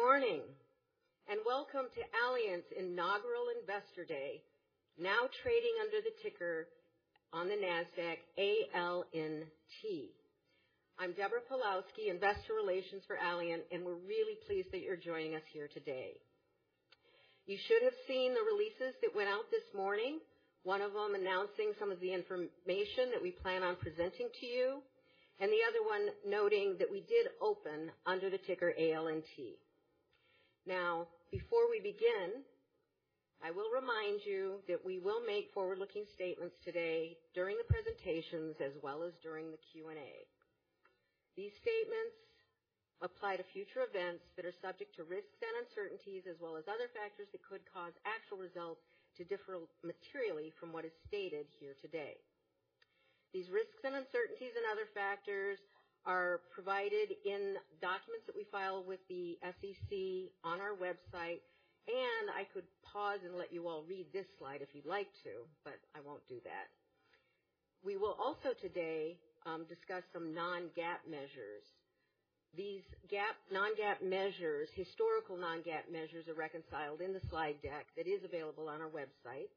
Good morning. Welcome to Allient's Inaugural Investor Day, now trading under the ticker on the Nasdaq, ALNT. I'm Deborah Pawlowski, Investor Relations for Allient, and we're really pleased that you're joining us here today. You should have seen the releases that went out this morning. One of them announcing some of the information that we plan on presenting to you. The other one noting that we did open under the ticker ALNT. Now, before we begin, I will remind you that we will make forward-looking statements today during the presentations as well as during the Q&A. These statements apply to future events that are subject to risks and uncertainties, as well as other factors that could cause actual results to differ materially from what is stated here today. These risks and uncertainties and other factors are provided in documents that we file with the SEC on our website. I could pause and let you all read this slide if you'd like to, I won't do that. We will also today discuss some non-GAAP measures. These non-GAAP measures, historical non-GAAP measures are reconciled in the slide deck that is available on our website.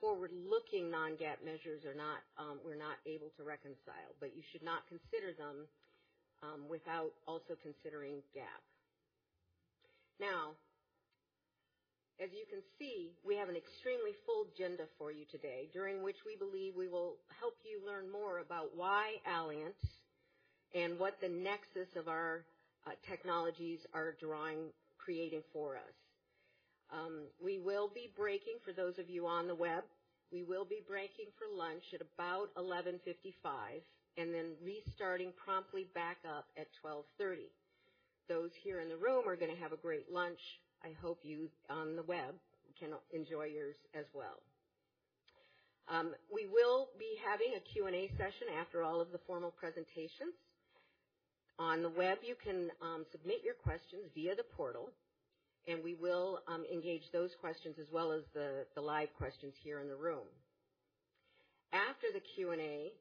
Forward-looking non-GAAP measures are not, we're not able to reconcile, you should not consider them without also considering GAAP. Now, as you can see, we have an extremely full agenda for you today, during which we believe we will help you learn more about why Allient and what the nexus of our technologies are drawing, creating for us. We will be breaking, for those of you on the web, we will be breaking for lunch at about 11:55, and then restarting promptly back up at 12:30. Those here in the room are gonna have a great lunch. I hope you on the web can enjoy yours as well. We will be having a Q&A session after all of the formal presentations. On the web, you can submit your questions via the portal, and we will engage those questions as well as the, the live questions here in the room. After the Q&A,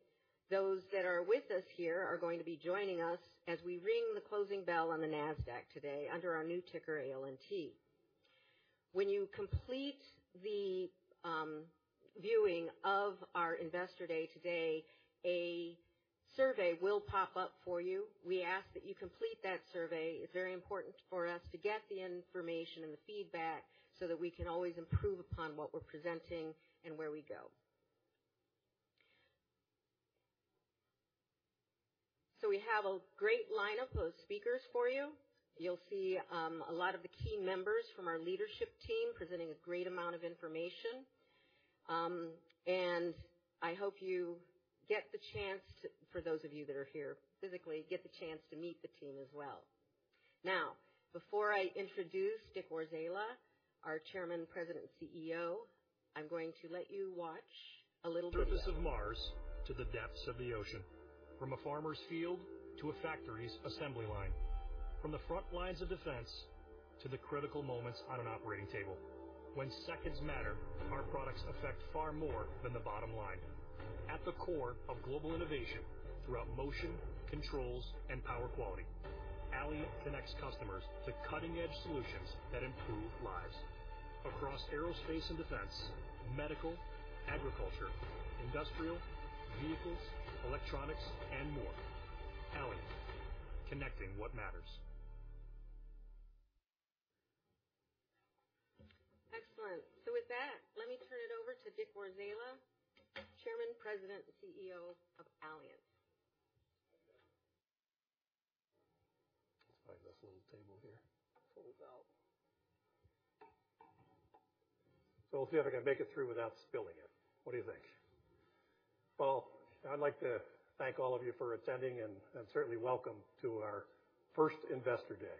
those that are with us here are going to be joining us as we ring the closing bell on the Nasdaq today under our new ticker, ALNT. When you complete the viewing of our Investor Day today, a survey will pop up for you. We ask that you complete that survey. It's very important for us to get the information and the feedback so that we can always improve upon what we're presenting and where we go. We have a great lineup of speakers for you. You'll see, a lot of the key members from our leadership team presenting a great amount of information. And I hope you get the chance to, for those of you that are here physically, get the chance to meet the team as well. Before I introduce Dick Warzala, our Chairman, President, and CEO, I'm going to let you watch a little video. Surface of Mars to the depths of the ocean, from a farmer's field to a factory's assembly line, from the front lines of defense to the critical moments on an operating table. When seconds matter, our products affect far more than the bottom line. At the core of global innovation throughout motion, controls, and power quality, Allient connects customers to cutting-edge solutions that improve lives. Across aerospace and defense, medical, agriculture, industrial, vehicles, electronics, and more. Allient, connecting what matters. Excellent. With that, let me turn it over to Dick Warzala, Chairman, President, and CEO of Allient. Let's find this little table here. Folds out. We'll see if I can make it through without spilling it. What do you think? Well, I'd like to thank all of you for attending, and certainly welcome to our first Investor Day.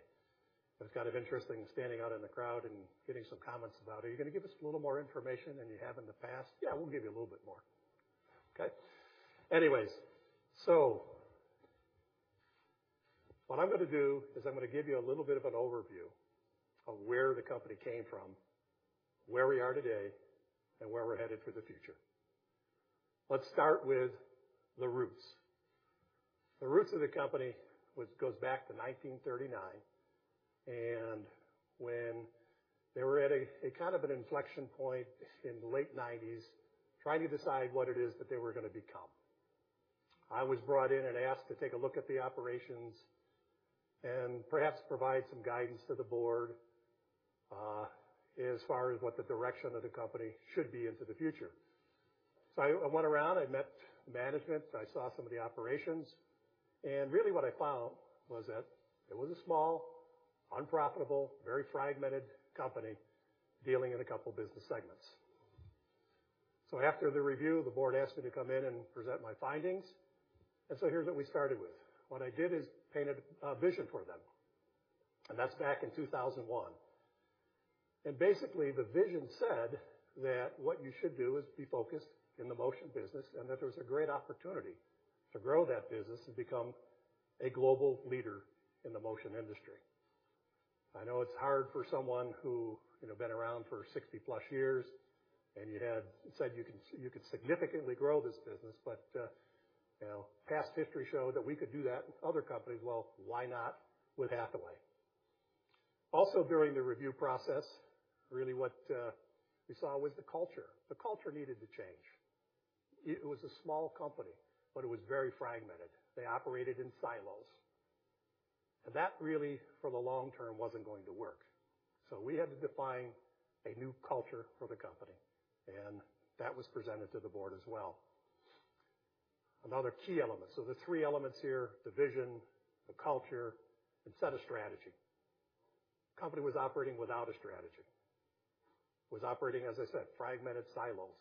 It's kind of interesting standing out in the crowd and getting some comments about, "Are you gonna give us a little more information than you have in the past?" Yeah, we'll give you a little bit more. Okay. Anyways, what I'm gonna do is I'm gonna give you a little bit of an overview of where the company came from, where we are today, and where we're headed for the future. Let's start with the roots. The roots of the company, which goes back to 1939, and when they were at a kind of an inflection point in the late 90s, trying to decide what it is that they were gonna become. I was brought in and asked to take a look at the operations and perhaps provide some guidance to the board, as far as what the direction of the company should be into the future. I went around, I met management, I saw some of the operations, and really what I found was that it was a small, unprofitable, very fragmented company dealing in a couple business segments. After the review, the board asked me to come in and present my findings, and so here's what we started with. What I did is painted a, a vision for them, and that's back in 2001. Basically, the vision said that what you should do is be focused in the motion business, and that there was a great opportunity to grow that business and become a global leader in the motion industry. I know it's hard for someone who, you know, been around for 60+ years, and you had said you can, you could significantly grow this business, but, you know, past history showed that we could do that with other companies. Well, why not with Hathaway? During the review process, really, what we saw was the culture. The culture needed to change. It was a small company, but it was very fragmented. They operated in silos. That really, for the long term, wasn't going to work. We had to define a new culture for the company, and that was presented to the board as well. Another key element, the three elements here: the vision, the culture, and set a strategy. Company was operating without a strategy. Was operating, as I said, fragmented silos.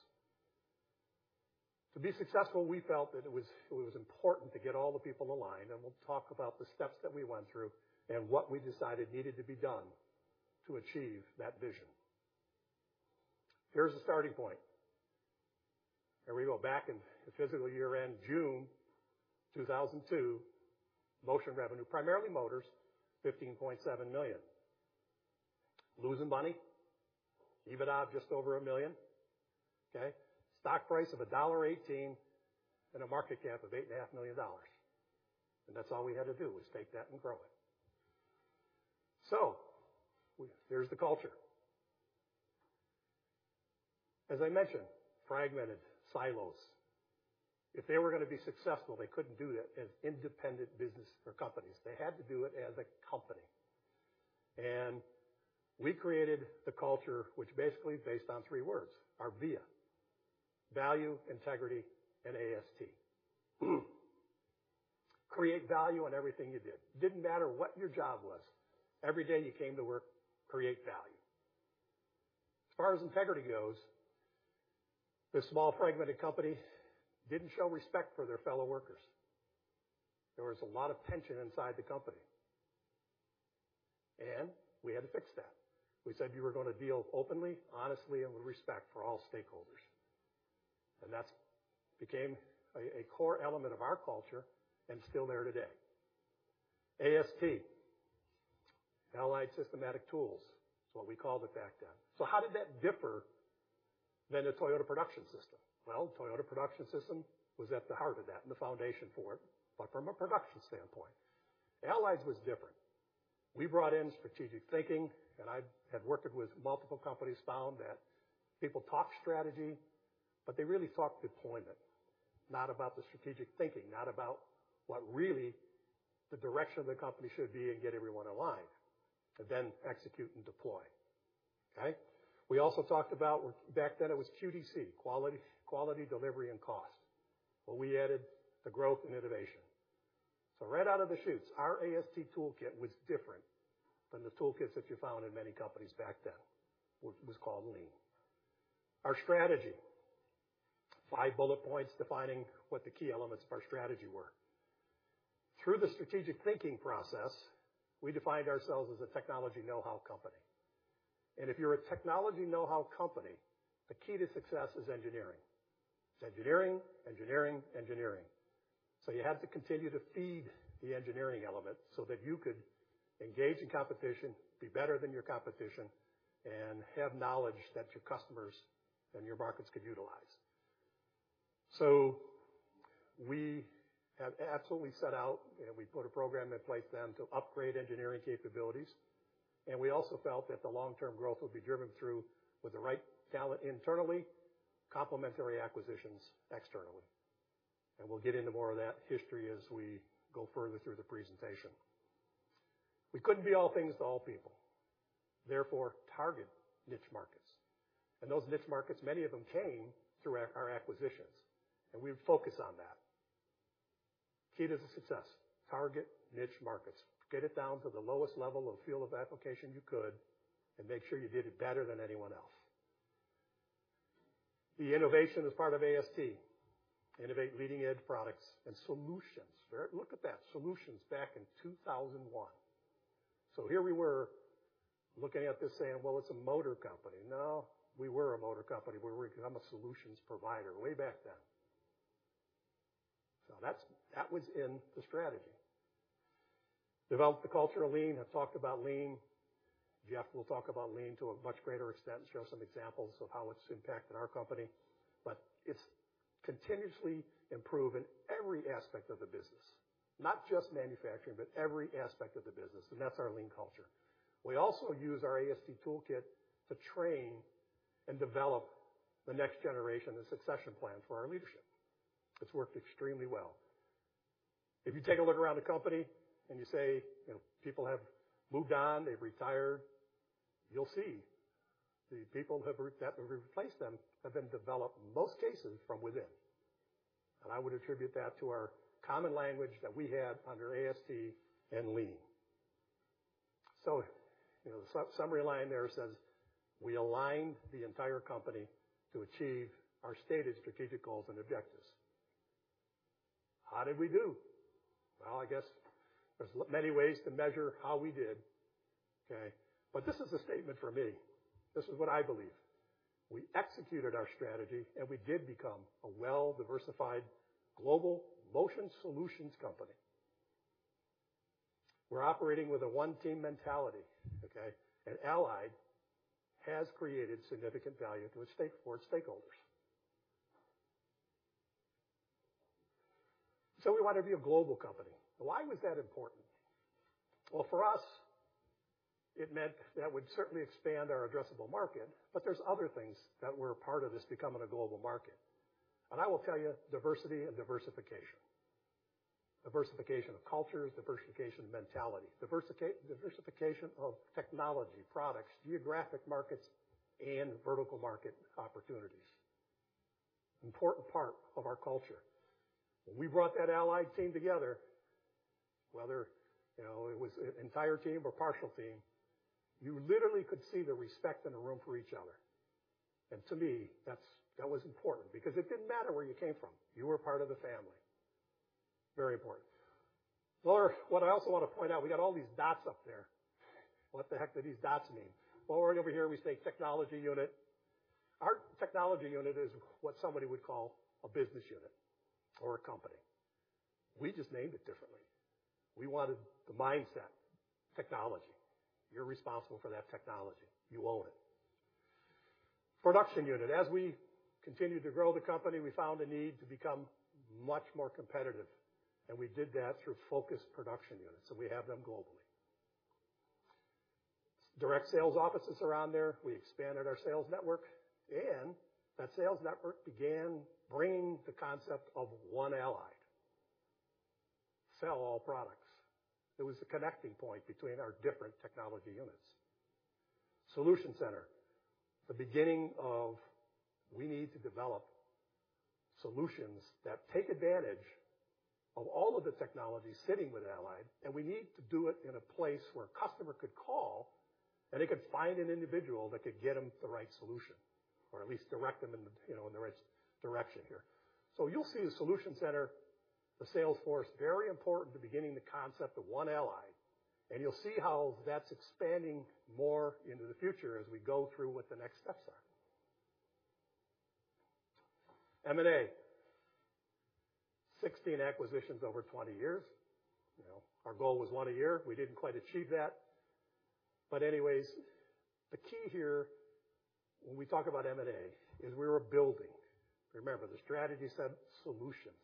To be successful, we felt that it was, it was important to get all the people aligned, and we'll talk about the steps that we went through and what we decided needed to be done to achieve that vision. Here's the starting point. We go back in the fiscal year-end, June 2002, motion revenue, primarily motors, $15.7 million. Losing money, EBITDA, just over $1 million. Okay? Stock price of $1.18 and a market cap of $8.5 million. That's all we had to do, was take that and grow it. There's the culture. As I mentioned, fragmented silos. If they were gonna be successful, they couldn't do that as independent business or companies. They had to do it as a company. We created the culture, which basically is based on three words: VIA, value, integrity, and AST. Create value on everything you did. Didn't matter what your job was. Every day you came to work, create value. As far as integrity goes, this small, fragmented company didn't show respect for their fellow workers. There was a lot of tension inside the company. We had to fix that. We said, you were going to deal openly, honestly, and with respect for all stakeholders. That's became a, a core element of our culture and still there today. AST, Allied Systematic Tools, is what we called it back then. How did that differ than a Toyota Production System? Toyota Production System was at the heart of that and the foundation for it, but from a production standpoint. Allient was different. We brought in strategic thinking. I had worked with multiple companies, found that people talk strategy, but they really talk deployment, not about the strategic thinking, not about what really the direction of the company should be and get everyone aligned, but then execute and deploy. Okay? We also talked about back then, it was QDC, quality, quality, delivery, and cost. We added the growth and innovation. Right out of the shoots, our AST toolkit was different than the toolkits that you found in many companies back then, which was called Lean. Our strategy, five bullet points defining what the key elements of our strategy were. Through the strategic thinking process, we defined ourselves as a technology know-how company. If you're a technology know-how company, the key to success is engineering. It's engineering, engineering, engineering. You had to continue to feed the engineering element so that you could engage in competition, be better than your competition, and have knowledge that your customers and your markets could utilize. We have absolutely set out, and we put a program in place then to upgrade engineering capabilities, and we also felt that the long-term growth would be driven through with the right talent internally, complementary acquisitions externally. We'll get into more of that history as we go further through the presentation. We couldn't be all things to all people, therefore, target niche markets. Those niche markets, many of them came through our acquisitions, and we would focus on that. Key to success, target niche markets. Get it down to the lowest level of field of application you could, make sure you did it better than anyone else. The innovation is part of AST. Innovate leading-edge products and solutions. Right? Look at that, solutions back in 2001. Here we were, looking at this, saying, "Well, it's a motor company." No, we were a motor company. We're working on a solutions provider way back then. That's that was in the strategy. Develop the culture of Lean. I've talked about Lean. Geoff will talk about Lean to a much greater extent and show some examples of how it's impacted our company. It's continuously improve in every aspect of the business, not just manufacturing, but every aspect of the business, and that's our Lean culture. We also use our AST toolkit to train and develop the next generation, the succession plan for our leadership. It's worked extremely well. If you take a look around the company and you say, you know, people have moved on, they've retired, you'll see the people who have that have replaced them, have been developed, in most cases, from within. I would attribute that to our common language that we had under AST and Lean. You know, the summary line there says, "We aligned the entire company to achieve our stated strategic goals and objectives." How did we do? Well, I guess there's many ways to measure how we did. Okay? This is a statement for me. This is what I believe. We executed our strategy, and we did become a well-diversified global motion solutions company. We're operating with a one-team mentality, okay. Allied has created significant value for its stakeholders. We wanted to be a global company. Why was that important? Well, for us, it meant that would certainly expand our addressable market, but there's other things that were a part of this becoming a global market. I will tell you, diversity and diversification. Diversification of cultures, diversification of mentality, diversification of technology, products, geographic markets, and vertical market opportunities. Important part of our culture. When we brought that Allied team together, whether, you know, it was an entire team or partial team, you literally could see the respect in the room for each other. To me, that was important because it didn't matter where you came from. You were part of the family. Very important. Well, what I also want to point out, we got all these dots up there. What the heck do these dots mean? Well, right over here, we say technology unit. Our technology unit is what somebody would call a business unit or a company. We just named it differently. We wanted the mindset, technology. You're responsible for that technology. You own it. Production unit. As we continued to grow the company, we found a need to become much more competitive, and we did that through focused production units, and we have them globally. Direct sales offices around there. We expanded our sales network, and that sales network began bringing the concept of One Allied. Sell all products. It was the connecting point between our different technology units. Solution Center, the beginning of we need to develop solutions that take advantage of all of the technology sitting with Allied, and we need to do it in a place where a customer could call, and they could find an individual that could get them the right solution, or at least direct them in the, you know, in the right direction here. You'll see the Solution Center, the sales force, very important to beginning the concept of One Allied, and you'll see how that's expanding more into the future as we go through what the next steps are. M&A. 16 acquisitions over 20 years. You know, our goal was one a year. We didn't quite achieve that, anyways, the key here when we talk about M&A is we were building. Remember, the strategy said solutions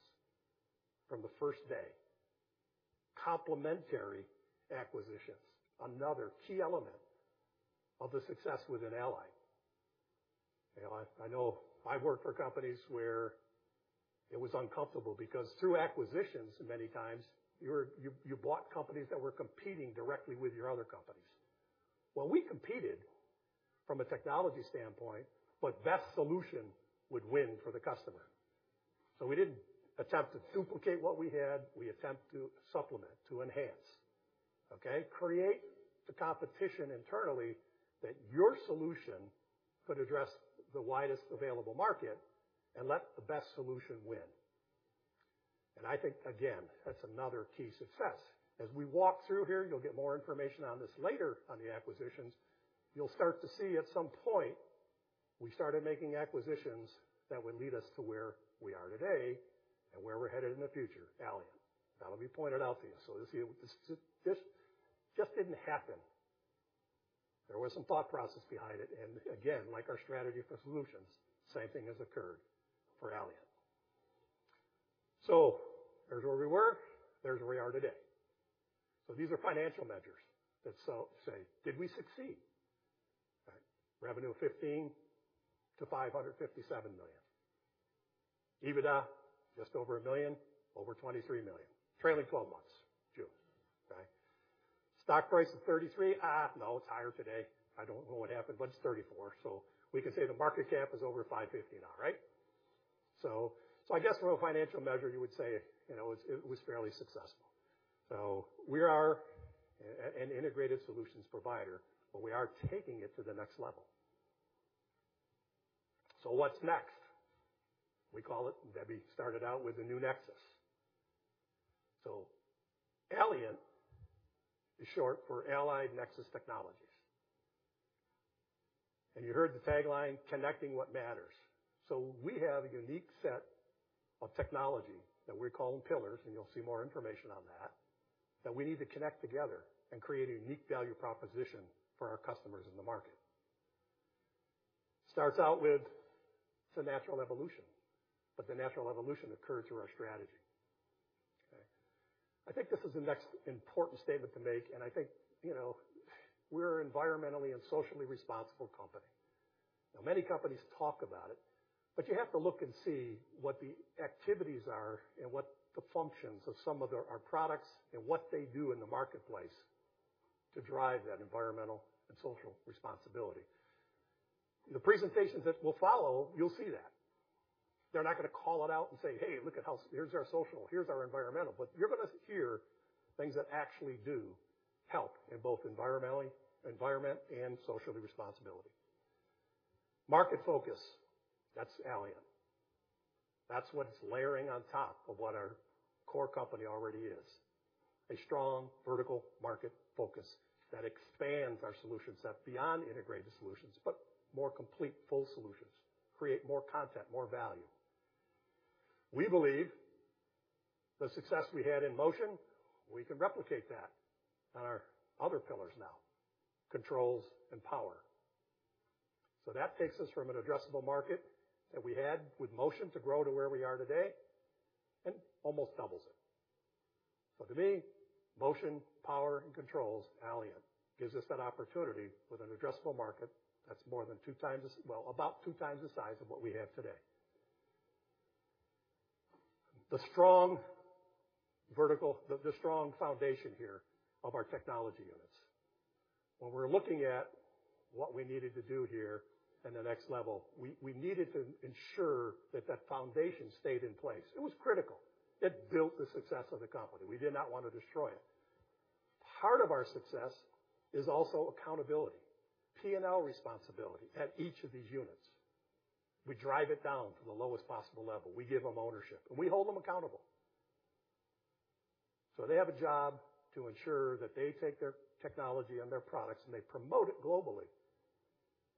from the first day. Complementary acquisitions, another key element of the success within Allied. You know, I know I've worked for companies where it was uncomfortable because through acquisitions, many times, you bought companies that were competing directly with your other companies. Well, we competed from a technology standpoint, but best solution would win for the customer. We didn't attempt to duplicate what we had. We attempt to supplement, to enhance, okay? Create the competition internally that your solution could address the widest available market and let the best solution win. I think, again, that's another key success. As we walk through here, you'll get more information on this later on the acquisitions. You'll start to see at some point, we started making acquisitions that would lead us to where we are today and where we're headed in the future, Allient. That'll be pointed out to you. This, this, this just didn't happen. There was some thought process behind it, again, like our strategy for solutions, same thing has occurred for Allient. There's where we were, there's where we are today. These are financial measures that so say, "Did we succeed?" Right. Revenue of $15 million to $557 million. EBITDA, just over $1 million, over $23 million, trailing 12 months, June, okay? Stock price is $33. No, it's higher today. I don't know what happened, but it's $34, so we can say the market cap is over $550 million now, right? I guess from a financial measure, you would say, you know, it's, it was fairly successful. We are an, an integrated solutions provider, but we are taking it to the next level. What's next? We call it, Debbie started out with a new Nexus. Allient is short for Allied Nexus Technologies. You heard the tagline, "Connecting what matters." We have a unique set of technology that we're calling pillars, and you'll see more information on that, that we need to connect together and create a unique value proposition for our customers in the market. Starts out with some natural evolution, but the natural evolution occurred through our strategy. Okay. I think this is the next important statement to make, and I think, you know, we're an environmentally and socially responsible company. Now, many companies talk about it, but you have to look and see what the activities are and what the functions of some of our products and what they do in the marketplace to drive that environmental and social responsibility. The presentations that will follow, you'll see that. They're not gonna call it out and say, "Hey, look at how... Here's our social. Here's our environmental." You're gonna hear things that actually do help in both environment and socially responsibility. Market focus, that's Allient. That's what's layering on top of what our core company already is, a strong vertical market focus that expands our solution set beyond integrated solutions, but more complete, full solutions, create more content, more value. We believe the success we had in motion, we can replicate that on our other pillars now, controls and power. That takes us from an addressable market that we had with motion to grow to where we are today and almost doubles it. To me, motion, power, and controls, Allient, gives us that opportunity with an addressable market that's more than, well, about 2x the size of what we have today. The strong vertical, the, the strong foundation here of our technology units. When we're looking at what we needed to do here in the next level, we, we needed to ensure that that foundation stayed in place. It was critical. It built the success of the company. We did not want to destroy it. Part of our success is also accountability, P&L responsibility at each of these units. We drive it down to the lowest possible level. We give them ownership, and we hold them accountable. They have a job to ensure that they take their technology and their products, and they promote it globally,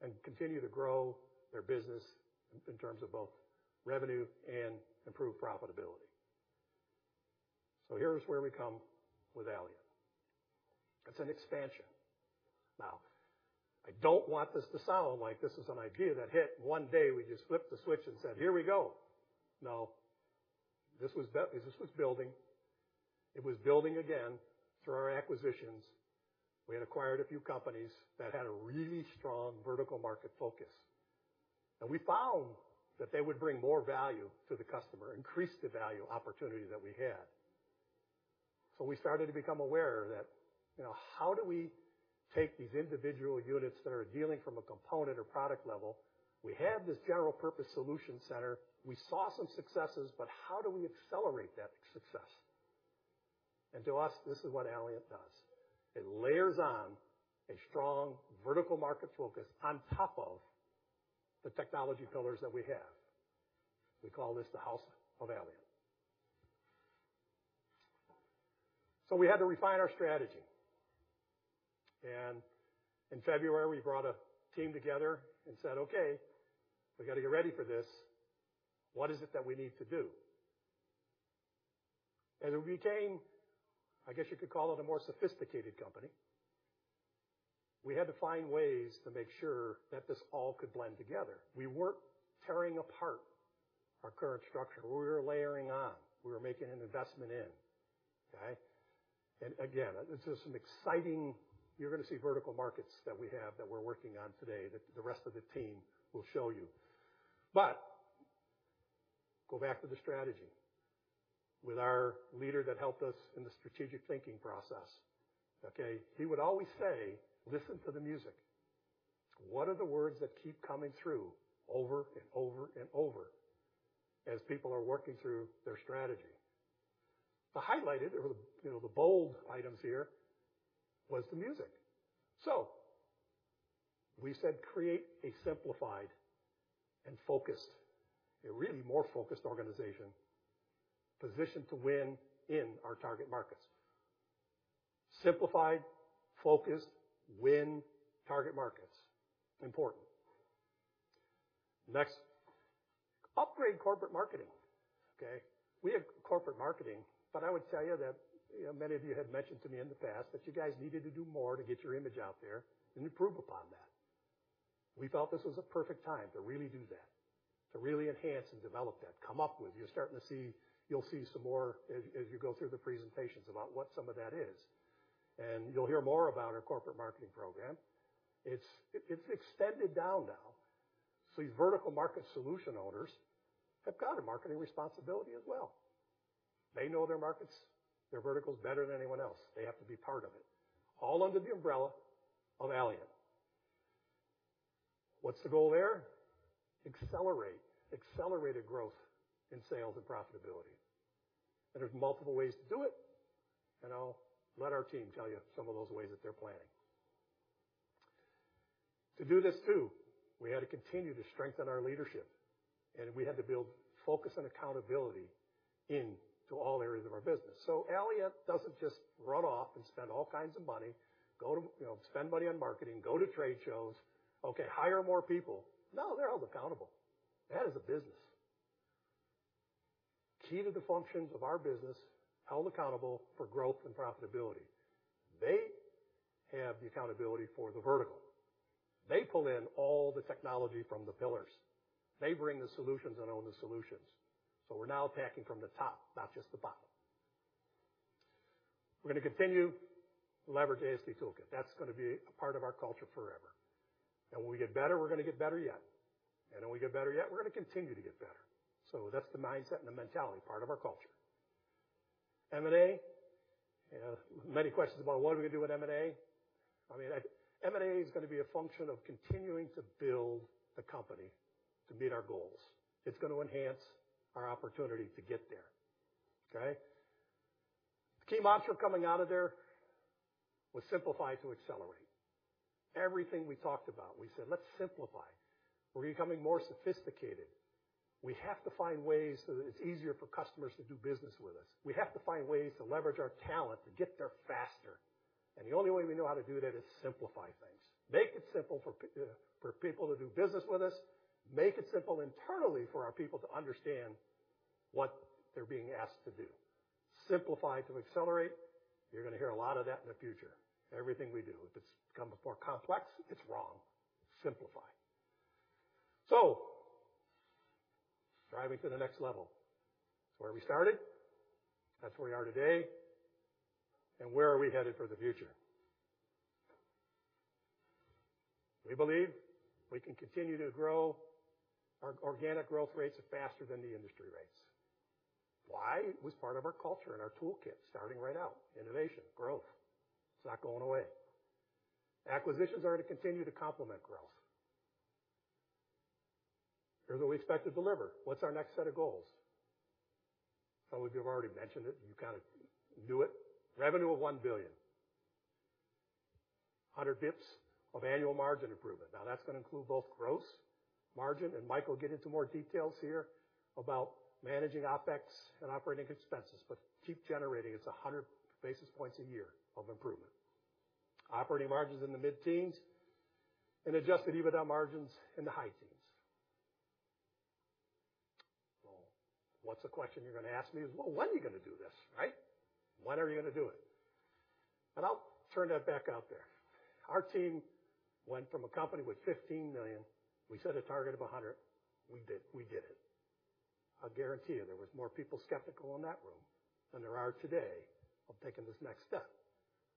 and continue to grow their business in terms of both revenue and improved profitability. Here's where we come with Allient. It's an expansion. I don't want this to sound like this is an idea that hit one day, we just flipped the switch and said, "Here we go!" No, this was building. It was building, again, through our acquisitions. We had acquired a few companies that had a really strong vertical market focus. We found that they would bring more value to the customer, increase the value opportunity that we had. We started to become aware that, you know, how do we take these individual units that are dealing from a component or product level? We have this general-purpose solution center. We saw some successes. How do we accelerate that success? To us, this is what Allient does. It layers on a strong vertical market focus on top of the technology pillars that we have. We call this the House of Allient. We had to refine our strategy. In February, we brought a team together and said, "Okay, we've got to get ready for this. What is it that we need to do?" It became, I guess you could call it, a more sophisticated company. We had to find ways to make sure that this all could blend together. We weren't tearing apart our current structure. We were layering on. We were making an investment in, okay? Again, this is an exciting... You're gonna see vertical markets that we have, that we're working on today, that the rest of the team will show you. Go back to the strategy. With our leader that helped us in the strategic thinking process, okay, he would always say, "Listen to the music. What are the words that keep coming through over and over and over as people are working through their strategy? The highlighted or the, you know, the bold items here was the music. We said, create a simplified and focused, a really more focused organization, positioned to win in our target markets. Simplified, focused, win, target markets. Important. Next, upgrade corporate marketing. We have corporate marketing, I would tell you that, you know, many of you had mentioned to me in the past that you guys needed to do more to get your image out there and improve upon that. We felt this was a perfect time to really do that, to really enhance and develop that, come up with. You'll see some more as, as you go through the presentations about what some of that is, and you'll hear more about our corporate marketing program. It's, it's extended down now, so these vertical market solution owners have got a marketing responsibility as well. They know their markets, their verticals, better than anyone else. They have to be part of it, all under the umbrella of Allient. What's the goal there? Accelerate. Accelerated growth in sales and profitability. There's multiple ways to do it, and I'll let our team tell you some of those ways that they're planning. To do this, too, we had to continue to strengthen our leadership, and we had to build focus and accountability into all areas of our business. Allient doesn't just run off and spend all kinds of money, go to, you know, spend money on marketing, go to trade shows, okay, hire more people. No, they're held accountable as a business. Key to the functions of our business, held accountable for growth and profitability. They have the accountability for the vertical. They pull in all the technology from the pillars. They bring the solutions and own the solutions. We're now attacking from the top, not just the bottom. We're gonna continue to leverage AST Toolkit. That's gonna be a part of our culture forever. When we get better, we're gonna get better yet. When we get better yet, we're gonna continue to get better. That's the mindset and the mentality, part of our culture. M&A, you know, many questions about what are we gonna do with M&A? I mean. M&A is gonna be a function of continuing to build the company to meet our goals. It's gonna enhance our opportunity to get there. Okay? The key mantra coming out of there was simplify to accelerate. Everything we talked about, we said, "Let's simplify." We're becoming more sophisticated. We have to find ways so that it's easier for customers to do business with us. We have to find ways to leverage our talent to get there faster, and the only way we know how to do that is simplify things. Make it simple for people to do business with us. Make it simple internally for our people to understand what they're being asked to do. Simplify to accelerate. You're gonna hear a lot of that in the future. Everything we do, if it's become before complex, it's wrong. Simplify. Driving to the next level. That's where we started, that's where we are today. Where are we headed for the future? We believe we can continue to grow. Our organic growth rates are faster than the industry rates. Why? It was part of our culture and our toolkit starting right out. Innovation, growth, it's not going away. Acquisitions are to continue to complement growth. Here's what we expect to deliver. What's our next set of goals? Some of you have already mentioned it, you kind of knew it. Revenue of $1 billion, 100 basis points of annual margin improvement. Now, that's gonna include both gross margin. Mike will get into more details here about managing OpEx and operating expenses. Keep generating, it's 100 basis points a year of improvement. Operating margins in the mid-teens and adjusted EBITDA margins in the high teens. Well, what's the question you're gonna ask me is: Well, when are you gonna do this, right? When are you gonna do it? I'll turn that back out there. Our team went from a company with $15 million. We set a target of $100 million. We did, we did it. I'll guarantee you, there was more people skeptical in that room than there are today of taking this next step.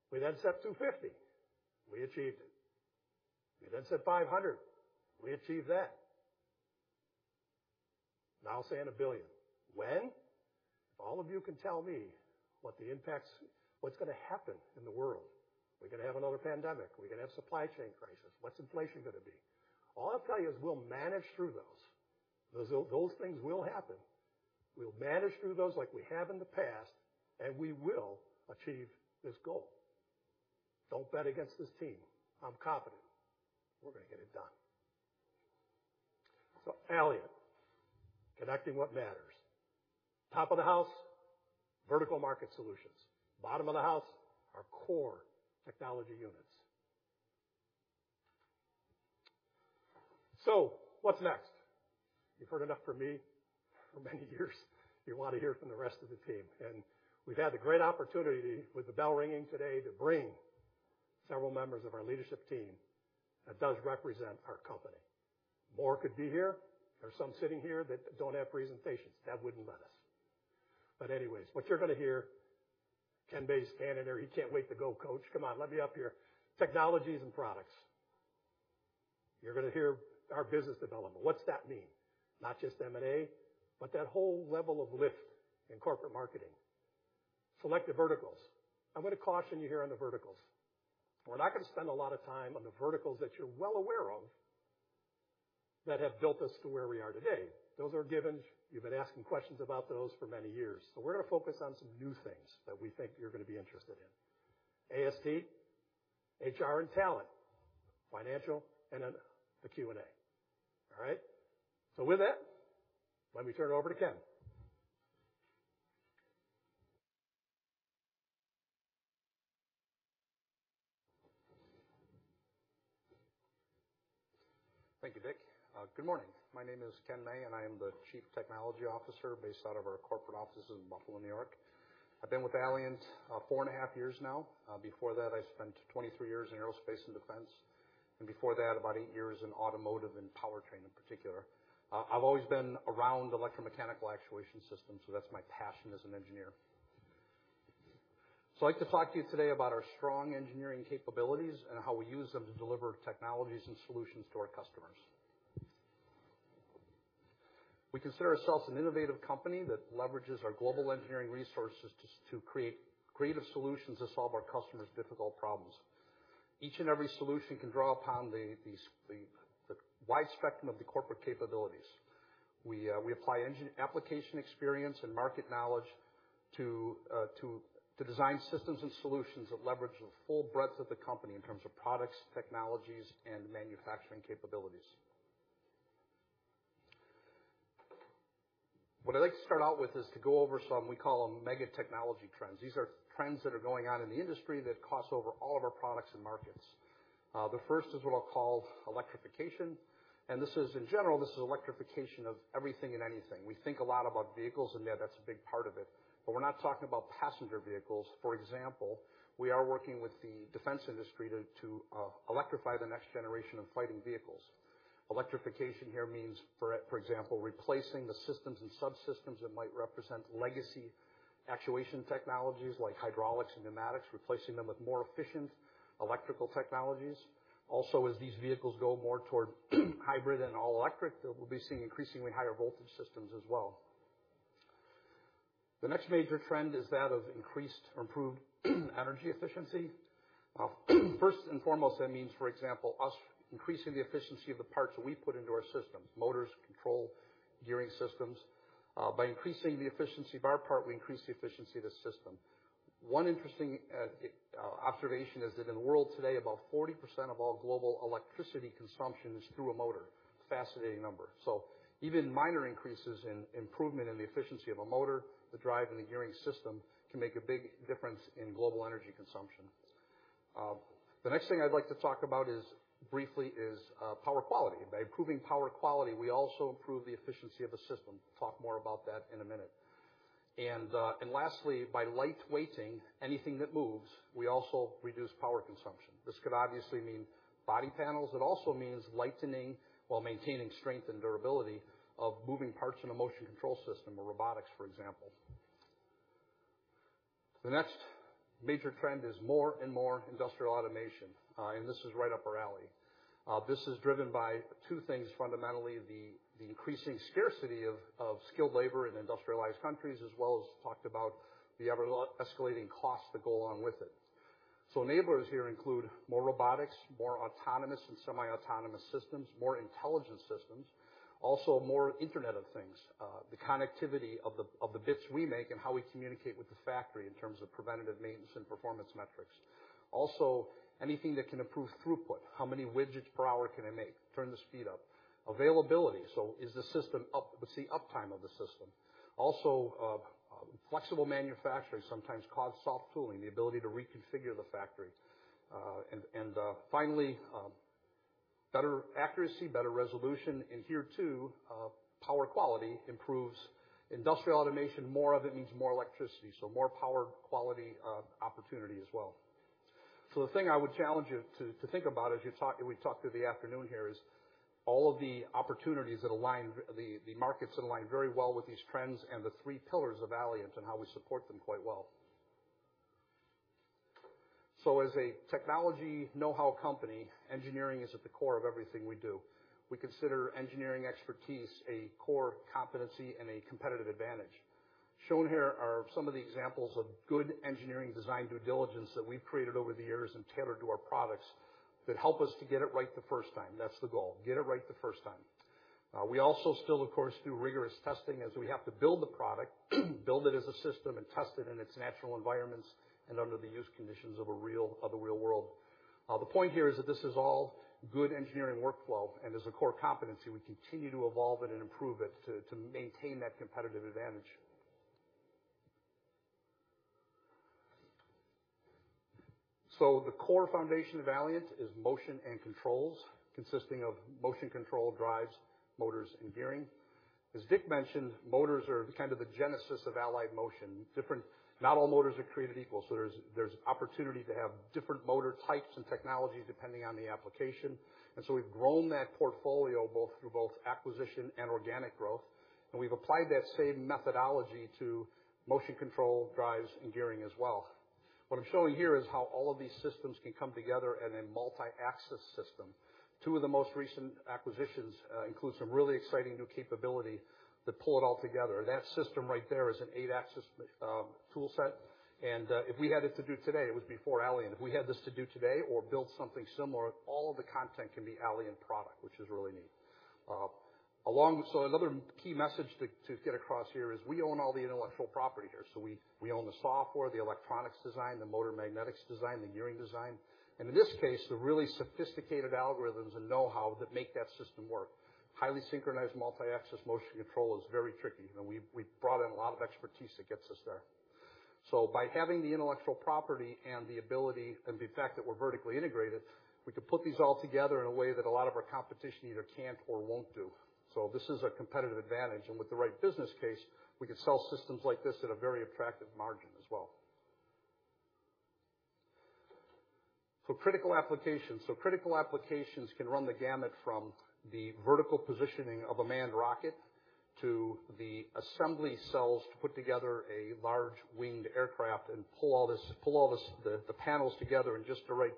We set $250 million. We achieved it. We set $500 million. We achieved that. We're saying $1 billion. When? If all of you can tell me what the impacts, what's gonna happen in the world. We can have another pandemic. We can have supply chain crisis. What's inflation gonna be? All I'll tell you is we'll manage through those. Those, those things will happen. We'll manage through those like we have in the past, and we will achieve this goal. Don't bet against this team. I'm confident we're gonna get it done. Allient, connecting what matters. Top of the house, vertical market solutions. Bottom of the house, our core technology units. What's next? You've heard enough from me for many years. You want to hear from the rest of the team, and we've had the great opportunity, with the bell ringing today, to bring several members of our leadership team that does represent our company. More could be here. There are some sitting here that don't have presentations. Dad wouldn't let us. Anyway, what you're gonna hear, Ken May's standing there. He can't wait to go, coach. Come on, let me up here. Technologies and products. You're gonna hear our business development. What's that mean? Not just M&A, but that whole level of lift in corporate marketing. Selected verticals. I'm gonna caution you here on the verticals. We're not gonna spend a lot of time on the verticals that you're well aware of, that have built us to where we are today. Those are given. You've been asking questions about those for many years. We're gonna focus on some new things that we think you're gonna be interested in. AST, HR and Talent, Financial, and then the Q&A. All right? With that, let me turn it over to Ken. Thank you. Good morning. My name is Ken May, I am the Chief Technology Officer based out of our corporate offices in Buffalo, New York. I've been with Allient 4.5 years now. Before that, I spent 23 years in aerospace and defense, before that, about eight years in automotive and powertrain in particular. I've always been around electromechanical actuation systems, that's my passion as an engineer. I'd like to talk to you today about our strong engineering capabilities and how we use them to deliver technologies and solutions to our customers. We consider ourselves an innovative company that leverages our global engineering resources to create creative solutions to solve our customers' difficult problems. Each and every solution can draw upon the wide spectrum of the corporate capabilities. We apply engine application experience and market knowledge to design systems and solutions that leverage the full breadth of the company in terms of products, technologies, and manufacturing capabilities. What I'd like to start out with is to go over some, we call them mega technology trends. These are trends that are going on in the industry that cross over all of our products and markets. The first is what I'll call electrification, and this is. In general, this is electrification of everything and anything. We think a lot about vehicles, and, yeah, that's a big part of it, but we're not talking about passenger vehicles. For example, we are working with the defense industry to, to, electrify the next generation of fighting vehicles. Electrification here means, for example, replacing the systems and subsystems that might represent legacy actuation technologies like hydraulics and pneumatics, replacing them with more efficient electrical technologies. Also, as these vehicles go more toward hybrid and all electric, We'll be seeing increasingly higher voltage systems as well. The next major trend is that of increased or improved energy efficiency. First and foremost, that means, for example, us increasing the efficiency of the parts that we put into our systems: motors, control, gearing systems. By increasing the efficiency of our part, we increase the efficiency of the system. One interesting observation is that in the world today, about 40% of all global electricity consumption is through a motor. Fascinating number. Even minor increases in improvement in the efficiency of a motor, the drive, and the gearing system can make a big difference in global energy consumption. The next thing I'd like to talk about is, briefly, is power quality. By improving power quality, we also improve the efficiency of the system. Talk more about that in a minute. Lastly, by lightweighting anything that moves, we also reduce power consumption. This could obviously mean body panels. It also means lightening, while maintaining strength and durability, of moving parts in a motion control system or robotics, for example. The next major trend is more and more industrial automation, and this is right up our alley. This is driven by two things, fundamentally, the increasing scarcity of skilled labor in industrialized countries, as well as talked about the ever escalating costs that go along with it. Enablers here include more robotics, more autonomous and semi-autonomous systems, more intelligent systems, also more Internet of Things. The connectivity of the bits we make and how we communicate with the factory in terms of preventative maintenance and performance metrics. Anything that can improve throughput. How many widgets per hour can I make? Turn the speed up. Availability. Is the system up? What's the uptime of the system? Flexible manufacturing, sometimes called soft tooling, the ability to reconfigure the factory. Finally, better accuracy, better resolution, and here, too, power quality improves industrial automation. More of it needs more electricity, more power quality, opportunity as well. The thing I would challenge you to think about as you talk—we talk through the afternoon here, is all of the opportunities that align the, the markets that align very well with these trends and the three pillars of Allient and how we support them quite well. As a technology know-how company, engineering is at the core of everything we do. We consider engineering expertise a core competency and a competitive advantage. Shown here are some of the examples of good engineering design due diligence that we've created over the years and tailored to our products that help us to get it right the first time. That's the goal, get it right the first time. We also still, of course, do rigorous testing as we have to build the product, build it as a system, and test it in its natural environments and under the use conditions of the real world. The point here is that this is all good engineering workflow. As a core competency, we continue to evolve it and improve it to maintain that competitive advantage. The core foundation of Allient is motion and controls, consisting of motion control, drives, motors, and gearing. As Dick mentioned, motors are kind of the genesis of Allied Motion. Not all motors are created equal, so there's opportunity to have different motor types and technologies, depending on the application, and so we've grown that portfolio both through both acquisition and organic growth, and we've applied that same methodology to motion control, drives, and gearing as well. What I'm showing here is how all of these systems can come together in a multi-axis system. Two of the most recent acquisitions include some really exciting new capability that pull it all together. That system right there is an eight-axis tool set, and if we had it to do today, it would be for Allient. If we had this to do today or build something similar, all of the content can be Allient product, which is really neat. Another key message to get across here is we own all the intellectual property here. We own the software, the electronics design, the motor magnetics design, the gearing design, and in this case, the really sophisticated algorithms and know-how that make that system work. Highly synchronized, multi-axis motion control is very tricky, and we've brought in a lot of expertise that gets us there. By having the intellectual property and the ability and the fact that we're vertically integrated, we can put these all together in a way that a lot of our competition either can't or won't do. This is a competitive advantage, and with the right business case, we can sell systems like this at a very attractive margin as well. Critical applications. Critical applications can run the gamut from the vertical positioning of a manned rocket to the assembly cells to put together a large winged aircraft and pull all the, the panels together in just the right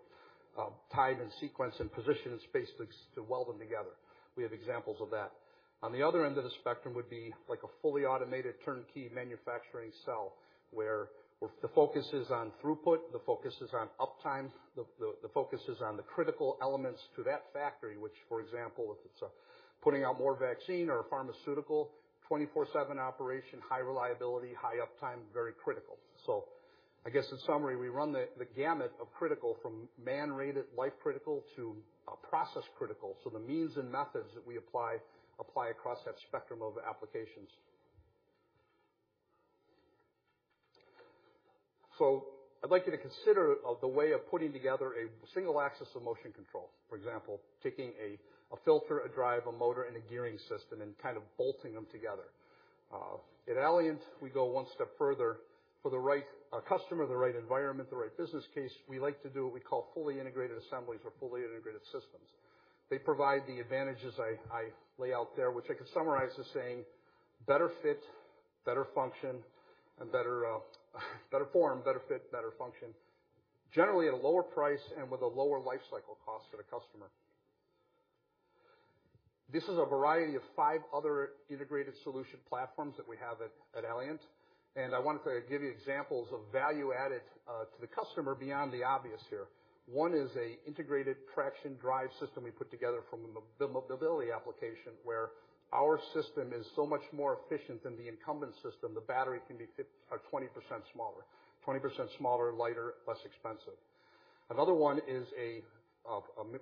time and sequence and positions, basically, to weld them together. We have examples of that. On the other end of the spectrum would be like a fully automated turnkey manufacturing cell, where the focus is on throughput, the focus is on uptime, the focus is on the critical elements to that factory, which, for example, if it's putting out more vaccine or pharmaceutical, 24/7 operation, high reliability, high uptime, very critical. I guess, in summary, we run the gamut of critical from man-rated life critical to process critical. The means and methods that we apply, apply across that spectrum of applications. I'd like you to consider of the way of putting together a single axis of motion control. For example, taking a filter, a drive, a motor, and a gearing system and kind of bolting them together. At Allient, we go one step further. For the right customer, the right environment, the right business case, we like to do what we call fully integrated assemblies or fully integrated systems. They provide the advantages I lay out there, which I can summarize as saying, better fit, better function, and better form, better fit, better function. Generally, at a lower price and with a lower lifecycle cost to the customer. This is a variety of five other integrated solution platforms that we have at Allient, and I wanted to give you examples of value added to the customer beyond the obvious here. One is a integrated traction drive system we put together from a mobility application, where our system is so much more efficient than the incumbent system, the battery can be fit 20% smaller. 20% smaller, lighter, less expensive. Another one is a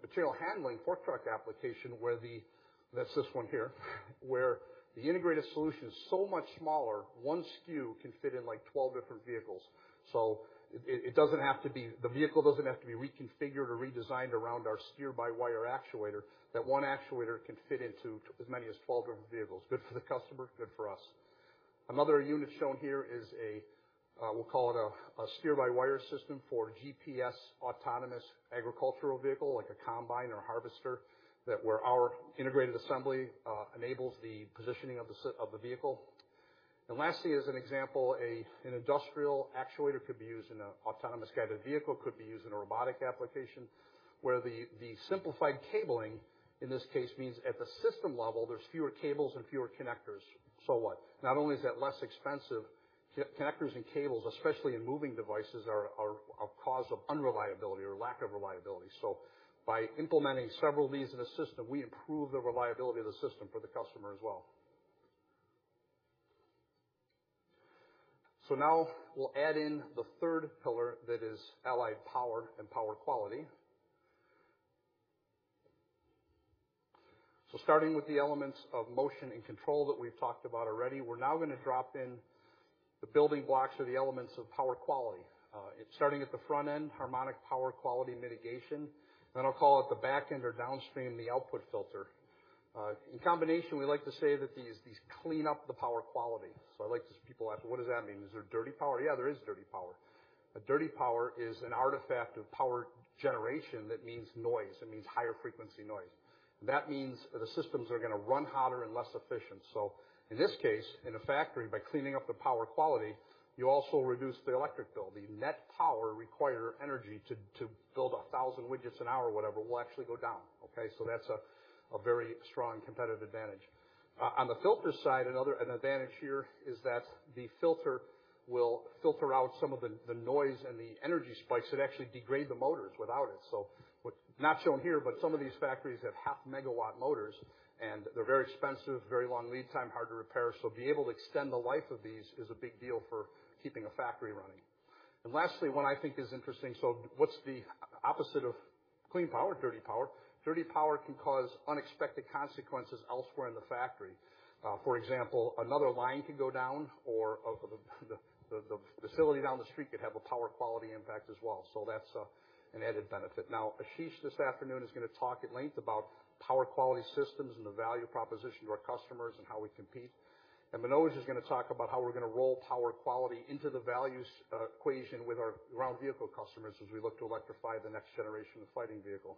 material handling fork truck application, where that's this one here, where the integrated solution is so much smaller, one SKU can fit in, like, 12 different vehicles. It, it doesn't have to be the vehicle doesn't have to be reconfigured or redesigned around our steer-by-wire actuator, that one actuator can fit into as many as 12 different vehicles. Good for the customer, good for us. Another unit shown here is a, we'll call it a steer-by-wire system for GPS, autonomous agricultural vehicle, like a combine or harvester, that where our integrated assembly enables the positioning of the of the vehicle. Lastly, as an example, an industrial actuator could be used in an autonomous guided vehicle, could be used in a robotic application, where the simplified cabling, in this case, means at the system level, there's fewer cables and fewer connectors. What? Not only is that less expensive, connectors and cables, especially in moving devices, are a cause of unreliability or lack of reliability. By implementing several of these in the system, we improve the reliability of the system for the customer as well. Now we'll add in the third pillar that is Allied Power and Power Quality. Starting with the elements of motion and control that we've talked about already, we're now gonna drop in the building blocks or the elements of power quality. It's starting at the front end, harmonic power quality mitigation, I'll call it the back end or downstream, the output filter. In combination, we like to say that these, these clean up the power quality. People ask, "What does that mean? Is there dirty power?" Yeah, there is dirty power. A dirty power is an artifact of power generation that means noise. It means higher frequency noise. That means the systems are gonna run hotter and less efficient. In this case, in a factory, by cleaning up the power quality, you also reduce the electric bill. The net power required energy to, to build 1,000 widgets an hour or whatever, will actually go down, okay? That's a very strong competitive advantage. On the filter side, an advantage here is that the filter will filter out some of the noise and the energy spikes that actually degrade the motors without it. What's not shown here, but some of these factories have half megawatt motors, and they're very expensive, very long lead time, hard to repair. Being able to extend the life of these is a big deal for keeping a factory running. Lastly, one I think is interesting, what's the opposite of clean power? Dirty power. Dirty power can cause unexpected consequences elsewhere in the factory. For example, another line could go down or the facility down the street could have a power quality impact as well. That's an added benefit. Now, Ashish, this afternoon, is gonna talk at length about power quality systems and the value proposition to our customers and how we compete. Manoj is gonna talk about how we're gonna roll power quality into the values equation with our ground vehicle customers, as we look to electrify the next generation of fighting vehicle.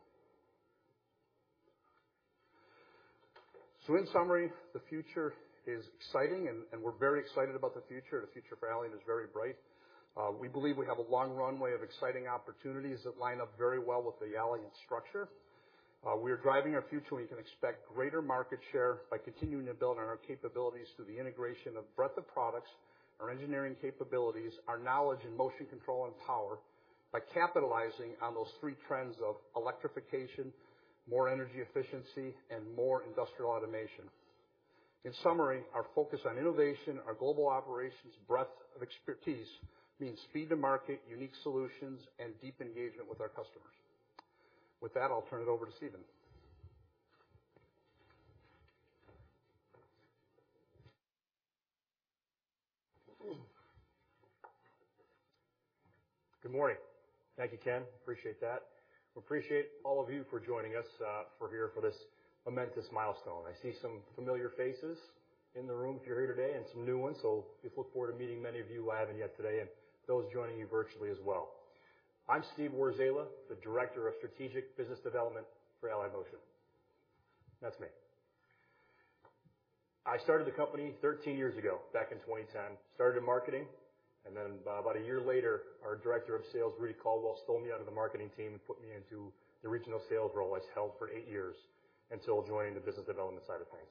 In summary, the future is exciting, and we're very excited about the future. The future for Allient is very bright. We believe we have a long runway of exciting opportunities that line up very well with the Allient structure. We are driving our future, and we can expect greater market share by continuing to build on our capabilities through the integration of breadth of products, our engineering capabilities, our knowledge in motion control and power, by capitalizing on those three trends of electrification, more energy efficiency, and more industrial automation. In summary, our focus on innovation, our global operations, breadth of expertise, means speed to market, unique solutions, and deep engagement with our customers. With that, I'll turn it over to Steve. Good morning. Thank you, Ken. Appreciate that. We appreciate all of you for joining us, for here, for this momentous milestone. I see some familiar faces in the room if you're here today, and some new ones, so we look forward to meeting many of you I haven't yet today, and those joining you virtually as well. I'm Steve Warzala, the Director of Strategic Business Development for Allied Motion. That's me. I started the company 13 years ago, back in 2010. Started in marketing, and then about a year later, our Director of Sales, Rudy Caldwell, stole me out of the marketing team and put me into the regional sales role, which I held for eight years until joining the business development side of things.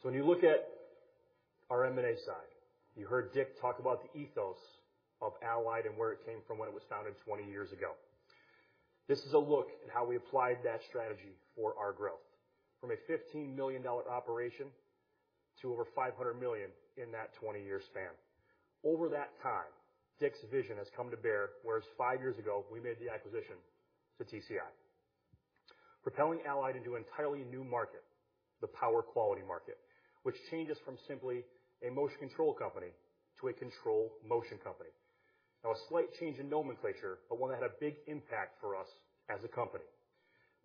When you look at our M&A side, you heard Dick talk about the ethos of Allied and where it came from when it was founded 20 years ago. This is a look at how we applied that strategy for our growth from a $15 million operation to over $500 million in that 20-year span. Over that time, Dick's vision has come to bear, whereas five years ago, we made the acquisition to TCI, propelling Allied into an entirely new market, the power quality market, which changed us from simply a motion control company to a control motion company. A slight change in nomenclature, but one that had a big impact for us as a company.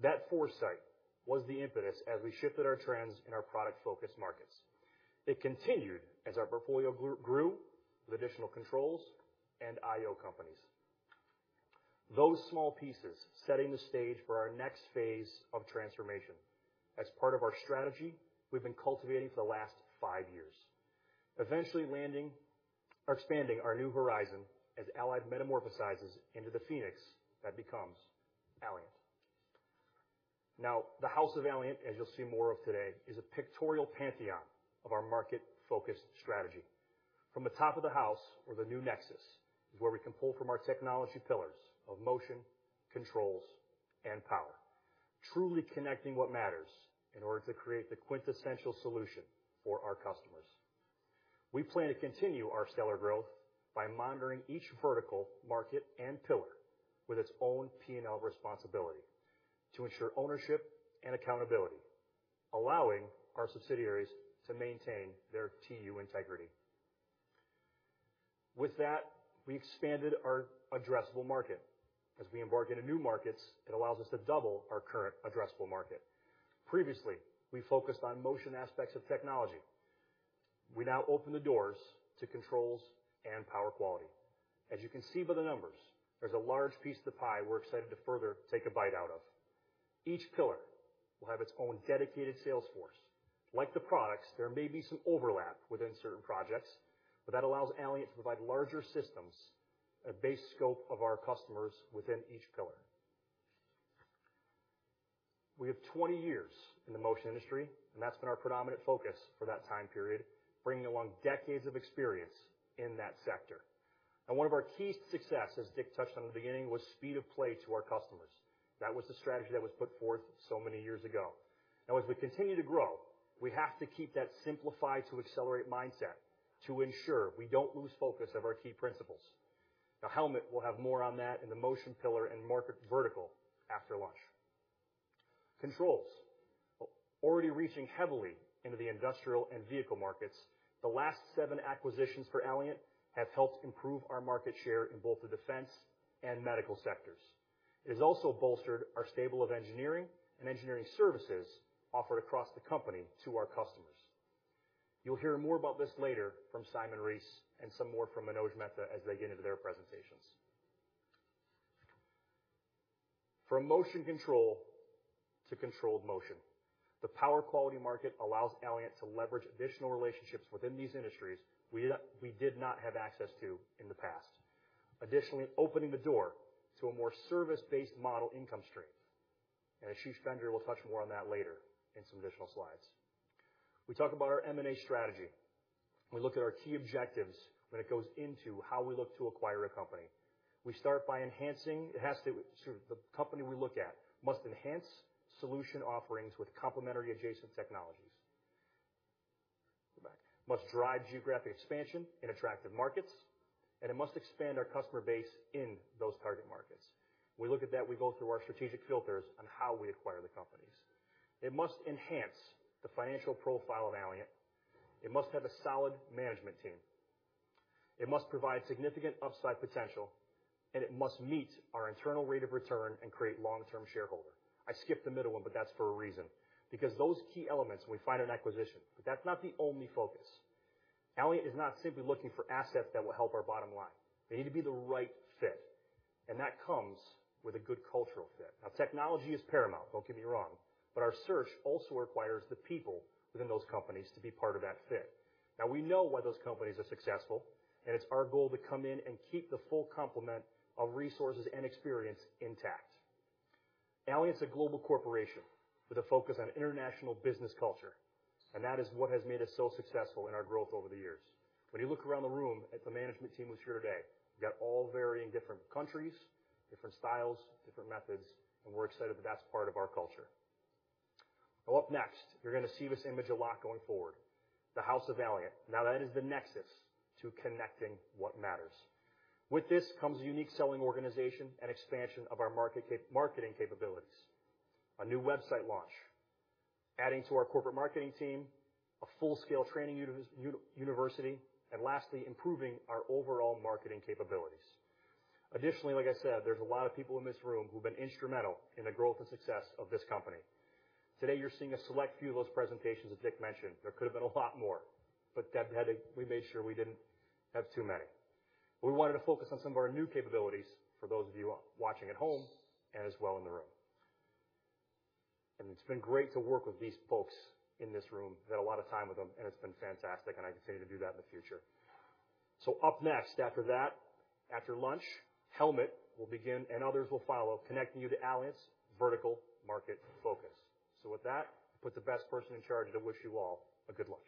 That foresight was the impetus as we shifted our trends in our product-focused markets. It continued as our portfolio grew with additional controls and IO companies. Those small pieces, setting the stage for our next phase of transformation. As part of our strategy, we've been cultivating for the last five years, eventually landing or expanding our new horizon as Allied metamorphosizes into the phoenix that becomes Allient. Now, the House of Allient, as you'll see more of today, is a pictorial pantheon of our market-focused strategy. From the top of the house, or the new nexus, is where we can pull from our technology pillars of motion, controls, and power, truly connecting what matters in order to create the quintessential solution for our customers. We plan to continue our stellar growth by monitoring each vertical market and pillar with its own P&L responsibility to ensure ownership and accountability, allowing our subsidiaries to maintain their TU integrity. With that, we expanded our addressable market. As we embark into new markets, it allows us to double our current addressable market. Previously, we focused on motion aspects of technology. We now open the doors to controls and power quality. As you can see by the numbers, there's a large piece of the pie we're excited to further take a bite out of. Each pillar will have its own dedicated sales force. Like the products, there may be some overlap within certain projects, but that allows Allient to provide larger systems, a base scope of our customers within each pillar. We have 20 years in the motion industry, that's been our predominant focus for that time period, bringing along decades of experience in that sector. One of our key success, as Dick touched on in the beginning, was speed of play to our customers. That was the strategy that was put forth so many years ago. As we continue to grow, we have to keep that simplified to accelerate mindset to ensure we don't lose focus of our key principles. Helmut will have more on that in the motion pillar and market vertical after lunch. Controls. Already reaching heavily into the industrial and vehicle markets, the last seven acquisitions for Allient have helped improve our market share in both the defense and medical sectors. It has also bolstered our stable of engineering and engineering services offered across the company to our customers. You'll hear more about this later from Simon Rees and some more from Manoj Mehta as they get into their presentations. From motion control to controlled motion, the power quality market allows Allient to leverage additional relationships within these industries we did not have access to in the past. Additionally, opening the door to a more service-based model income stream. Ashish Bendre will touch more on that later in some additional slides. We talk about our M&A strategy. We look at our key objectives when it goes into how we look to acquire a company. We start by enhancing—it has to, sort of, the company we look at must enhance solution offerings with complementary adjacent technologies. Go back. Must drive geographic expansion in attractive markets. It must expand our customer base in those target markets. We look at that, we go through our strategic filters on how we acquire the companies. It must enhance the financial profile of Allient. It must have a solid management team. It must provide significant upside potential, and it must meet our internal rate of return and create long-term shareholder. I skipped the middle one, but that's for a reason, because those key elements, we find an acquisition, but that's not the only focus. Allient is not simply looking for assets that will help our bottom line. They need to be the right fit, and that comes with a good cultural fit. Now, technology is paramount, don't get me wrong, but our search also requires the people within those companies to be part of that fit. Now, we know why those companies are successful, and it's our goal to come in and keep the full complement of resources and experience intact. Allient's a global corporation with a focus on international business culture, and that is what has made us so successful in our growth over the years. When you look around the room at the management team who's here today, you got all varying different countries, different styles, different methods, and we're excited that that's part of our culture. Up next, you're gonna see this image a lot going forward, the House of Allient. That is the nexus to connecting what matters. With this comes unique selling organization and expansion of our marketing capabilities, a new website launch, adding to our corporate marketing team, a full-scale training university, and lastly, improving our overall marketing capabilities. Additionally, like I said, there's a lot of people in this room who've been instrumental in the growth and success of this company. Today, you're seeing a select few of those presentations, as Dick mentioned. There could have been a lot more, but we made sure we didn't have too many. We wanted to focus on some of our new capabilities for those of you, watching at home and as well in the room. It's been great to work with these folks in this room, spent a lot of time with them, and it's been fantastic. I continue to do that in the future. Up next, after that, after lunch, Helmut will begin, and others will follow, connecting you to Allient's vertical market focus. With that, put the best person in charge, and I wish you all a good lunch.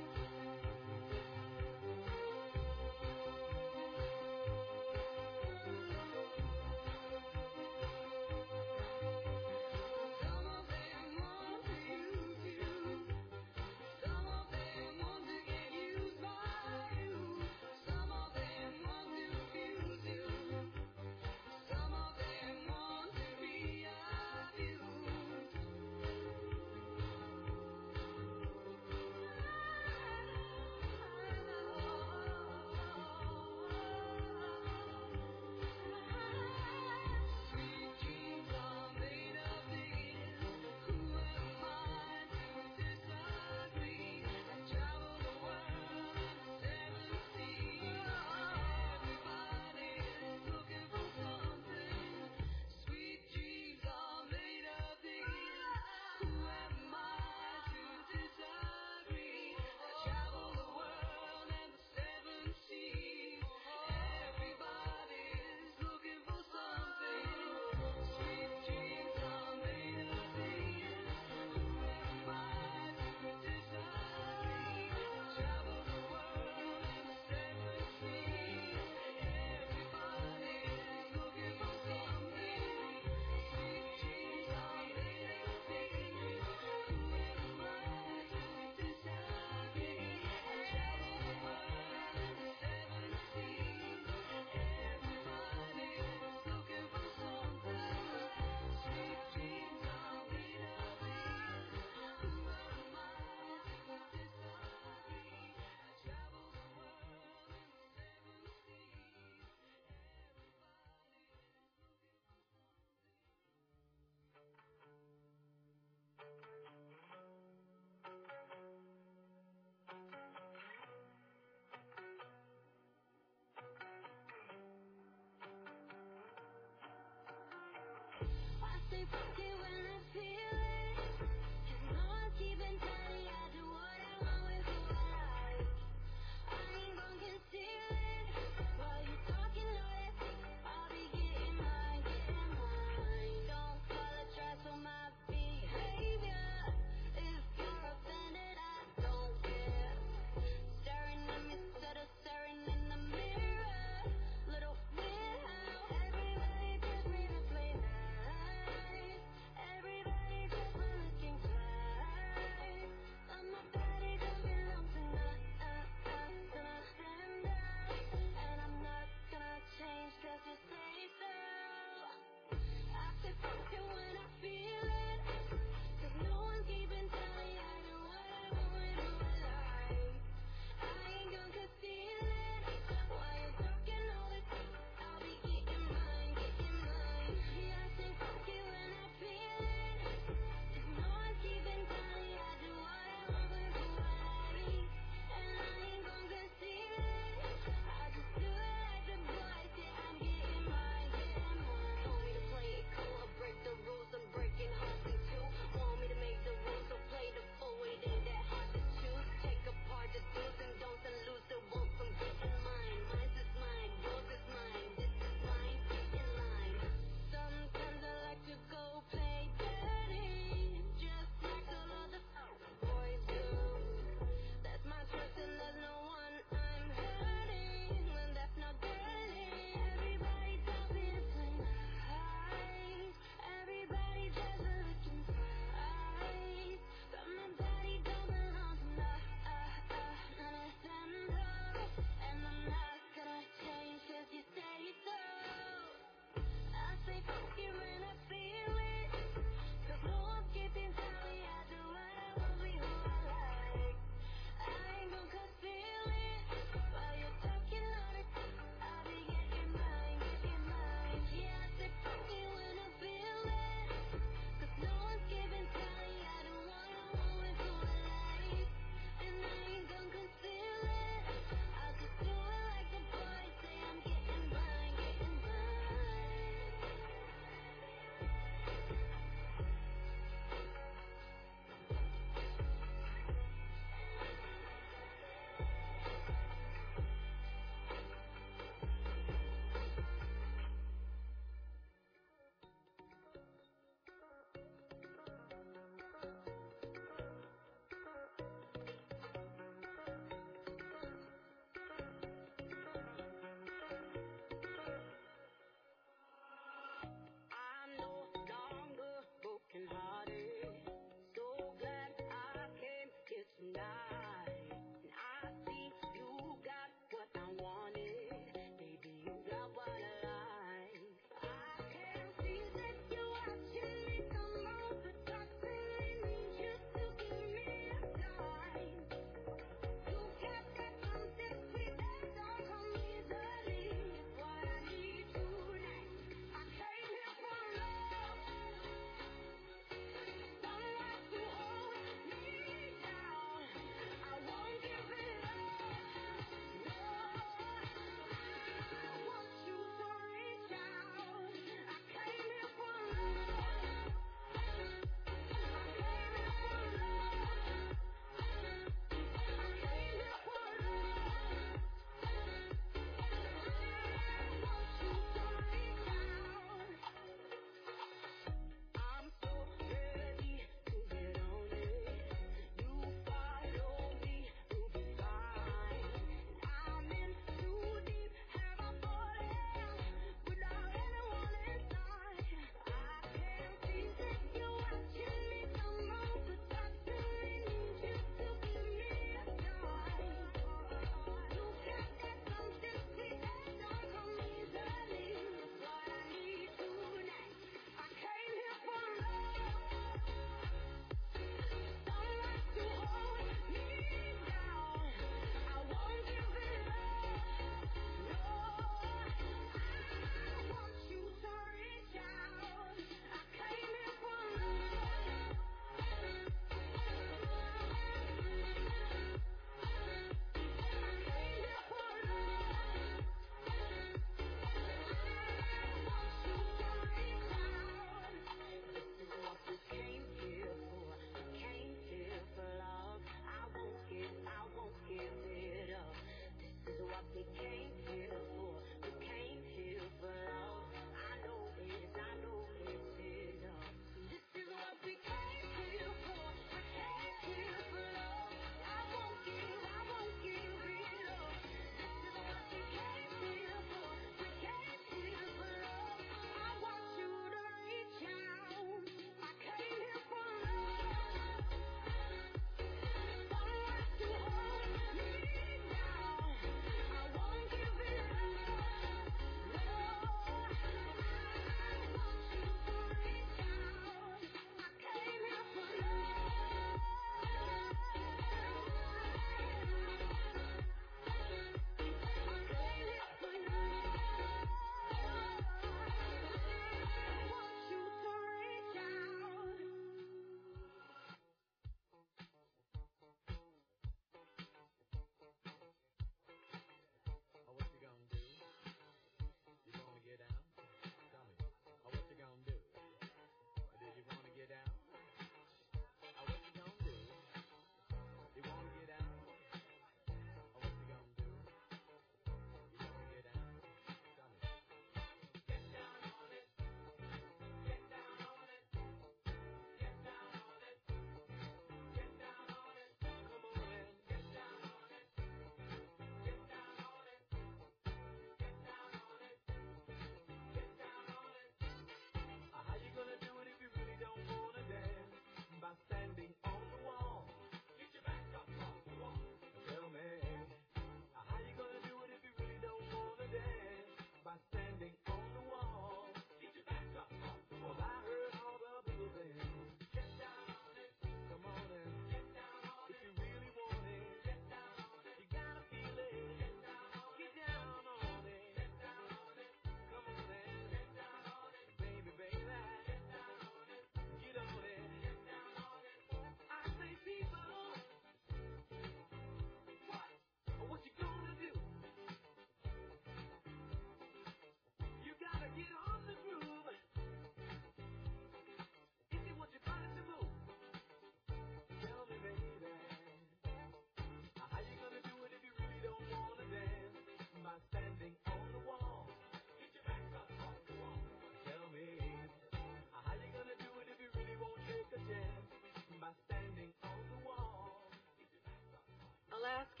I'll ask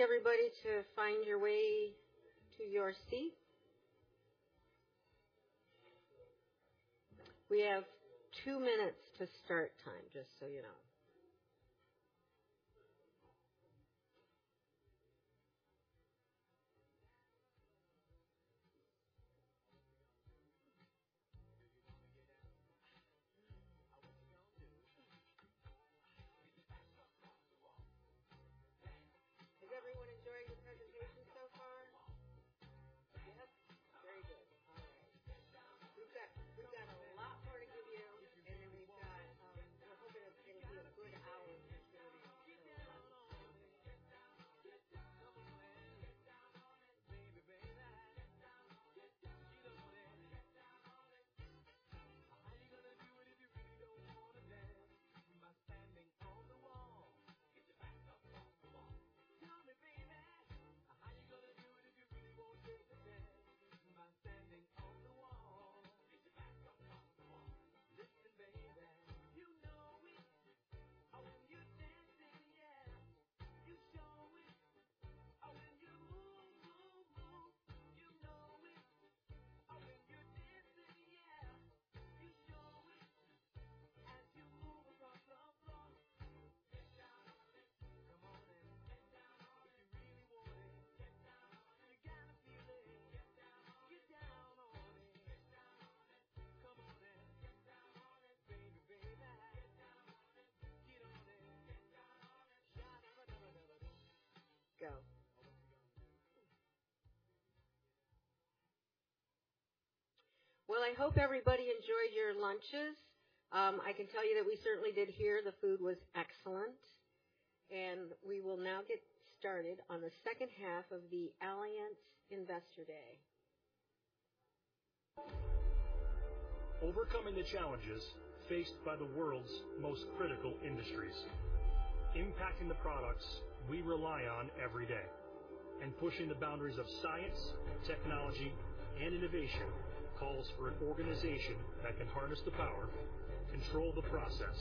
everybody to find your way to your seat. We have two minutes to start time, just so you know. Is everyone enjoying the presentation so far? Yes. Very good. All right. We've got, we've got a lot more to give you, and then we've got, I'm hoping it's going to be a good hour or so. Well, I hope everybody enjoyed your lunches. I can tell you that we certainly did here. The food was excellent. We will now get started on the second half of the Allient Investor Day. Overcoming the challenges faced by the world's most critical industries, impacting the products we rely on every day, and pushing the boundaries of science, technology, and innovation, calls for an organization that can harness the power, control the process,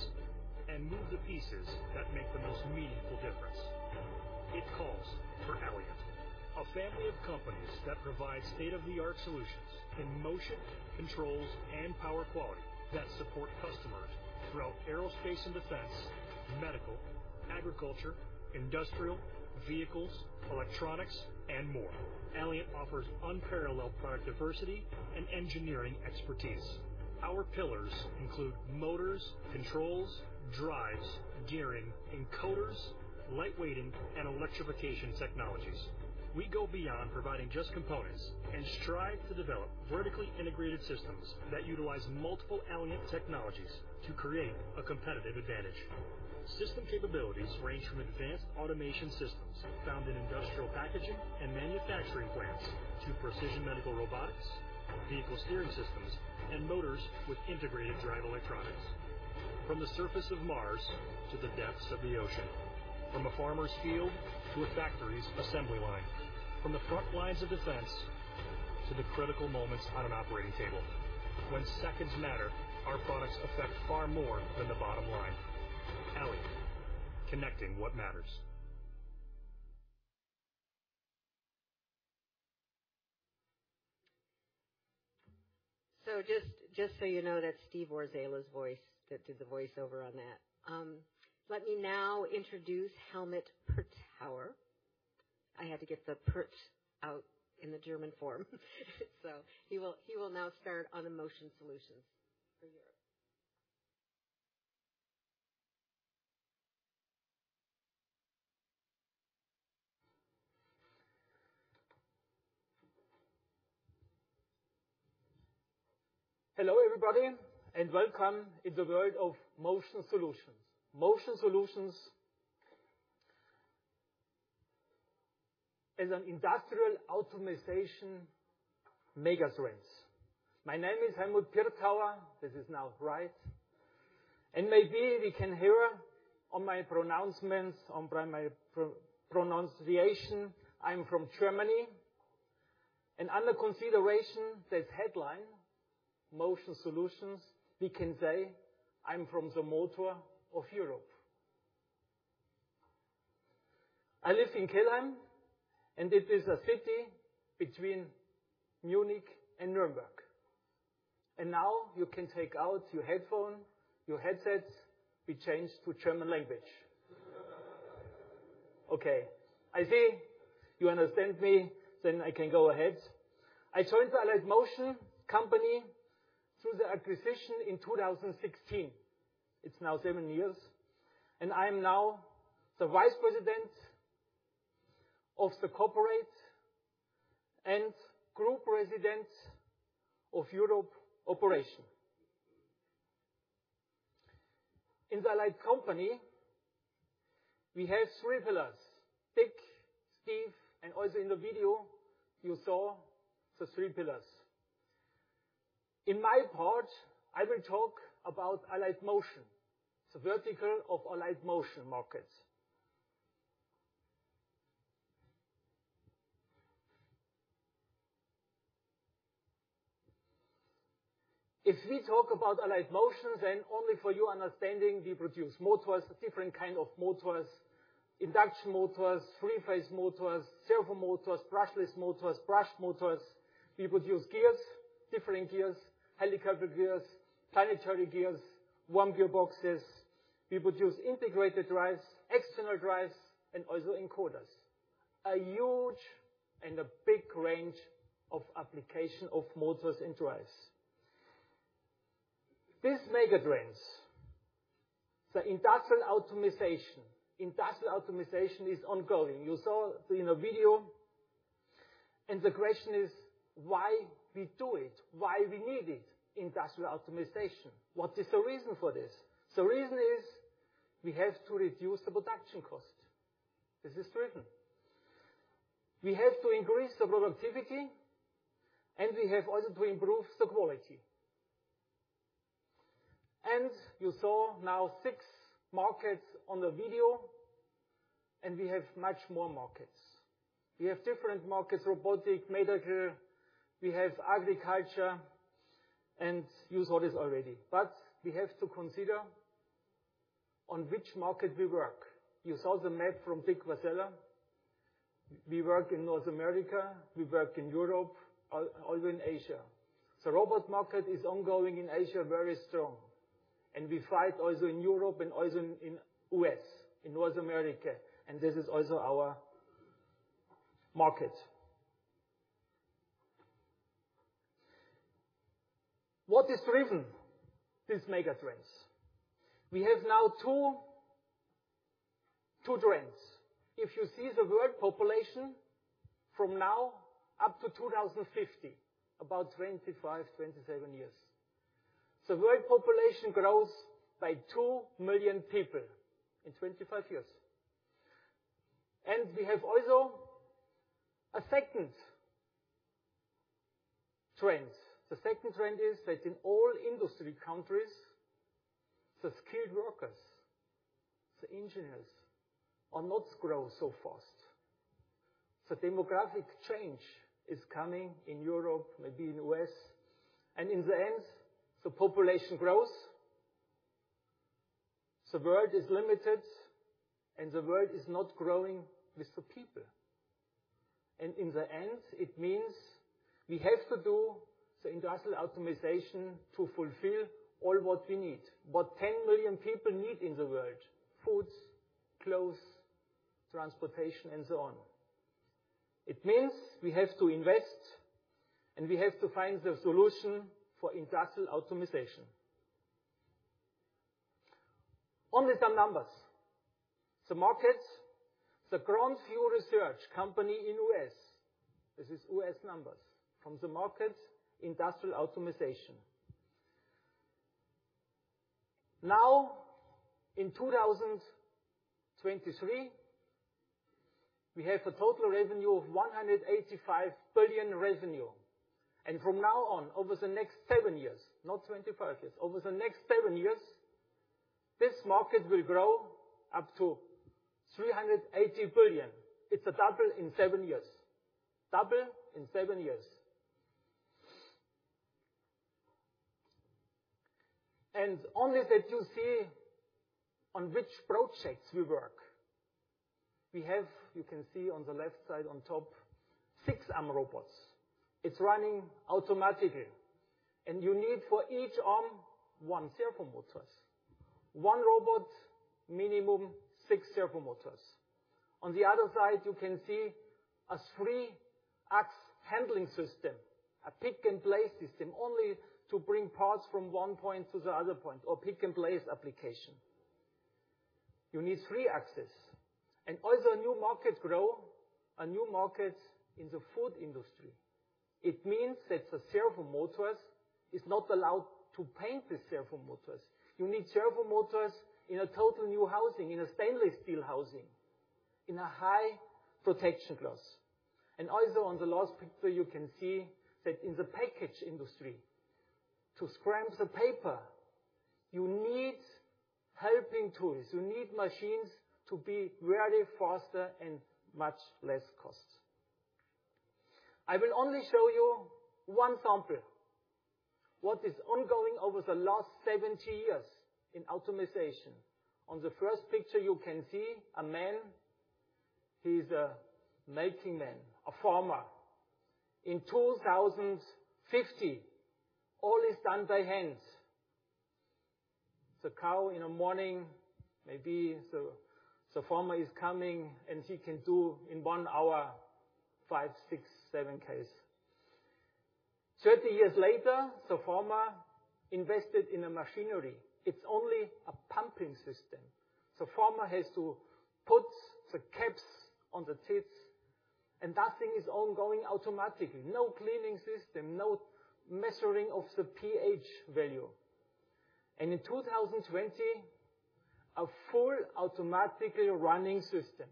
and move the pieces that make the most meaningful difference. It calls for Allient, a family of companies that provide state-of-the-art solutions in motion, controls, and power quality that support customers throughout aerospace and defense, medical, agriculture, industrial, vehicles, electronics, and more. Allient offers unparalleled product diversity and engineering expertise. Our pillars include motors, controls, drives, gearing, encoders, lightweighting, and electrification technologies. We go beyond providing just components and strive to develop vertically integrated systems that utilize multiple Allient technologies to create a competitive advantage. System capabilities range from advanced automation systems found in industrial packaging and manufacturing plants, to precision medical robotics, vehicle steering systems, and motors with integrated drive electronics. From the surface of Mars to the depths of the ocean. From a farmer's field to a factory's assembly line, from the front lines of defense to the critical moments on an operating table. When seconds matter, our products affect far more than the bottom line. Allient, connecting what matters. Just, just so you know, that's Steve Warzala's voice, that did the voice over on that. Let me now introduce Helmut Pirthauer. I had to get the Pirt out in the German form. He will, he will now start on the Motion Solutions for Europe. Hello, everybody, and welcome in the world of Motion Solutions. Motion Solutions is an industrial optimization megatrends. My name is Helmut Pirthauer. This is now right, and maybe we can hear on my pronouncements, on my pronunciation. I'm from Germany, and under consideration, this headline, Motion Solutions, we can say I'm from the motor of Europe. I live in Kelheim, and it is a city between Munich and Nuremberg. Now you can take out your headphone, your headsets. We change to German language. Okay, I see you understand me, then I can go ahead. I joined the Allied Motion company through the acquisition in 2016. It's now seven years, and I'm now the Vice President of the Corporate and Group President of Europe Operation. In the Allied company, we have three pillars: Dick, Steve, and also in the video, you saw the three pillars. In my part, I will talk about Allied Motion, the vertical of Allied Motion Markets. If we talk about Allied Motion, then only for your understanding, we produce motors, different kind of motors, induction motors, three-phase motors, servo motors, brushless motors, brush motors. We produce gears, different gears, helicopter gears, planetary gears, worm gearboxes. We produce integrated drives, external drives, and also encoders. A huge and a big range of application of motors and drives. This megatrends, the industrial optimization. Industrial optimization is ongoing. You saw in a video, and the question is, why we do it? Why we need it, industrial optimization? What is the reason for this? The reason is we have to reduce the production cost. This is written. We have to increase the productivity, and we have also to improve the quality. You saw now six markets on the video, and we have much more markets. We have different markets, robotic, medical, we have agriculture and you saw this already. We have to consider on which market we work. You saw the map from Dick Warzala. We work in North America, we work in Europe, also in Asia. The robot market is ongoing in Asia, very strong, and we fight also in Europe and also in U.S., in North America, and this is also our market. What is driven this megatrends? We have now two trends. If you see the world population from now up to 2050, about 25–27 years. The world population grows by two million people in 25 years. We have also a second trend. The second trend is that in all industry countries, the skilled workers, the engineers, are not grow so fast. The demographic change is coming in Europe, maybe in the U.S., in the end, the population grows, the world is limited and the world is not growing with the people. In the end, it means we have to do the industrial optimization to fulfill all what we need, what 10 million people need in the world: foods, clothes, transportation, and so on. It means we have to invest, and we have to find the solution for industrial optimization. Only some numbers. The markets, the Grand View Research company in U.S., this is U.S. numbers from the market, industrial optimization. Now, in 2023. We have a total revenue of $185 billion revenue. From now on, over the next seven years, not 25 years, over the next seven years, this market will grow up to $380 billion. It's a double in seven years. Double in seven years. Only that you see on which projects we work. We have, you can see on the left side, on top, six arm robots. It's running automatically, and you need for each arm, one servo motor. One robot, minimum six servo motors. On the other side, you can see a three-axle handling system, a pick-and-place system, only to bring parts from one point to the other point, or pick-and-place application. You need three axes. Also, a new market grow, a new market in the food industry. It means that the servo motors is not allowed to paint the servo motors. You need servo motors in a total new housing, in a stainless steel housing, in a high protection class. Also, on the last picture, you can see that in the package industry, to scrape the paper, you need helping tools, you need machines to be very faster and much less cost. I will only show you one sample. What is ongoing over the last 70 years in automatization. On the first picture, you can see a man. He's a milking man, a farmer. In 2050, all is done by hands. The cow in the morning, maybe the farmer is coming, and he can do in one hour, five, six, seven cows. 30 years later, the farmer invested in a machinery. It's only a pumping system. The farmer has to put the caps on the teats, and that thing is ongoing automatically. No cleaning system, no measuring of the pH value. In 2020, a full automatically running system.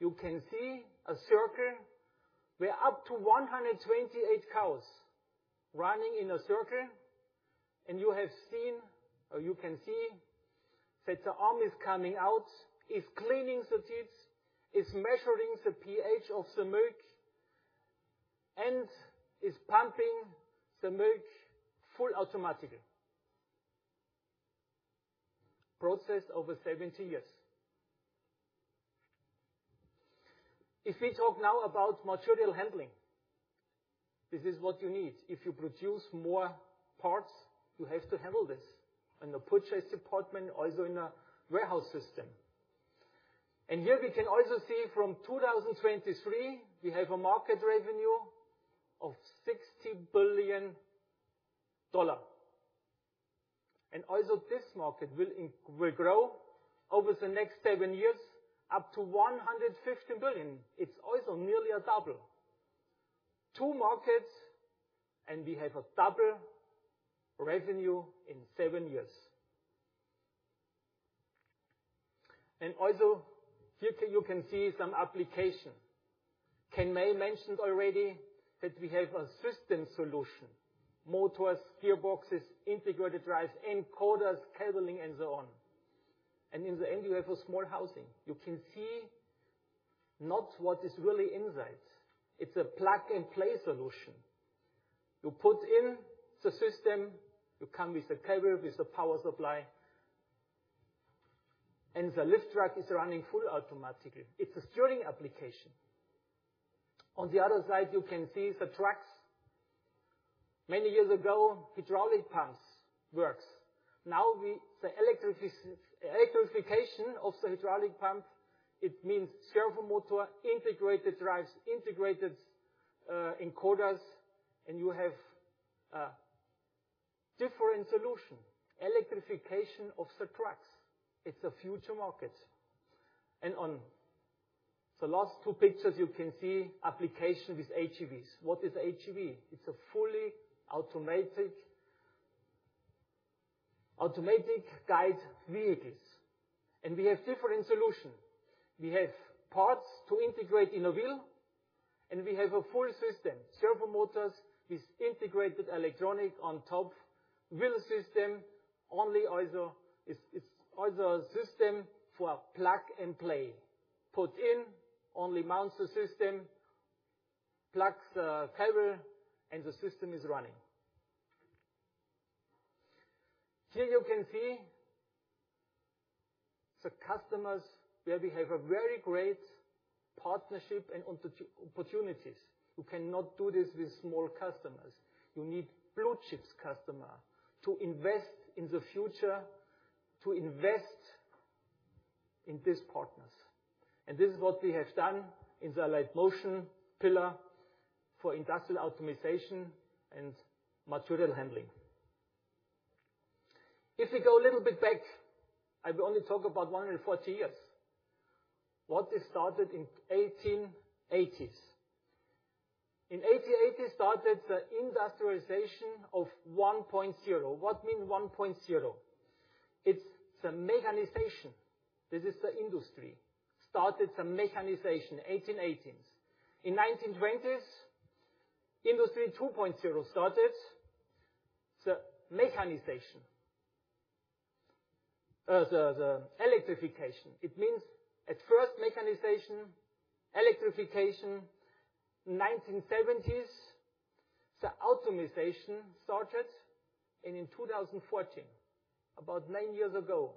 You can see a circle where up to 128 cows running in a circle, and you have seen, or you can see, that the arm is coming out, it's cleaning the teats, it's measuring the pH of the milk, and it's pumping the milk full automatically. Process over 70 years. If we talk now about material handling, this is what you need. If you produce more parts, you have to handle this, in the purchase department, also in a warehouse system. Here we can also see from 2023, we have a market revenue of $60 billion. Also, this market will grow over the next seven years, up to $150 billion. It's also nearly a double. Two markets, we have a double revenue in seven years. Also, here you can see some application. Ken May mentioned already that we have a System Solution, motors, gearboxes, integrated drives, encoders, cabling, and so on. In the end, you have a small housing. You can see not what is really inside. It's a plug-and-play solution. You put in the system, you come with the cable, with the power supply, and the lift truck is running full automatically. It's a steering application. On the other side, you can see the trucks. Many years ago, hydraulic pumps works. Now, the electrification of the hydraulic pump, it means servo motor, integrated drives, integrated encoders, and you have a different solution. Electrification of the trucks, it's a future market. On the last two pictures, you can see application with AGVs. What is AGV? It's a fully automatic, automatic guide vehicles. We have different solution. We have parts to integrate in a wheel. We have a full system, servo motors with integrated electronic on top. Wheel system, only also, it's also a system for a plug and play. Put in, only mount the system, plug the cable, the system is running. Here you can see the customers where we have a very great partnership and opportunities. You cannot do this with small customers. You need blue chips customer to invest in the future, to invest in this partners. This is what we have done in the Allied Motion pillar for industrial automatization and material handling. If we go a little bit back, I will only talk about 140 years. What is started in 1880s? In 1880 started the industrialization of 1.0. What mean 1.0? It's the mechanization. This is the industry, started the mechanization, 1880s. In 1920s, Industry 2.0 started the mechanization. The, the electrification. It means at first, mechanization, electrification. 1970s, the automation started, and in 2014, about nine years ago,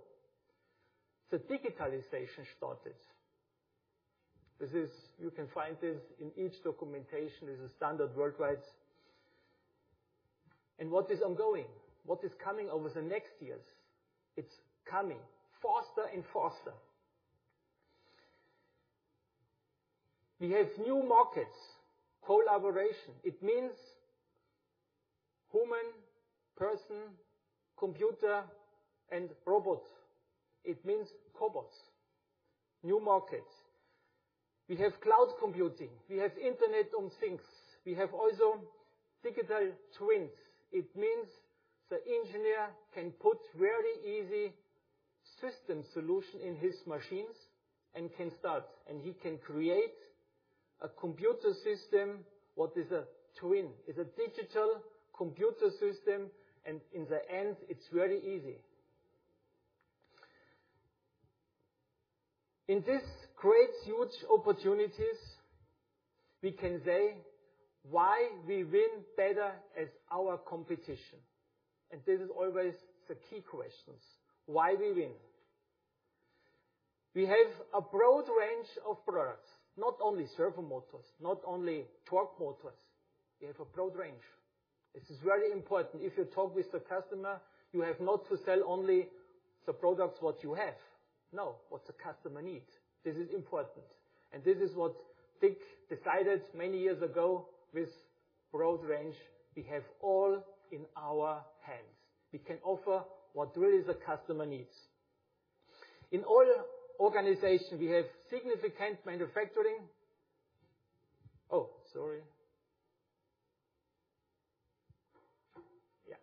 the digitalization started. You can find this in each documentation, is a standard worldwide. What is ongoing? What is coming over the next years? It's coming faster and faster. We have new markets, collaboration. It means human, person, computer, and robot. It means cobots, new markets. We have cloud computing. We have Internet of Things. We have also digital twins. It means the engineer can put very easy system solution in his machines and can start, and he can create a computer system. What is a twin? It's a digital computer system, and in the end, it's very easy. This creates huge opportunities. We can say why we win better as our competition, this is always the key questions: Why we win? We have a broad range of products, not only servo motors, not only torque motors. We have a broad range. This is very important. If you talk with the customer, you have not to sell only the products what you have. No, what the customer needs. This is important, and this is what Dick decided many years ago with broad range. We have all in our hands. We can offer what really the customer needs. In all organization, we have significant manufacturing—oh, sorry. Yeah.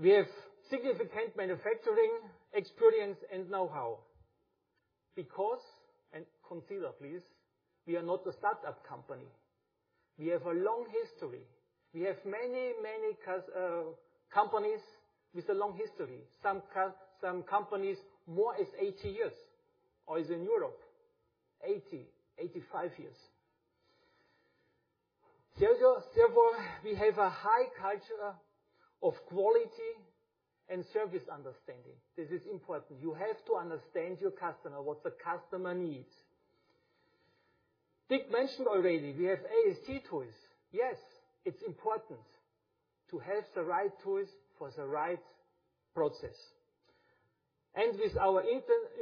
We have significant manufacturing experience and know-how because, and consider, please, we are not a startup company. We have a long history. We have many, many companies with a long history. Some companies, more is 80 years, or is in Europe, 80–85 years. Therefore, we have a high culture of quality and service understanding. This is important. You have to understand your customer, what the customer needs. Dick mentioned already, we have AST tools. Yes, it's important to have the right tools for the right process. With our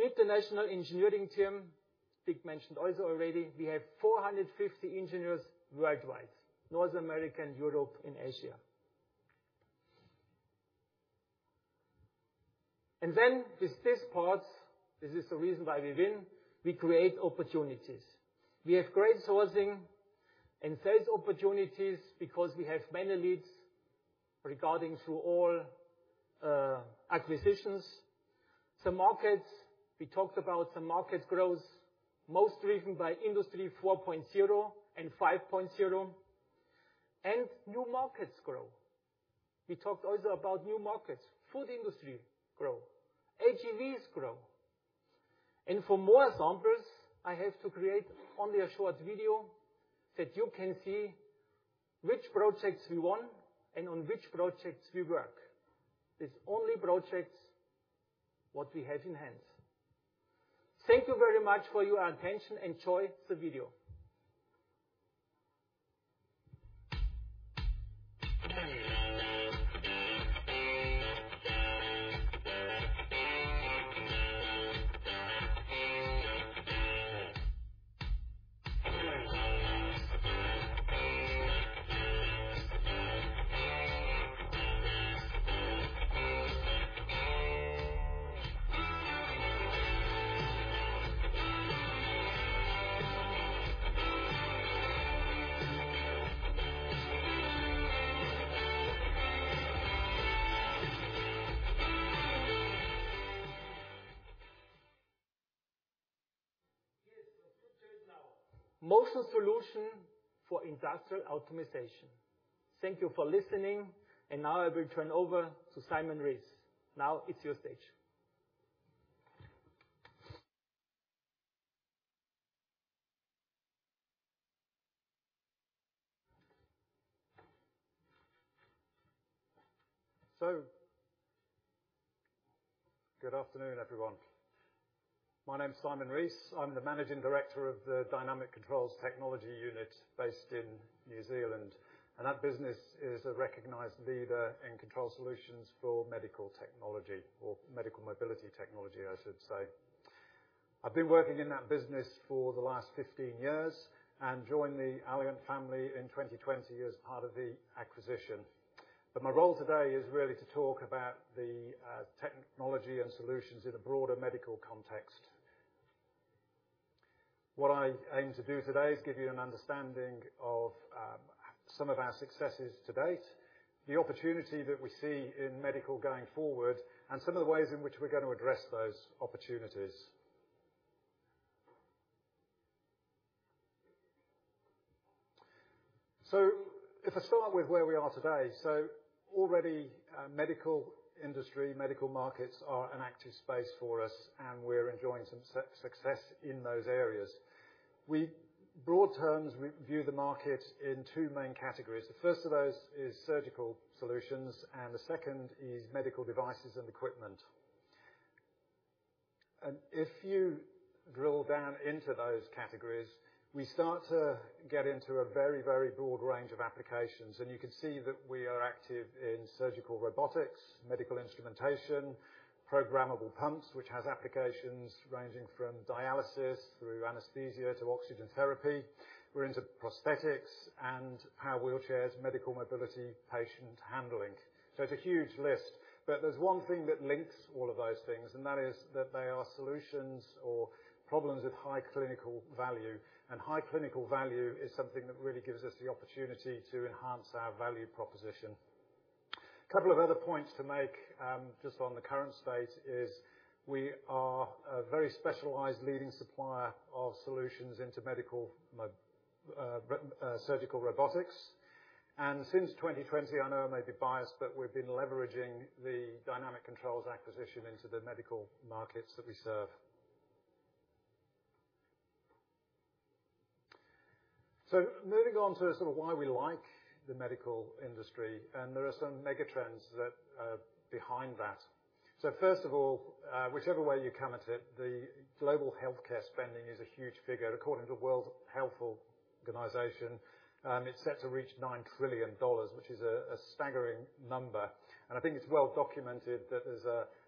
international engineering team, Dick mentioned also already, we have 450 engineers worldwide, North America, Europe, and Asia. Then with this part, this is the reason why we win: We create opportunities. We have great sourcing and sales opportunities because we have many leads regarding to all acquisitions. The markets, we talked about the market growth, mostly driven by Industry 4.0 and 5.0, and new markets grow. We talked also about new markets. Food industry grow, AGVs grow. For more examples, I have to create only a short video that you can see which projects we won and on which projects we work. It's only projects what we have in hands. Thank you very much for your attention. Enjoy the video. Motion Solution for industrial automation. Thank you for listening, and now I will turn over to Simon Rees. Now, it's your stage. Good afternoon, everyone. My name is Simon Rees. I'm the managing director of the Dynamic Controls Technology unit based in New Zealand, and that business is a recognized leader in control solutions for medical technology or medical mobility technology, I should say. I've been working in that business for the last 15 years and joined the Allient family in 2020 as part of the acquisition. My role today is really to talk about the technology and solutions in a broader medical context. What I aim to do today is give you an understanding of some of our successes to date, the opportunity that we see in medical going forward, and some of the ways in which we're going to address those opportunities. If I start with where we are today, already, medical industry, medical markets are an active space for us, and we're enjoying some success in those areas. We, broad terms, we view the market in two main categories. The first of those is Surgical Solutions, and the second is Medical Devices and Equipment. If you drill down into those categories, we start to get into a very, very broad range of applications, and you can see that we are active in surgical robotics, medical instrumentation, programmable pumps, which has applications ranging from dialysis through anesthesia to oxygen therapy. We're into prosthetics and power wheelchairs, medical mobility, patient handling. It's a huge list, but there's one thing that links all of those things, and that is that they are solutions or problems of high clinical value. High clinical value is something that really gives us the opportunity to enhance our value proposition. Couple of other points to make, just on the current state is we are a very specialized leading supplier of solutions into medical surgical robotics. Since 2020, I know I may be biased, but we've been leveraging the Dynamic Controls acquisition into the medical markets that we serve. Moving on to sort of why we like the medical industry, and there are some megatrends that are behind that. First of all, whichever way you come at it, the global healthcare spending is a huge figure. According to the World Health Organization, it's set to reach $9 trillion, which is a staggering number. I think it's well documented that there's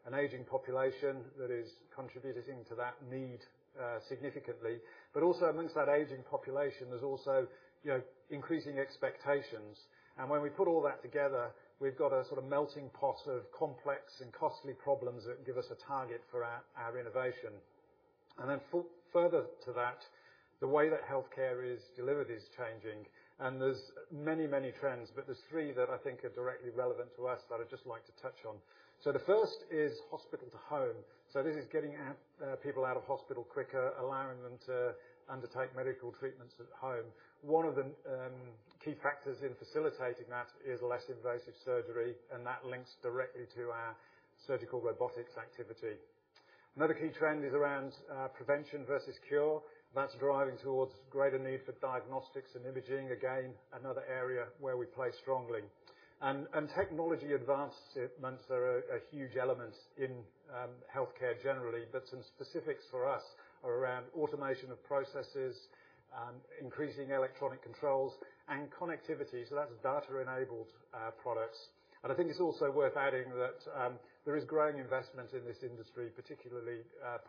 an aging population that is contributing to that need significantly, but also amongst that aging population, there's also, you know, increasing expectations. When we put all that together, we've got a sort of melting pot of complex and costly problems that give us a target for our innovation. Then further to that, the way that healthcare is delivered is changing, and there's many, many trends, but there's three that I think are directly relevant to us that I'd just like to touch on. The first is hospital to home. This is getting people out of hospital quicker, allowing them to undertake medical treatments at home. One of the key factors in facilitating that is less invasive surgery, and that links directly to our surgical robotics activity. Another key trend is around prevention versus cure. That's driving towards greater need for diagnostics and imaging, again, another area where we play strongly. Technology advancements are a huge element in healthcare generally, but some specifics for us are around automation of processes, increasing electronic controls and connectivity, so that's data-enabled products. I think it's also worth adding that there is growing investment in this industry, particularly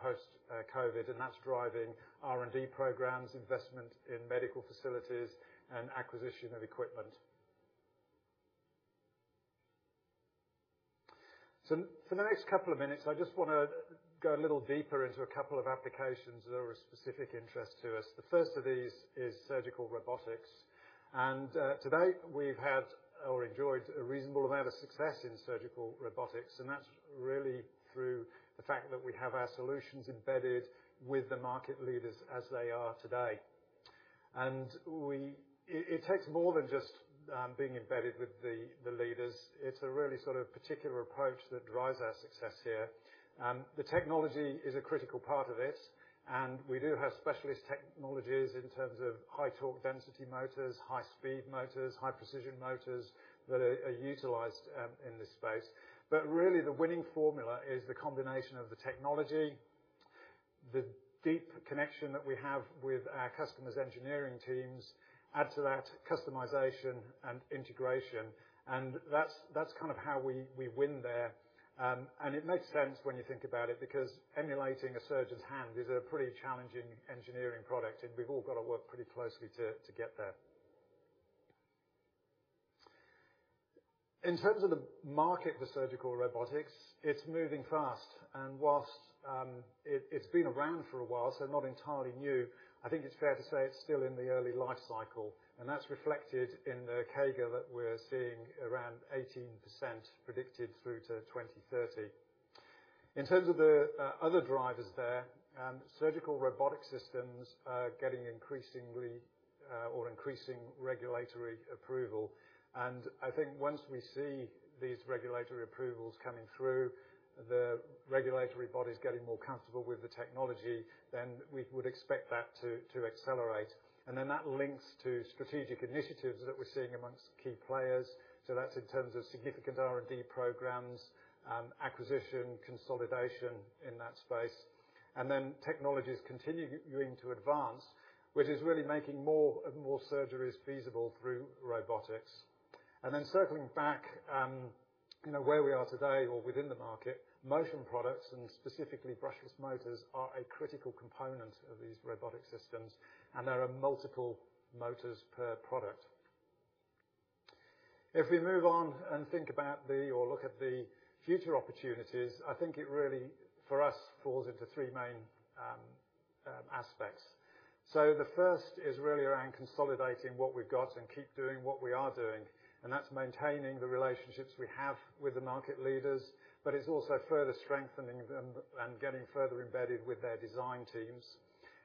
post COVID, and that's driving R&D programs, investment in medical facilities and acquisition of equipment. For the next couple of minutes, I just want to go a little deeper into a couple of applications that are of specific interest to us. The first of these is surgical robotics, and to date, we've had or enjoyed a reasonable amount of success in surgical robotics, and that's really through the fact that we have our solutions embedded with the market leaders as they are today. It takes more than just being embedded with the leaders. It's a really sort of particular approach that drives our success here. The technology is a critical part of it, and we do have specialist technologies in terms of high torque density motors, high speed motors, high precision motors that are utilized in this space. Really, the winning formula is the combination of the technology, the deep connection that we have with our customers' engineering teams, add to that customization and integration, and that's kind of how we win there. It makes sense when you think about it, because emulating a surgeon's hand is a pretty challenging engineering product, and we've all got to work pretty closely to, to get there. In terms of the market for surgical robotics, it's moving fast, and whilst it's been around for a while, so not entirely new, I think it's fair to say it's still in the early life cycle, and that's reflected in the CAGR that we're seeing around 18% predicted through to 2030. In terms of the other drivers there, surgical robotic systems are getting increasingly or increasing regulatory approval. I think once we see these regulatory approvals coming through, the regulatory bodies getting more comfortable with the technology, then we would expect that to, to accelerate. Then that links to strategic initiatives that we're seeing amongst key players. That's in terms of significant R&D programs, acquisition, consolidation in that space, and then technologies continuing to advance, which is really making more and more surgeries feasible through robotics. Then circling back, you know, where we are today or within the market, motion products, and specifically brushless motors, are a critical component of these robotic systems, and there are multiple motors per product. If we move on and think about the, or look at the future opportunities, I think it really, for us, falls into three main aspects. The first is really around consolidating what we've got and keep doing what we are doing, and that's maintaining the relationships we have with the market leaders. But it’s also further strengthening them and getting further embedded with their design teams,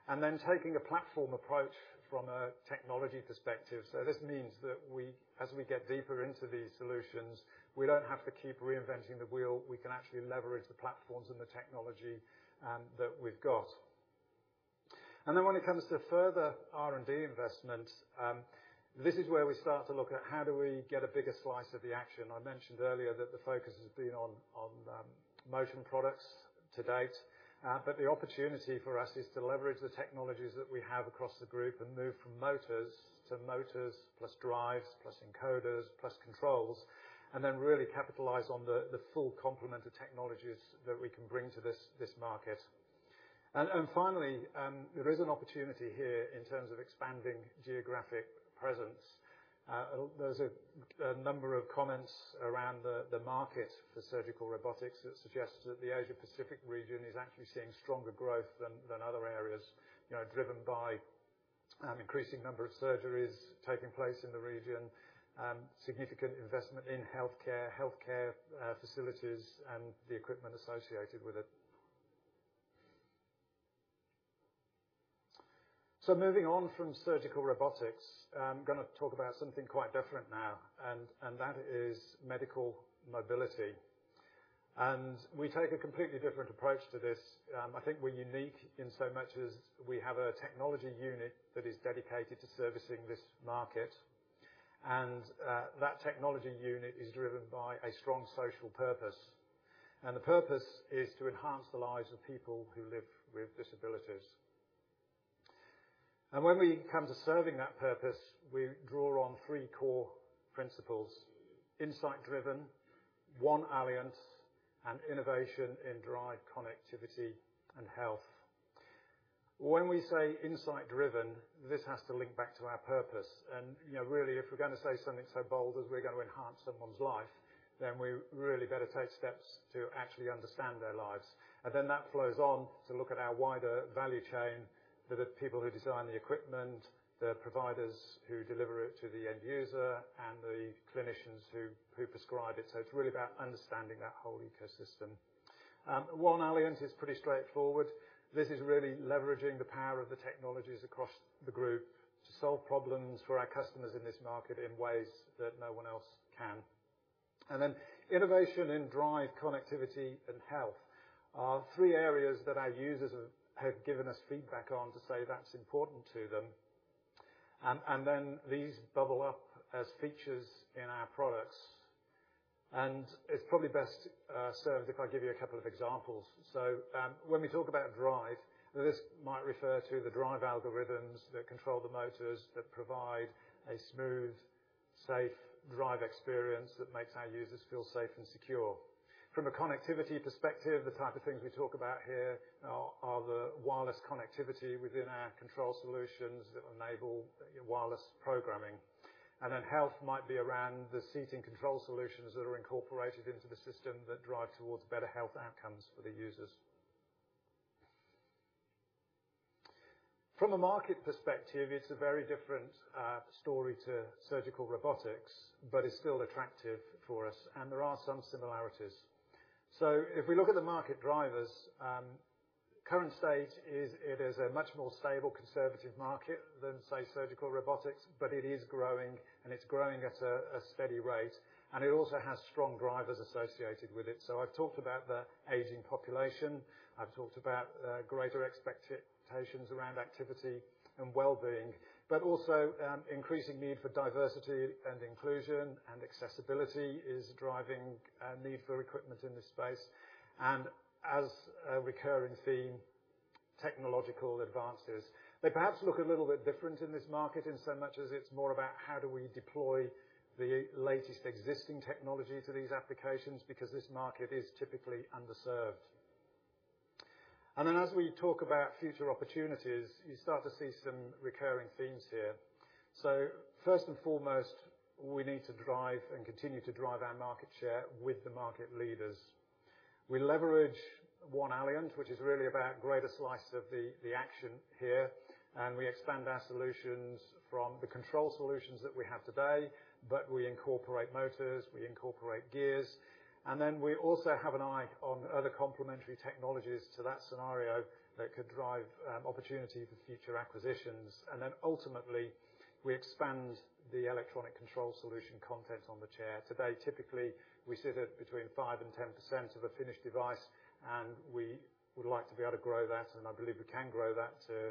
and then taking a platform approach from a technology perspective. This means that we—as we get deeper into these solutions, we don't have to keep reinventing the wheel. We can actually leverage the platforms and the technology that we've got. Then when it comes to further R&D investment, this is where we start to look at how do we get a bigger slice of the action. I mentioned earlier that the focus has been on motion products to date, but the opportunity for us is to leverage the technologies that we have across the group and move from motors to motors, plus drives, plus encoders, plus controls, and then really capitalize on the, the full complement of technologies that we can bring to this market. And finally, there is an opportunity here in terms of expanding geographic presence. There's a number of comments around the market for surgical robotics that suggests that the Asia-Pacific region is actually seeing stronger growth than other areas, you know, driven by increasing number of surgeries taking place in the region, significant investment in healthcare, healthcare facilities, and the equipment associated with it. Moving on from surgical robotics, I'm gonna talk about something quite different now, and that is medical mobility. We take a completely different approach to this. I think we're unique in so much as we have a technology unit that is dedicated to servicing this market, and that technology unit is driven by a strong social purpose. The purpose is to enhance the lives of people who live with disabilities. When we come to serving that purpose, we draw on three core principles: insight-driven, One Allient, and innovation in drive, connectivity, and health. When we say insight-driven, this has to link back to our purpose, and, you know, really, if we're gonna say something so bold as we're gonna enhance someone's life, then we really better take steps to actually understand their lives. That flows on to look at our wider value chain, that the people who design the equipment, the providers who deliver it to the end user, and the clinicians who, who prescribe it. It's really about understanding that whole ecosystem. One Allient is pretty straightforward. This is really leveraging the power of the technologies across the group to solve problems for our customers in this market in ways that no one else can. Innovation in drive, connectivity, and health are three areas that our users have given us feedback on to say that's important to them. These bubble up as features in our products, and it's probably best served if I give you a couple of examples. When we talk about drive, this might refer to the drive algorithms that control the motors, that provide a smooth, safe drive experience that makes our users feel safe and secure. From a connectivity perspective, the type of things we talk about here are the wireless connectivity within our Control Solutions that enable wireless programming. Health might be around the seating Control Solutions that are incorporated into the system that drive towards better health outcomes for the users. From a market perspective, it's a very different story to surgical robotics, but it's still attractive for us, and there are some similarities. If we look at the market drivers, current stage is it is a much more stable, conservative market than, say, surgical robotics, but it is growing, and it's growing at a steady rate, and it also has strong drivers associated with it. I've talked about the aging population, I've talked about greater expectations around activity and well-being, but also increasing need for diversity and inclusion, and accessibility is driving a need for equipment in this space, and as a recurring theme, technological advances. They perhaps look a little bit different in this market, in so much as it's more about how do we deploy the latest existing technology to these applications, because this market is typically underserved. As we talk about future opportunities, you start to see some recurring themes here. First and foremost, we need to drive and continue to drive our market share with the market leaders. We leverage One Allient, which is really about greater slice of the action here, and we expand our solutions from the Control Solutions that we have today, but we incorporate motors, we incorporate gears, and then we also have an eye on other complementary technologies to that scenario that could drive opportunity for future acquisitions. Ultimately, we expand the electronic Control Solution content on the chair. Today, typically, we sit at between 5% and 10% of a finished device, and we would like to be able to grow that, and I believe we can grow that to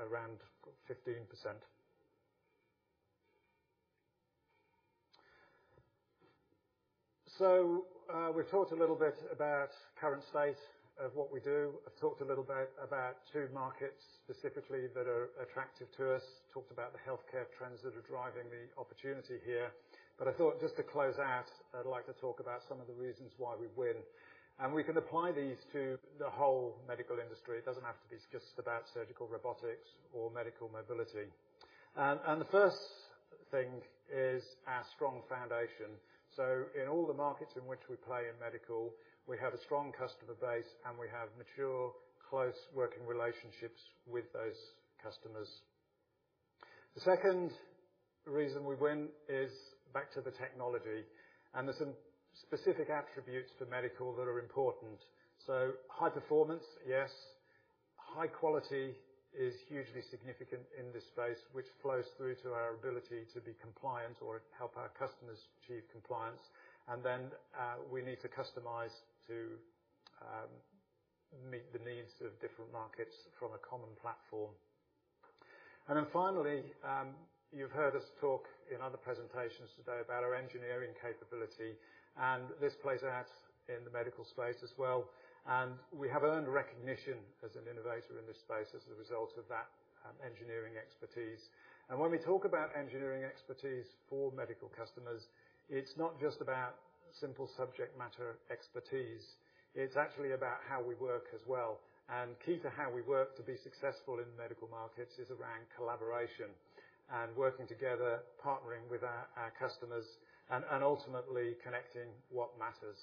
around 15%. We've talked a little bit about current state of what we do. I've talked a little bit about two markets specifically that are attractive to us, talked about the healthcare trends that are driving the opportunity here. I thought just to close out, I'd like to talk about some of the reasons why we win. We can apply these to the whole medical industry. It doesn't have to be just about surgical robotics or medical mobility. The first thing is our strong foundation. In all the markets in which we play in medical, we have a strong customer base, and we have mature, close working relationships with those customers. The second reason we win is back to the technology, and there's some specific attributes for medical that are important. High performance, yes, high quality is hugely significant in this space, which flows through to our ability to be compliant or help our customers achieve compliance. Then we need to customize to meet the needs of different markets from a common platform. Then finally, you've heard us talk in other presentations today about our engineering capability, and this plays out in the medical space as well. We have earned recognition as an innovator in this space as a result of that engineering expertise. When we talk about engineering expertise for medical customers, it's not just about simple subject matter expertise, it's actually about how we work as well. Key to how we work to be successful in medical markets is around collaboration and working together, partnering with our customers, and ultimately connecting what matters.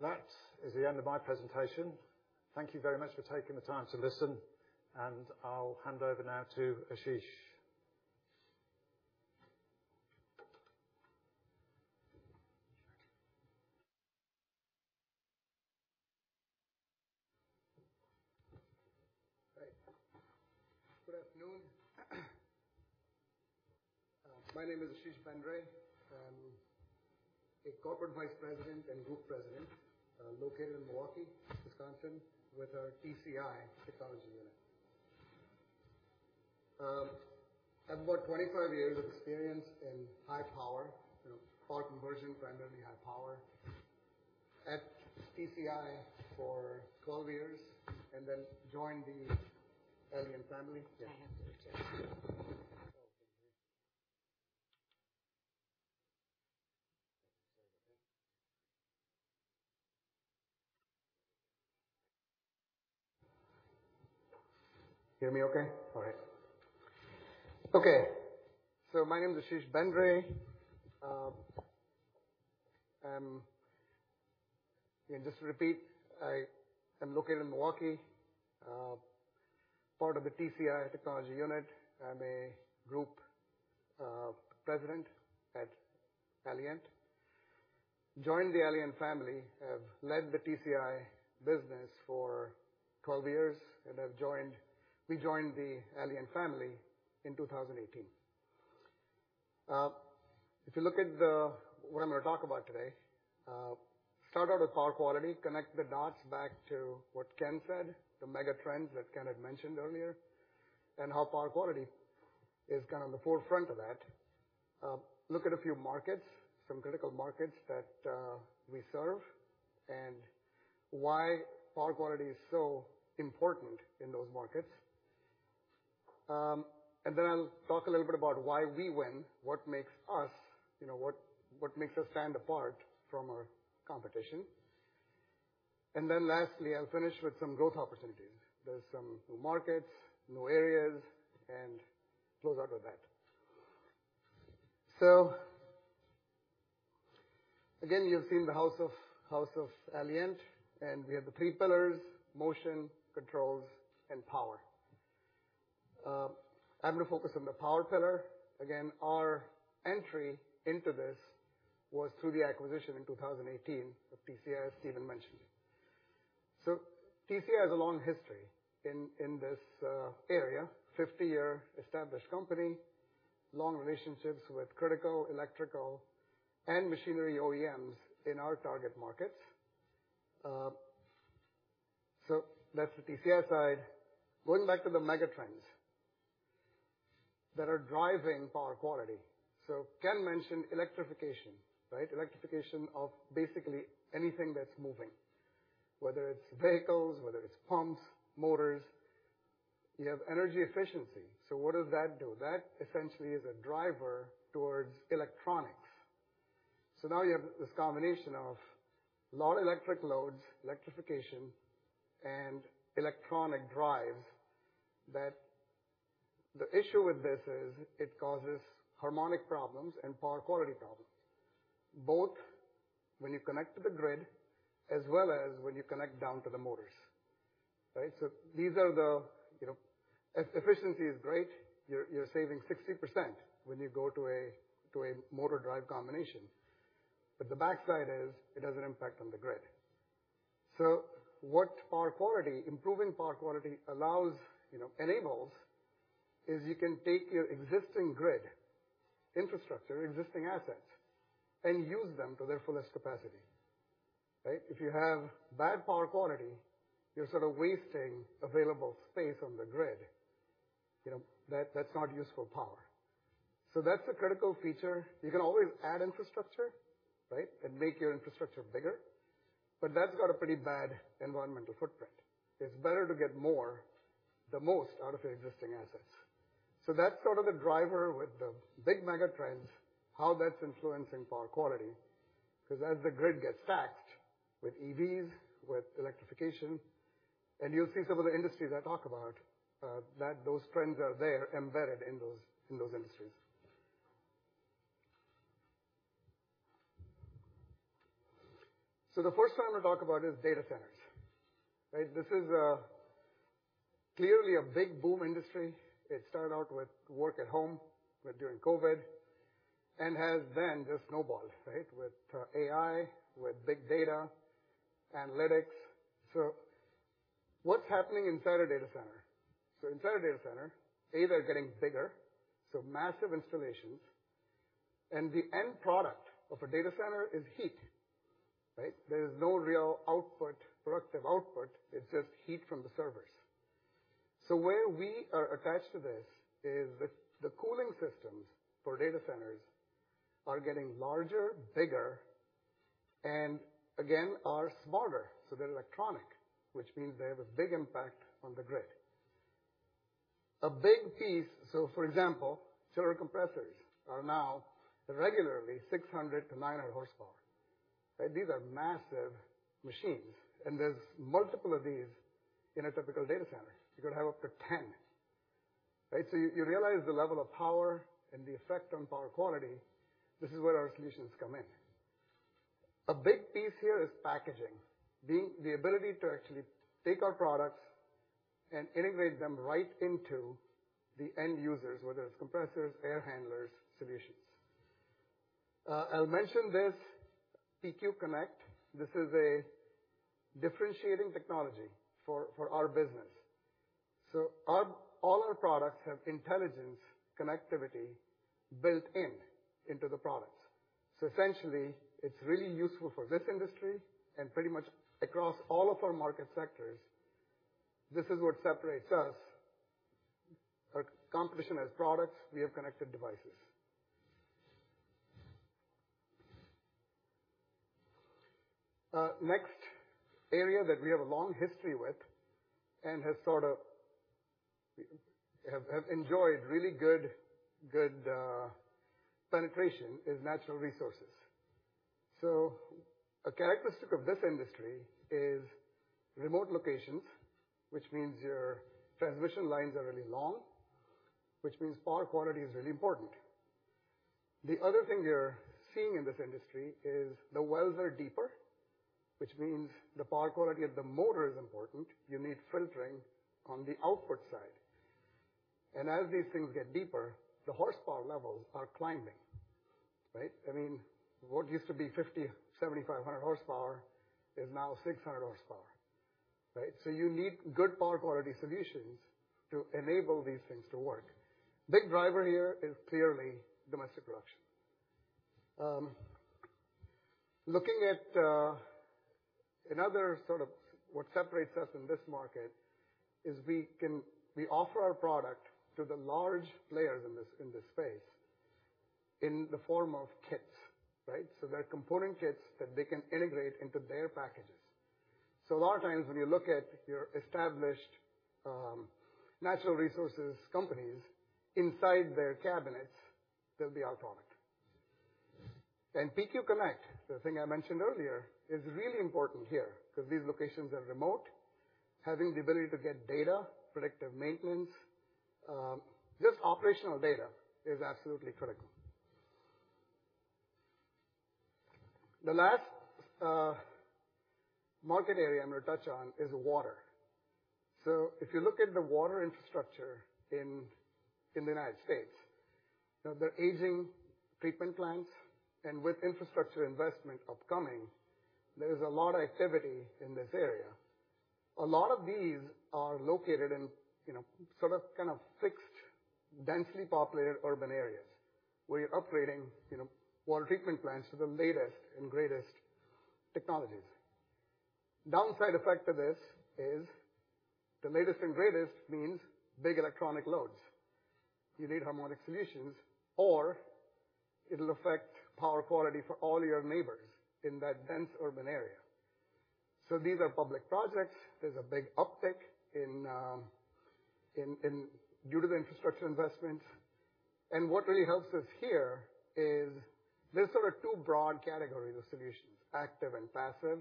That is the end of my presentation. Thank you very much for taking the time to listen. I'll hand over now to Ashish. Hi. Good afternoon. My name is Ashish Bendre. I'm a Corporate Vice President and Group President, located in Milwaukee, Wisconsin, with our TCI technology unit. I have about 25 years of experience in high power, you know, power conversion, primarily high power. At TCI for 12 years, and then joined the Allient family. I have to. Hear me okay? All right. My name is Ashish Bendre. Just to repeat, I am located in Milwaukee, part of the TCI technology unit. I'm a Group President at Allient. Joined the Allient family, have led the TCI business for 12 years, we joined the Allient family in 2018. If you look at what I'm gonna talk about today, start out with power quality, connect the dots back to what Ken said, the mega trends that Ken had mentioned earlier, how power quality is kind of the forefront of that. Look at a few markets, some critical markets that we serve, why power quality is so important in those markets. Then I'll talk a little bit about why we win, what makes us, you know, what, what makes us stand apart from our competition. Then lastly, I'll finish with some growth opportunities. There's some new markets, new areas, and close out with that. Again, you've seen the House of Allient, and we have the three pillars: motion, controls, and power. I'm gonna focus on the power pillar. Again, our entry into this was through the acquisition in 2018 of TCI, as Steve mentioned. TCI has a long history in, in this area, 50-year established company, long relationships with critical electrical and machinery OEMs in our target markets. That's the TCI side. Going back to the mega trends that are driving power quality. Ken mentioned electrification, right? Electrification of basically anything that's moving, whether it's vehicles, whether it's pumps, motors. You have energy efficiency. What does that do? That essentially is a driver towards electronics. Now you have this combination of lot electric loads, electrification, and electronic drives, that the issue with this is it causes harmonic problems and power quality problems, both when you connect to the grid as well as when you connect down to the motors. Right? These are the, you know, as efficiency is great, you're, you're saving 60% when you go to a, to a motor drive combination, but the backside is, it has an impact on the grid. What power quality, improving power quality allows, you know, enables, is you can take your existing grid infrastructure, existing assets, and use them to their fullest capacity. Right? If you have bad power quality, you're sort of wasting available space on the grid. You know, that, that's not useful power. That's a critical feature. You can always add infrastructure, right? Make your infrastructure bigger, but that's got a pretty bad environmental footprint. It's better to get more, the most out of your existing assets. That's sort of the driver with the big mega trends, how that's influencing power quality, 'cause as the grid gets stacked with EVs, with electrification, and you'll see some of the industries I talk about, that those trends are there embedded in those, in those industries. The first one I'm gonna talk about is data centers, right? This is, clearly a big boom industry. It started out with work at home, with during COVID, and has then just snowballed, right? With, AI, with big data, analytics. What's happening inside a data center? Inside a data center, data are getting bigger, so massive installations, and the end product of a data center is heat, right? There is no real output, productive output, it's just heat from the servers. Where we are attached to this is the cooling systems for data centers are getting larger, bigger, and again, are smarter. They're electronic, which means they have a big impact on the grid. A big piece. For example, turbo compressors are now regularly 600–900 horsepower, right? These are massive machines, and there's multiple of these in a typical data center. You could have up to 10, right? You realize the level of power and the effect on power quality. This is where our solutions come in. A big piece here is packaging, the, the ability to actually take our products and integrate them right into the end users, whether it's compressors, air handlers, solutions. I'll mention this, PQConnect. This is a differentiating technology for, for our business. All our products have intelligence, connectivity built in into the products. Essentially, it's really useful for this industry and pretty much across all of our market sectors. This is what separates us. Our competition has products. We have connected devices. Next area that we have a long history with and has enjoyed really good, good penetration, is natural resources. A characteristic of this industry is remote locations, which means your transmission lines are really long, which means power quality is really important. The other thing we are seeing in this industry is the wells are deeper, which means the power quality of the motor is important. You need filtering on the output side. As these things get deeper, the horsepower levels are climbing, right? I mean, what used to be 50, 75 horsepower is now 600 horsepower, right? You need good power quality solutions to enable these things to work. Big driver here is clearly domestic production. Looking at another sort of what separates us in this market is we offer our product to the large players in this, in this space in the form of kits, right? They're component kits that they can integrate into their packages. A lot of times when you look at your established natural resources companies, inside their cabinets, there'll be our product. PQConnect, the thing I mentioned earlier, is really important here because these locations are remote. Having the ability to get data, predictive maintenance, just operational data is absolutely critical. The last market area I'm going to touch on is water. If you look at the water infrastructure in, in the United States, you know, they're aging treatment plants, and with infrastructure investment upcoming, there is a lot of activity in this area. A lot of these are located in, you know, sort of, kind of fixed, densely populated urban areas, where you're upgrading, you know, water treatment plants to the latest and greatest technologies. Downside effect to this is the latest and greatest means big electronic loads. You need harmonic solutions, or it'll affect power quality for all your neighbors in that dense urban area. These are public projects. There's a big uptick due to the infrastructure investments. What really helps us here is there are sort of two broad categories of solutions: active and passive.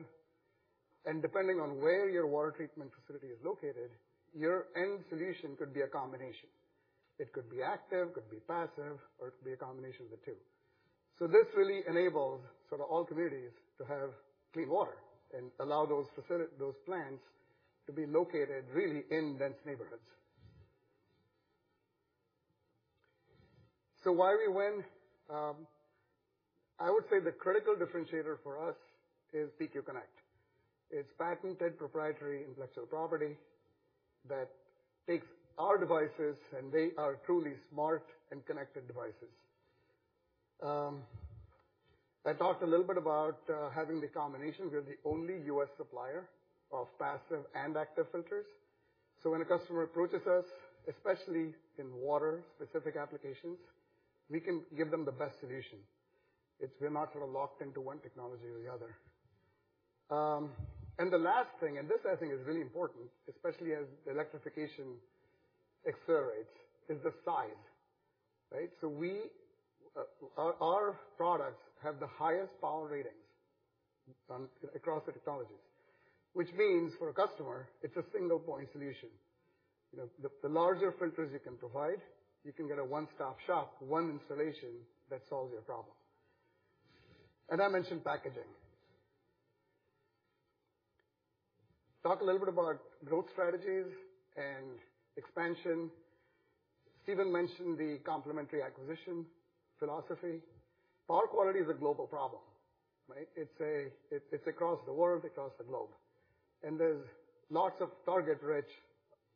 Depending on where your water treatment facility is located, your end solution could be a combination. It could be active, could be passive, or it could be a combination of the two. This really enables sort of all communities to have clean water and allow those plants to be located really in dense neighborhoods. Why we win? I would say the critical differentiator for us is PQConnect. It's patented, proprietary intellectual property that takes our devices, and they are truly smart and connected devices. I talked a little bit about having the combination. We're the only U.S. supplier of passive and active filters. When a customer approaches us, especially in water-specific applications, we can give them the best solution. It's, we're not sort of locked into one technology or the other. The last thing, and this I think is really important, especially as electrification accelerates, is the size, right. We, our products have the highest power ratings across the technologies, which means for a customer, it's a single-point solution. You know, the, the larger filters you can provide, you can get a one-stop shop, one installation that solves your problem. I mentioned packaging. Talk a little bit about growth strategies and expansion. Steve mentioned the complementary acquisition philosophy. Power quality is a global problem, right. It's, it's across the world, across the globe, and there's lots of target-rich,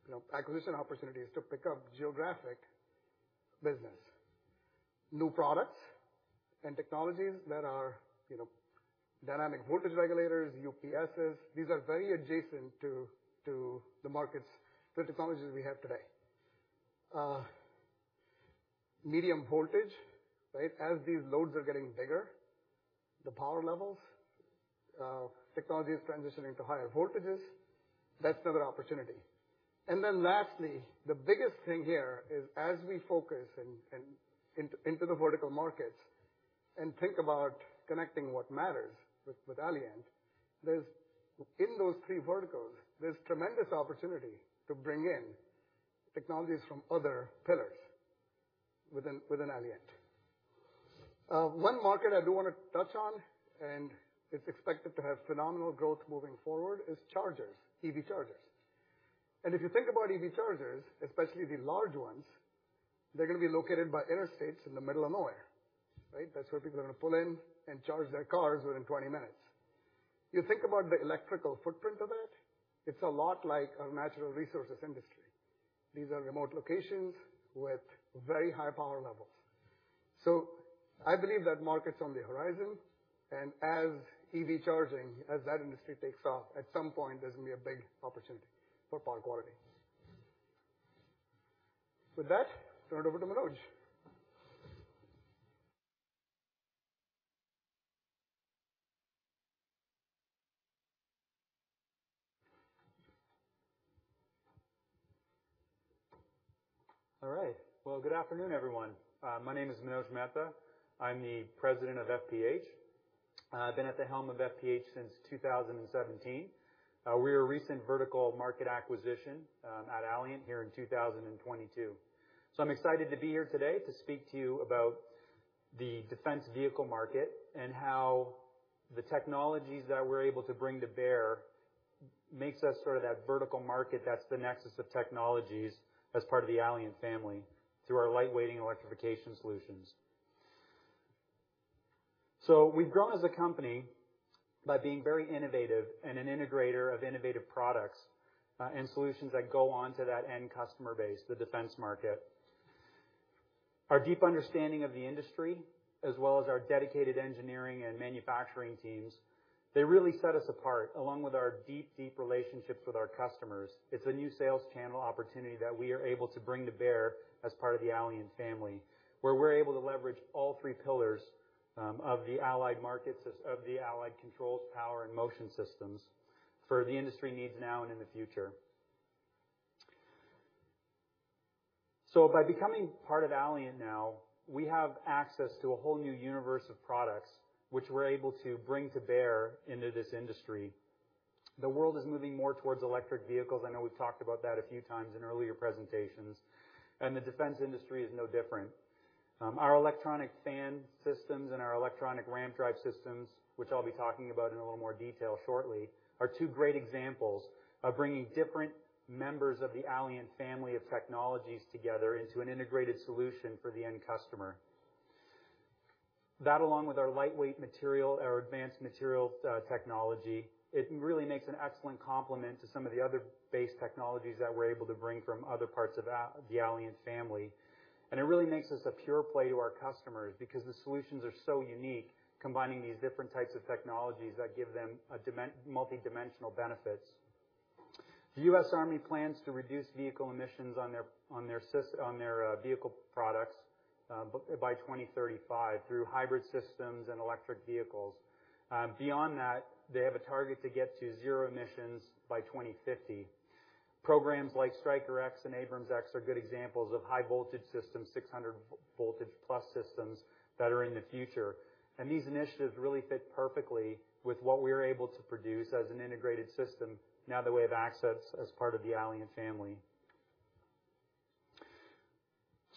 you know, acquisition opportunities to pick up geographic business. New products and technologies that are, you know, dynamic voltage regulator, UPSs, these are very adjacent to, to the markets, the technologies we have today. Medium voltage, right? As these loads are getting bigger, the power levels, technology is transitioning to higher voltages. That's another opportunity. Lastly, the biggest thing here is as we focuinto the vertical markets and think about connecting what matters with, with Allient. In those three verticals, there's tremendous opportunity to bring in technologies from other pillars within, within Allient. One market I do wanna touch on, and it's expected to have phenomenal growth moving forward, is chargers, EV chargers. If you think about EV chargers, especially the large ones, they're gonna be located by interstates in the middle of nowhere, right? That's where people gonna pull in and charge their cars within 20 minutes. You think about the electrical footprint of it, it's a lot like our natural resources industry. These are remote locations with very high power levels. I believe that market's on the horizon, and as EV charging, as that industry takes off, at some point, there's gonna be a big opportunity for power quality. With that, turn it over to Manoj. All right. Well, good afternoon, everyone. My name is Manoj Mehta. I'm the President of FPH. I've been at the helm of FPH since 2017. We're a recent vertical market acquisition, at Allient here in 2022. I'm excited to be here today to speak to you about the defense vehicle market and how the technologies that we're able to bring to bear makes us sort of that vertical market that's the nexus of technologies as part of the Allient family, through our light-weighting electrification solutions. We've grown as a company by being very innovative and an integrator of innovative products, and solutions that go on to that end customer base, the defense market. Our deep understanding of the industry, as well as our dedicated engineering and manufacturing teams, they really set us apart, along with our deep, deep relationships with our customers. It's a new sales channel opportunity that we are able to bring to bear as part of the Allient family, where we're able to leverage all three pillars, of the allied markets, of the Allied Controls, Power, and Motion Systems for the industry needs now and in the future. By becoming part of Allient now, we have access to a whole new universe of products, which we're able to bring to bear into this industry. The world is moving more towards electric vehicles. I know we've talked about that a few times in earlier presentations, the defense industry is no different. Our electronic fan systems and our electronic ram drive systems, which I'll be talking about in a little more detail shortly, are two great examples of bringing different members of the Allient family of technologies together into an integrated solution for the end customer. That, along with our lightweight material, our advanced materials, technology, it really makes an excellent complement to some of the other base technologies that we're able to bring from other parts of the Allient family. It really makes us a pure play to our customers because the solutions are so unique, combining these different types of technologies that give them multidimensional benefits. The U.S. Army plans to reduce vehicle emissions on their, on their on their vehicle products by 2035, through hybrid systems and electric vehicles. Beyond that, they have a target to get to zero emissions by 2050. Programs like StrykerX and AbramsX are good examples of high-voltage systems, 600+ V systems, that are in the future. These initiatives really fit perfectly with what we are able to produce as an integrated system, now that we have access as part of the Allient family.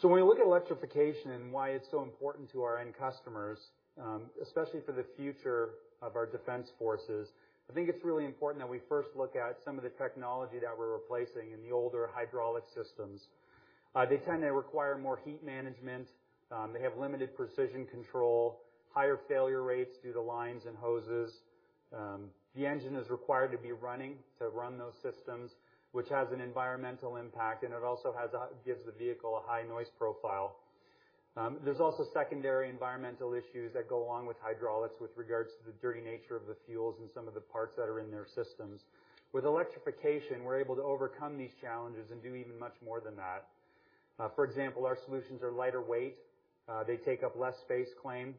When we look at electrification and why it's so important to our end customers, especially for the future of our defense forces, I think it's really important that we first look at some of the technology that we're replacing in the older hydraulic systems. They tend to require more heat management, they have limited precision control, higher failure rates due to lines and hoses. The engine is required to be running to run those systems, which has an environmental impact, and it also gives the vehicle a high noise profile. There's also secondary environmental issues that go along with hydraulics, with regards to the dirty nature of the fuels and some of the parts that are in their systems. With electrification, we're able to overcome these challenges and do even much more than that. For example, our solutions are lighter weight. They take up less space claim.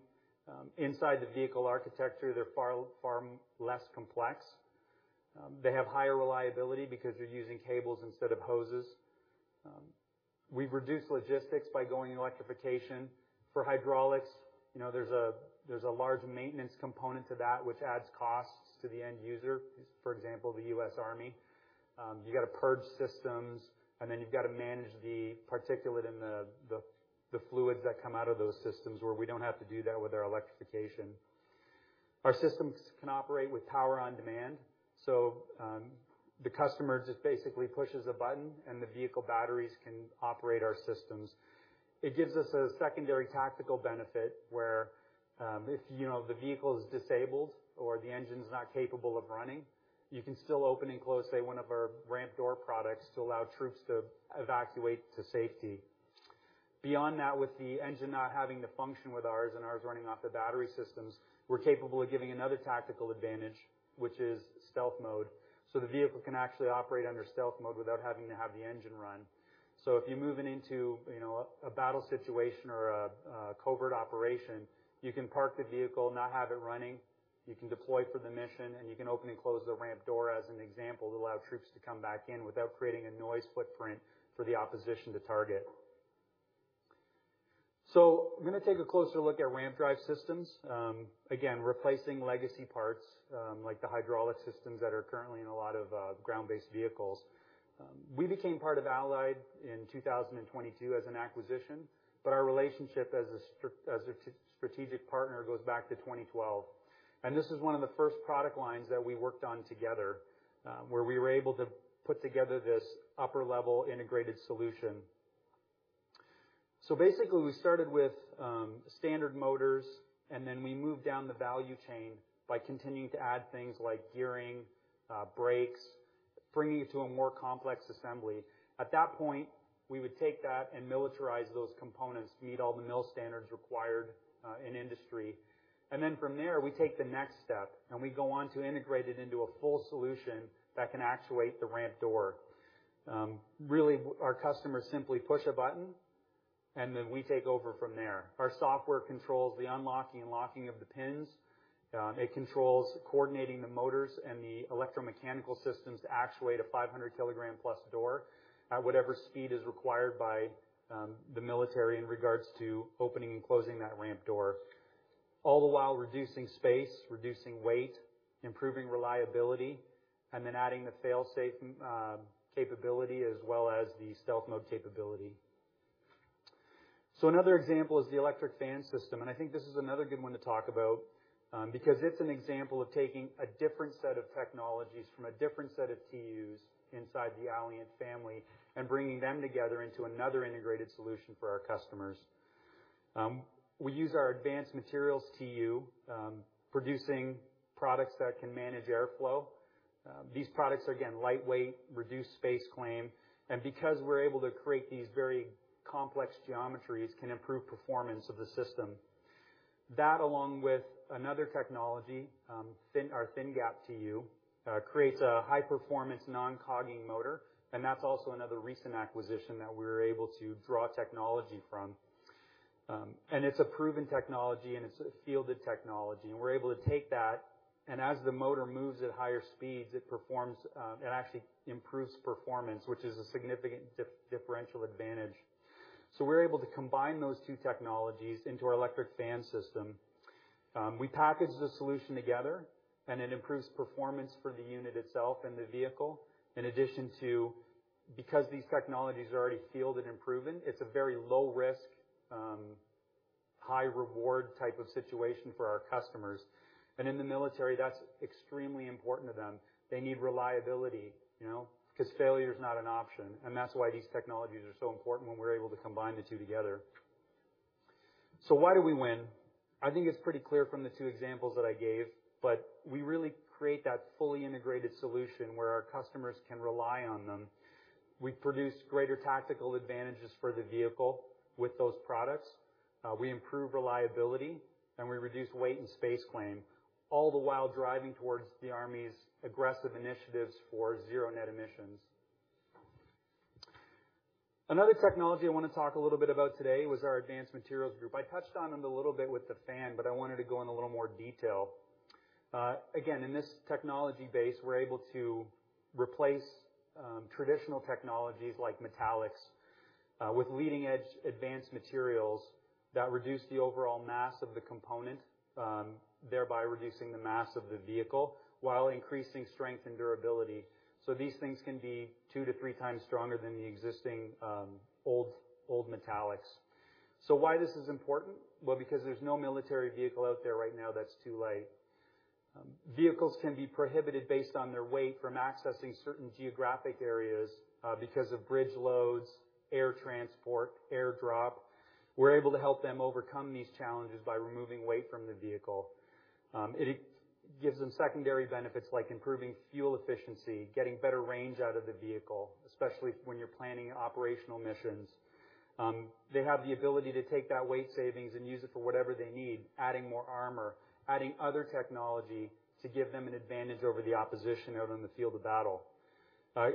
Inside the vehicle architecture, they're far, far less complex. They have higher reliability because you're using cables instead of hoses. We've reduced logistics by going electrification. For hydraulics, you know, there's a large maintenance component to that, which adds costs to the end user. For example, the U.S. Army. You gotta purge systems, you've gotta manage the particulate in the fluids that come out of those systems, where we don't have to do that with our electrification. Our systems can operate with power on demand, the customer just basically pushes a button, and the vehicle batteries can operate our systems. It gives us a secondary tactical benefit, where, if you know, the vehicle is disabled or the engine's not capable of running, you can still open and close, say, one of our ramp door products to allow troops to evacuate to safety. Beyond that, with the engine not having to function with ours and ours running off the battery systems, we're capable of giving another tactical advantage, which is stealth mode. The vehicle can actually operate under stealth mode without having to have the engine run. If you're moving into, you know, a, a battle situation or a, a covert operation, you can park the vehicle, not have it running, you can deploy for the mission, and you can open and close the ramp door as an example, to allow troops to come back in without creating a noise footprint for the opposition to target. I'm gonna take a closer look at ramp drive systems. Again, replacing legacy parts, like the hydraulic systems that are currently in a lot of ground-based vehicles. We became part of Allient in 2022 as an acquisition, but our relationship as a strategic partner goes back to 2012, and this is one of the first product lines that we worked on together, where we were able to put together this upper-level integrated solution. Basically, we started with standard motors, then we moved down the value chain by continuing to add things like gearing, brakes, bringing it to a more complex assembly. At that point, we would take that and militarize those components to meet all the mil standards required in industry. Then from there, we take the next step, and we go on to integrate it into a full solution that can actuate the ramp door. Really, our customers simply push a button, and then we take over from there. Our software controls the unlocking and locking of the pins. It controls coordinating the motors and the electromechanical systems to actuate a 500+ kg door at whatever speed is required by the military in regards to opening and closing that ramp door. All the while, reducing space, reducing weight, improving reliability, and then adding the fail-safe capability, as well as the stealth mode capability. Another example is the electric fan system, and I think this is another good one to talk about, because it's an example of taking a different set of technologies from a different set of TUs inside the Allient family and bringing them together into another integrated solution for our customers. We use our advanced materials TU, producing products that can manage airflow. These products are, again, lightweight, reduced space claim, and because we're able to create these very complex geometries, can improve performance of the system. That, along with another technology, our ThinGap TU, creates a high-performance, non-cogging motor, and that's also another recent acquisition that we were able to draw technology from. It's a proven technology, and it's a fielded technology, and we're able to take that, and as the motor moves at higher speeds, it performs, it actually improves performance, which is a significant differential advantage. We're able to combine those two technologies into our electric fan system. We package the solution together, and it improves performance for the unit itself and the vehicle. In addition to, because these technologies are already fielded and proven, it's a very low risk, high reward type of situation for our customers. In the military, that's extremely important to them. They need reliability, you know, 'cause failure is not an option, and that's why these technologies are so important when we're able to combine the two together. Why do we win? I think it's pretty clear from the two examples that I gave, but we really create that fully integrated solution where our customers can rely on them. We produce greater tactical advantages for the vehicle with those products. We improve reliability, and we reduce weight and space claim, all the while driving towards the Army's aggressive initiatives for zero net emissions. Another technology I want to talk a little bit about today was our Advanced Materials Group. I touched on them a little bit with the fan, but I wanted to go in a little more detail. Again, in this technology base, we're able to replace traditional technologies like metallics with leading-edge advanced materials that reduce the overall mass of the component, thereby reducing the mass of the vehicle while increasing strength and durability. These things can be 2–3x stronger than the existing, old, old metallics. Why this is important? Well, because there's no military vehicle out there right now that's too light. Vehicles can be prohibited based on their weight from accessing certain geographic areas because of bridge loads, air transport, air drop. We're able to help them overcome these challenges by removing weight from the vehicle. It gives them secondary benefits like improving fuel efficiency, getting better range out of the vehicle, especially when you're planning operational missions. They have the ability to take that weight savings and use it for whatever they need, adding more armor, adding other technology to give them an advantage over the opposition out on the field of battle.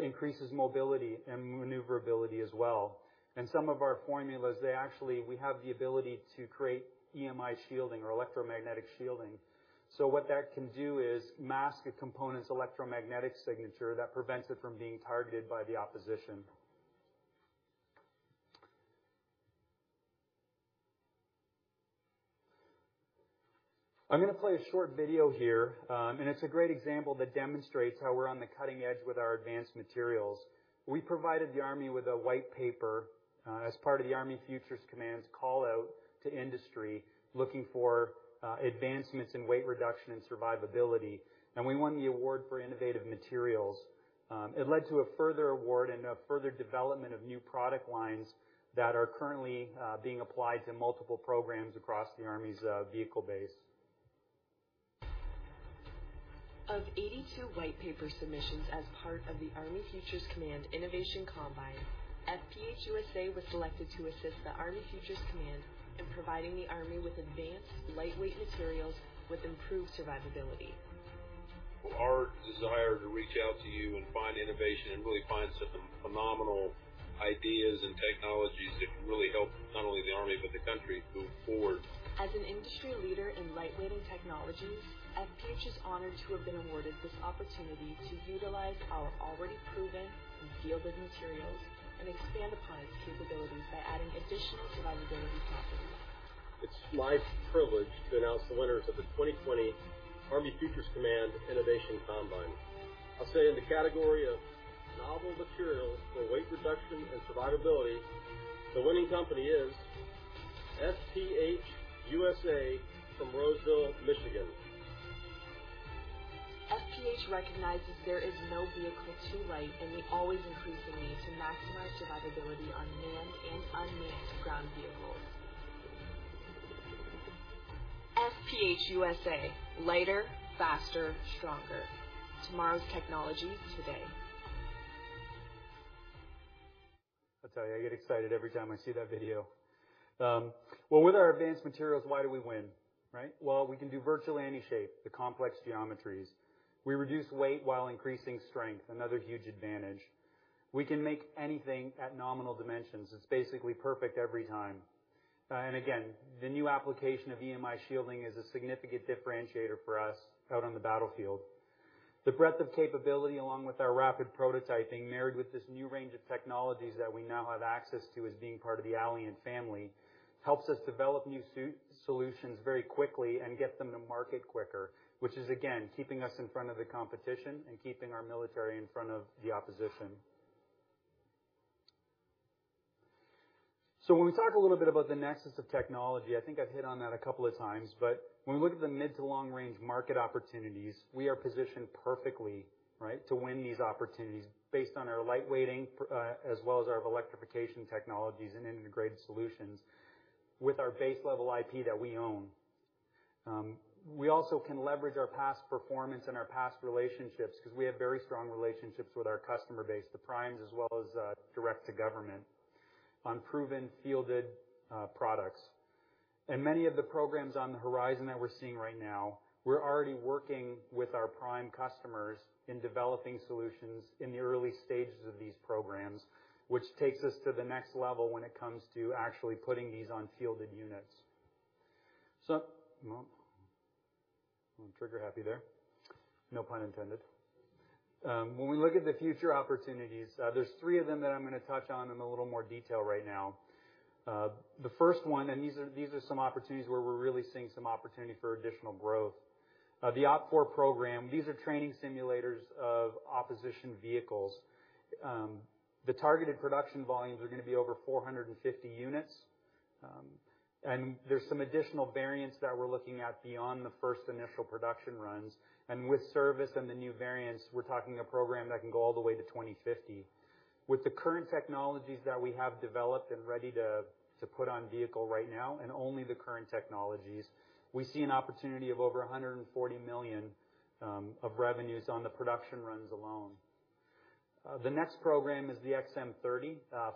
Increases mobility and maneuverability as well. Some of our formulas, we have the ability to create EMI shielding or electromagnetic shielding. What that can do is mask a component's electromagnetic signature that prevents it from being targeted by the opposition. I'm gonna play a short video here. It's a great example that demonstrates how we're on the cutting edge with our advanced materials. We provided the Army with a white paper as part of the Army Futures Command's call out to industry, looking for advancements in weight reduction and survivability. We won the award for innovative materials. It led to a further award and a further development of new product lines that are currently being applied to multiple programs across the Army's vehicle base. Of 82 white paper submissions as part of the Army Futures Command Innovation Combine, FPH U.S.A. was selected to assist the Army Futures Command in providing the army with advanced lightweight materials with improved survivability. Our desire to reach out to you and find innovation and really find some phenomenal ideas and technologies that really help not only the Army, but the country move forward. As an industry leader in lightweighting technologies, FPH is honored to have been awarded this opportunity to utilize our already proven and fielded materials and expand upon its capabilities by adding additional survivability properties. It's my privilege to announce the winners of the 2020 Army Futures Command Innovation Combine. I'll say in the category of Novel Materials for Weight Reduction and Survivability, the winning company is FPH U.S.A. from Roseville, Michigan. recognizes there is no vehicle too light, we always increase the need to maximize survivability on manned and unmanned ground vehicles. FPH U.S.A, lighter, faster, stronger. Tomorrow's technology, today. I'll tell you, I get excited every time I see that video. Well, with our advanced materials, why do we win, right? Well, we can do virtually any shape, the complex geometries. We reduce weight while increasing strength, another huge advantage. We can make anything at nominal dimensions. It's basically perfect every time. And again, the new application of EMI shielding is a significant differentiator for us out on the battlefield. The breadth of capability, along with our rapid prototyping, married with this new range of technologies that we now have access to as being part of the Allient family, helps us develop new solutions very quickly and get them to market quicker. Which is, again, keeping us in front of the competition and keeping our military in front of the opposition. When we talk a little bit about the nexus of technology, I think I've hit on that a couple of times, but when we look at the mid to long range market opportunities, we are positioned perfectly, right, to win these opportunities based on our lightweighting, as well as our electrification technologies and integrated solutions with our base level IP that we own. We also can leverage our past performance and our past relationships, 'cause we have very strong relationships with our customer base, the primes, as well as direct to government, on proven, fielded products. Many of the programs on the horizon that we're seeing right now, we're already working with our prime customers in developing solutions in the early stages of these programs, which takes us to the next level when it comes to actually putting these on fielded units. Well, I'm trigger happy there. No pun intended. When we look at the future opportunities, there's three of them that I'm gonna touch on in a little more detail right now. The first one, these are, these are some opportunities where we're really seeing some opportunity for additional growth. The OPFOR program, these are training simulators of opposition vehicles. The targeted production volumes are gonna be over 450 units. There's some additional variants that we're looking at beyond the first initial production runs. With service and the new variants, we're talking a program that can go all the way to 2050. With the current technologies that we have developed and ready to put on vehicle right now, and only the current technologies, we see an opportunity of over $140 million of revenues on the production runs alone. The next program is the XM30,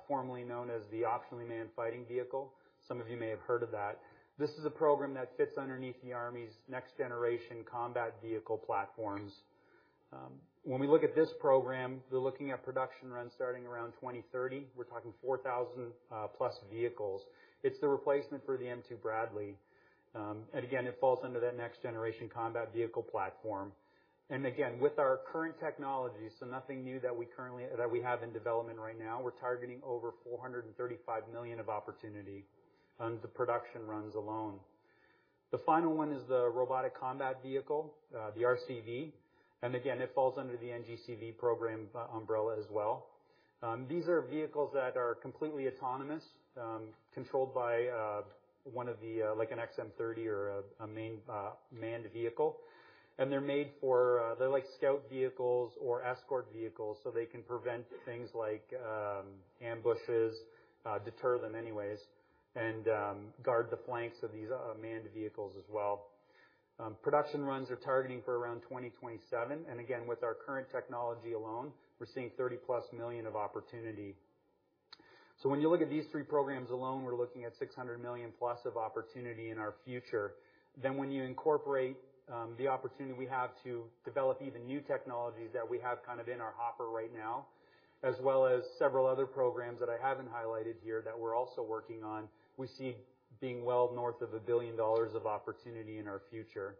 formerly known as the Optionally Manned Fighting Vehicle. Some of you may have heard of that. This is a program that fits underneath the Army's next generation combat vehicle platforms. When we look at this program, we're looking at production runs starting around 2030. We're talking 4,000 plus vehicles. It's the replacement for the M2 Bradley. Again, it falls under that next generation combat vehicle platform. Again, with our current technology, so nothing new that we have in development right now, we're targeting over $435 million of opportunity on the production runs alone. The final one is the Robotic Combat Vehicle, the RCV. It falls under the NGCV program umbrella as well. These are vehicles that are completely autonomous, controlled by one of the, like an XM30 or a main manned vehicle. They're like scout vehicles or escort vehicles, so they can prevent things like ambushes, deter them anyways, and guard the flanks of these manned vehicles as well. Production runs are targeting for around 2027. Again, with our current technology alone, we're seeing $30+ million of opportunity. When you look at these three programs alone, we're looking at $600 million+ of opportunity in our future. When you incorporate the opportunity we have to develop even new technologies that we have kind of in our hopper right now, as well as several other programs that I haven't highlighted here that we're also working on, we see being well north of $1 billion of opportunity in our future.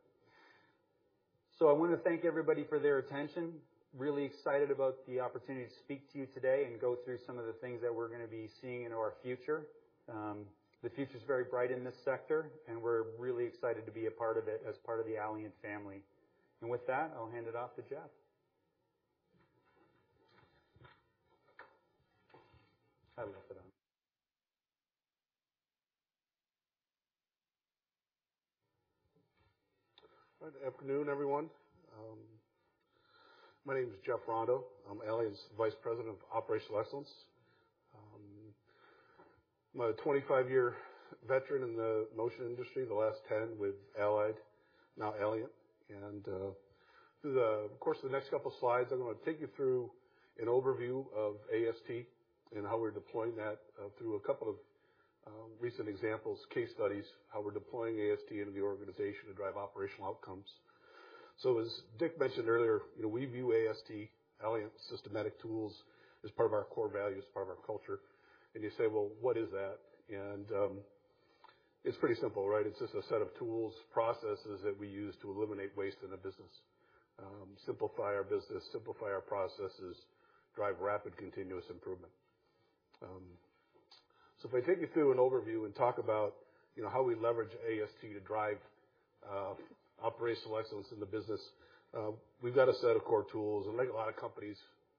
I wanna thank everybody for their attention. Really excited about the opportunity to speak to you today and go through some of the things that we're gonna be seeing into our future. The future's very bright in this sector, and we're really excited to be a part of it as part of the Allient family. With that, I'll hand it off to Geoff. I left it on. Good afternoon, everyone. My name is Geoff Rondeau. I'm Allient's Vice President of Operational Excellence. I'm a 25-year veteran in the motion industry, the last 10 with Allied, now Allient. Through the, of course, the next couple of slides, I'm gonna take you through an overview of AST and how we're deploying that through a couple of recent examples, case studies, how we're deploying AST into the organization to drive operational outcomes. As Dick mentioned earlier, you know, we view AST, Allient Systematic Tools, as part of our core values, as part of our culture. You say, "Well, what is that?" It's pretty simple, right? It's just a set of tools, processes that we use to eliminate waste in the business, simplify our business, simplify our processes, drive rapid, continuous improvement. If I take you through an overview and talk about, you know, how we leverage AST to drive operational excellence in the business, we've got a set of core tools. Like a lot of companies,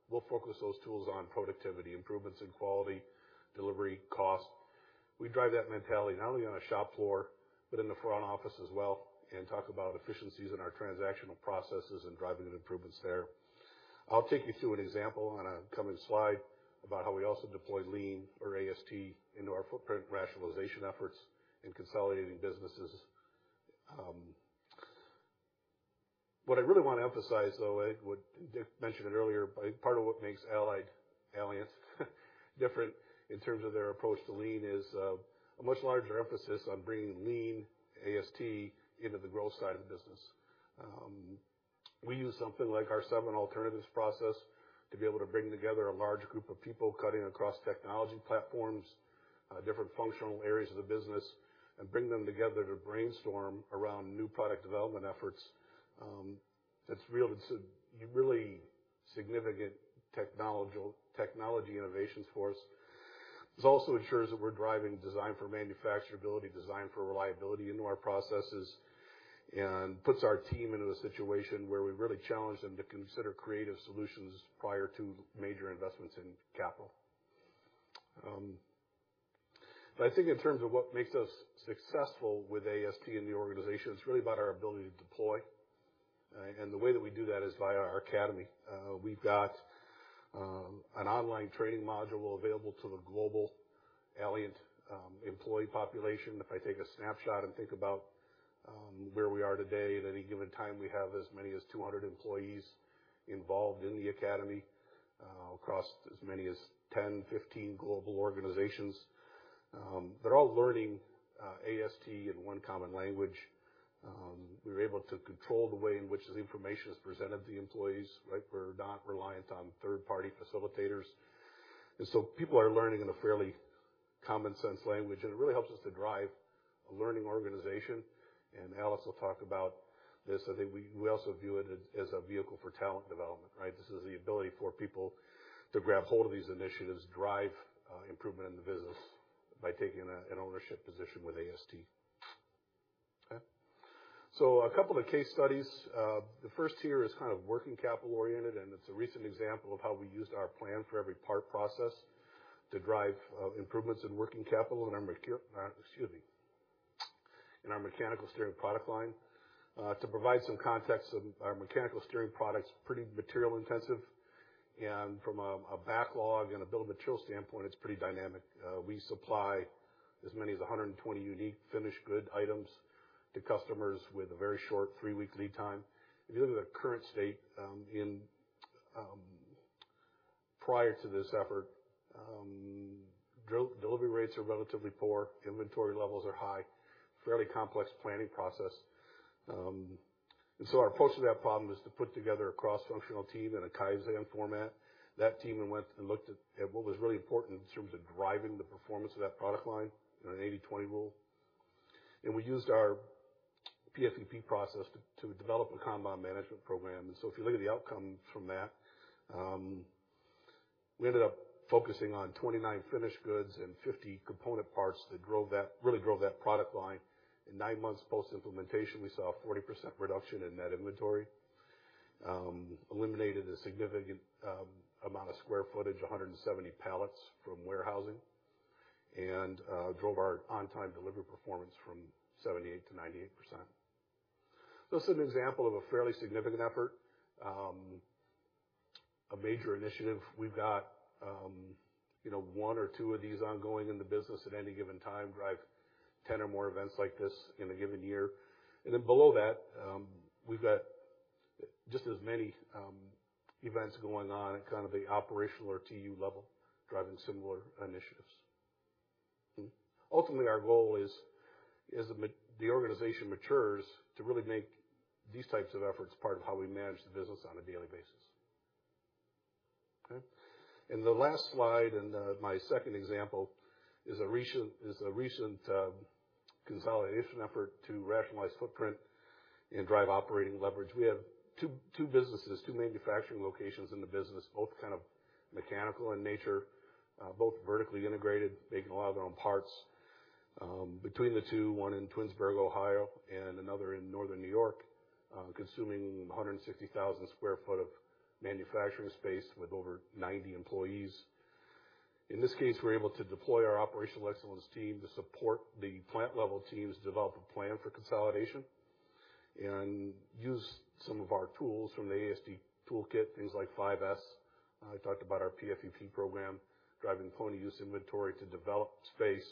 we'll focus those tools on productivity, improvements in quality, delivery, cost. We drive that mentality not only on a shop floor, but in the front office as well, and talk about efficiencies in our transactional processes and driving improvements there. I'll take you through an example on a coming slide about how we also deploy Lean or AST into our footprint rationalization efforts in consolidating businesses. What I really want to emphasize, though, Dick mentioned it earlier, but part of what makes Allied, Allient, different in terms of their approach to Lean is a much larger emphasis on bringing Lean AST into the growth side of the business. We use something like our seven alternatives process to be able to bring together a large group of people cutting across technology platforms, different functional areas of the business, and bring them together to brainstorm around new product development efforts. It's a really significant technology innovations for us. This also ensures that we're driving design for manufacturability, design for reliability into our processes, and puts our team into a situation where we really challenge them to consider creative solutions prior to major investments in capital. I think in terms of what makes us successful with AST in the organization, it's really about our ability to deploy. The way that we do that is via our academy. We've got an online training module available to the global Allient employee population. If I take a snapshot and think about where we are today, at any given time, we have as many as 200 employees involved in the academy, across as many as 10, 15 global organizations. They're all learning AST in one common language. We're able to control the way in which the information is presented to the employees, right? We're not reliant on third-party facilitators. So people are learning in a fairly common sense language, and it really helps us to drive a learning organization. Alice will talk about this. I think we, we also view it as, as a vehicle for talent development, right? This is the ability for people to grab hold of these initiatives, drive improvement in the business by taking a, an ownership position with AST. Okay, so a couple of case studies. The first here is kind of working capital oriented, and it's a recent example of how we used our plan for every part process to drive improvements in working capital in our mercare...Excuse me, in our mechanical steering product line. To provide some context, our mechanical steering product's pretty material intensive, and from a, a backlog and a build material standpoint, it's pretty dynamic. We supply as many as 120 unique finished good items to customers with a very short three-week lead time. If you look at the current state, in prior to this effort, delivery rates are relatively poor, inventory levels are high, fairly complex planning process. Our approach to that problem is to put together a cross-functional team in a Kaizen format. That team then went and looked at what was really important in terms of driving the performance of that product line in an 80/20 rule. We used our PFEP process to develop a combined management program. If you look at the outcome from that, we ended up focusing on 29 finished goods and 50 component parts that really drove that product line. In nine months post-implementation, we saw a 40% reduction in net inventory, eliminated a significant amount of square footage, 170 pallets from warehousing, and drove our on-time delivery performance from 78%-98%. This is an example of a fairly significant effort. A major initiative. We've got, you know, one or two of these ongoing in the business at any given time, drive 10 or more events like this in a given year. Then below that, we've got just as many events going on at kind of the operational or TU level, driving similar initiatives. Ultimately, our goal is, as the organization matures, to really make these types of efforts part of how we manage the business on a daily basis. Okay? The last slide, my second example is a recent, is a recent consolidation effort to rationalize footprint and drive operating leverage. We have two businesses, two manufacturing locations in the business, both kind of mechanical in nature, both vertically integrated, making a lot of their own parts. Between the two, one in Twinsburg, Ohio, and another in Northern New York, consuming 160,000 sq ft of manufacturing space with over 90 employees. In this case, we're able to deploy our operational excellence team to support the plant-level teams, develop a plan for consolidation, and use some of our tools from the AST toolkit, things like 5S. I talked about our PFEP program, driving point-of-use inventory to develop space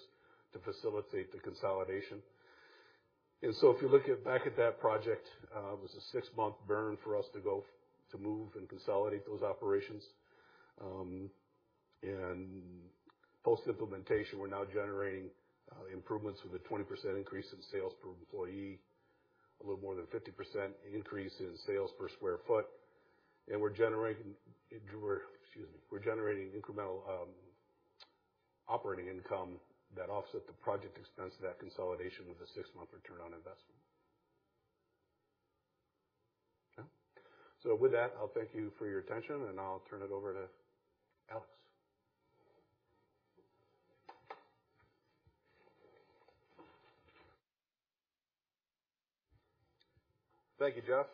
to facilitate the consolidation. So if you look back at that project, it was a six-month burn for us to go, to move and consolidate those operations. Post-implementation, we're now generating improvements with a 20% increase in sales per employee, a little more than 50% increase in sales per square foot, and we're generating, excuse me, we're generating incremental operating income that offset the project expense of that consolidation with a six-month return on investment. Okay. With that, I'll thank you for your attention, and I'll turn it over to Alex. Thank you, Geoff.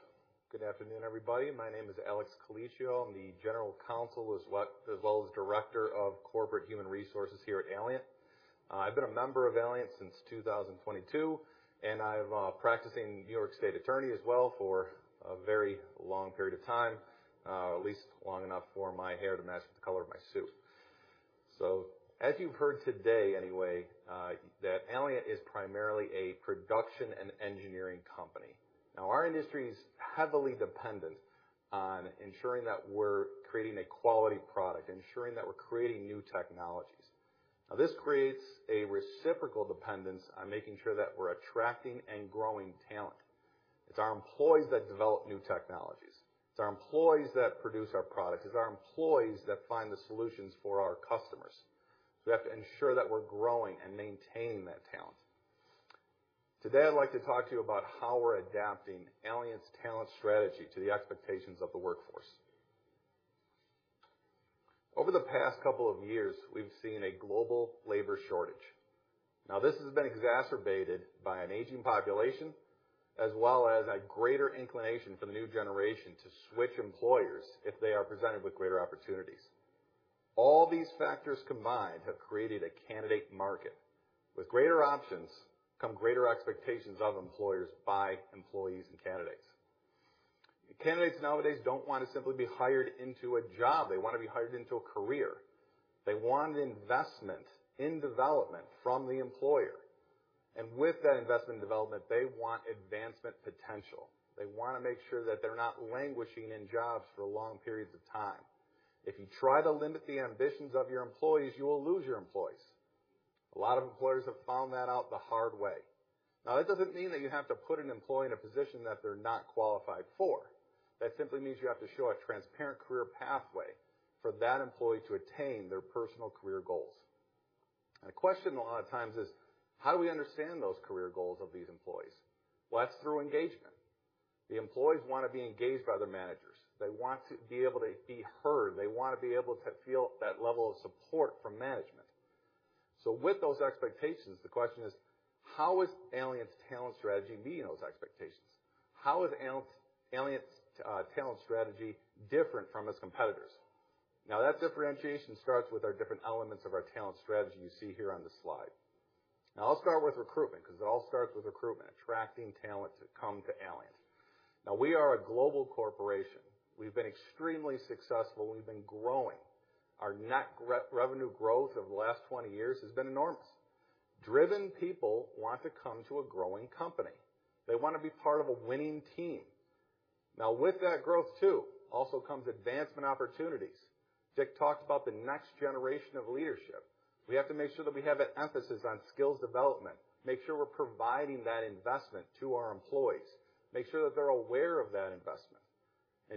Good afternoon, everybody. My name is Alex Collichio. I'm the General Counsel, as well as Director of Corporate Human Resources here at Allient. I've been a member of Allient since 2022, and I'm a practicing New York State attorney as well for a very long period of time, at least long enough for my hair to match the color of my suit. As you've heard today anyway, that Allient is primarily a production and engineering company. Our industry is heavily dependent on ensuring that we're creating a quality product, ensuring that we're creating new technologies. This creates a reciprocal dependence on making sure that we're attracting and growing talent. It's our employees that develop new technologies. It's our employees that produce our products. It's our employees that find the solutions for our customers. We have to ensure that we're growing and maintaining that talent. Today, I'd like to talk to you about how we're adapting Allient's talent strategy to the expectations of the workforce. Over the past couple of years, we've seen a global labor shortage. Now, this has been exacerbated by an aging population, as well as a greater inclination for the new generation to switch employers if they are presented with greater opportunities. All these factors combined have created a candidate market. With greater options, come greater expectations of employers by employees and candidates. Candidates nowadays don't want to simply be hired into a job. They want to be hired into a career. They want investment in development from the employer, and with that investment development, they want advancement potential. They wanna make sure that they're not languishing in jobs for long periods of time. If you try to limit the ambitions of your employees, you will lose your employees. A lot of employers have found that out the hard way. Now, that doesn't mean that you have to put an employee in a position that they're not qualified for. That simply means you have to show a transparent career pathway for that employee to attain their personal career goals. The question a lot of times is: How do we understand those career goals of these employees? Well, that's through engagement. The employees want to be engaged by their managers. They want to be able to be heard. They want to be able to feel that level of support from management. With those expectations, the question is: How is Allient's talent strategy meeting those expectations? How is Allient's talent strategy different from its competitors? That differentiation starts with our different elements of our talent strategy you see here on the slide. I'll start with recruitment, 'cause it all starts with recruitment, attracting talent to come to Allient. We are a global corporation. We've been extremely successful, we've been growing. Our net revenue growth over the last 20 years has been enormous. Driven people want to come to a growing company. They want to be part of a winning team. With that growth, too, also comes advancement opportunities. Dick talked about the next generation of leadership. We have to make sure that we have an emphasis on skills development, make sure we're providing that investment to our employees, make sure that they're aware of that investment.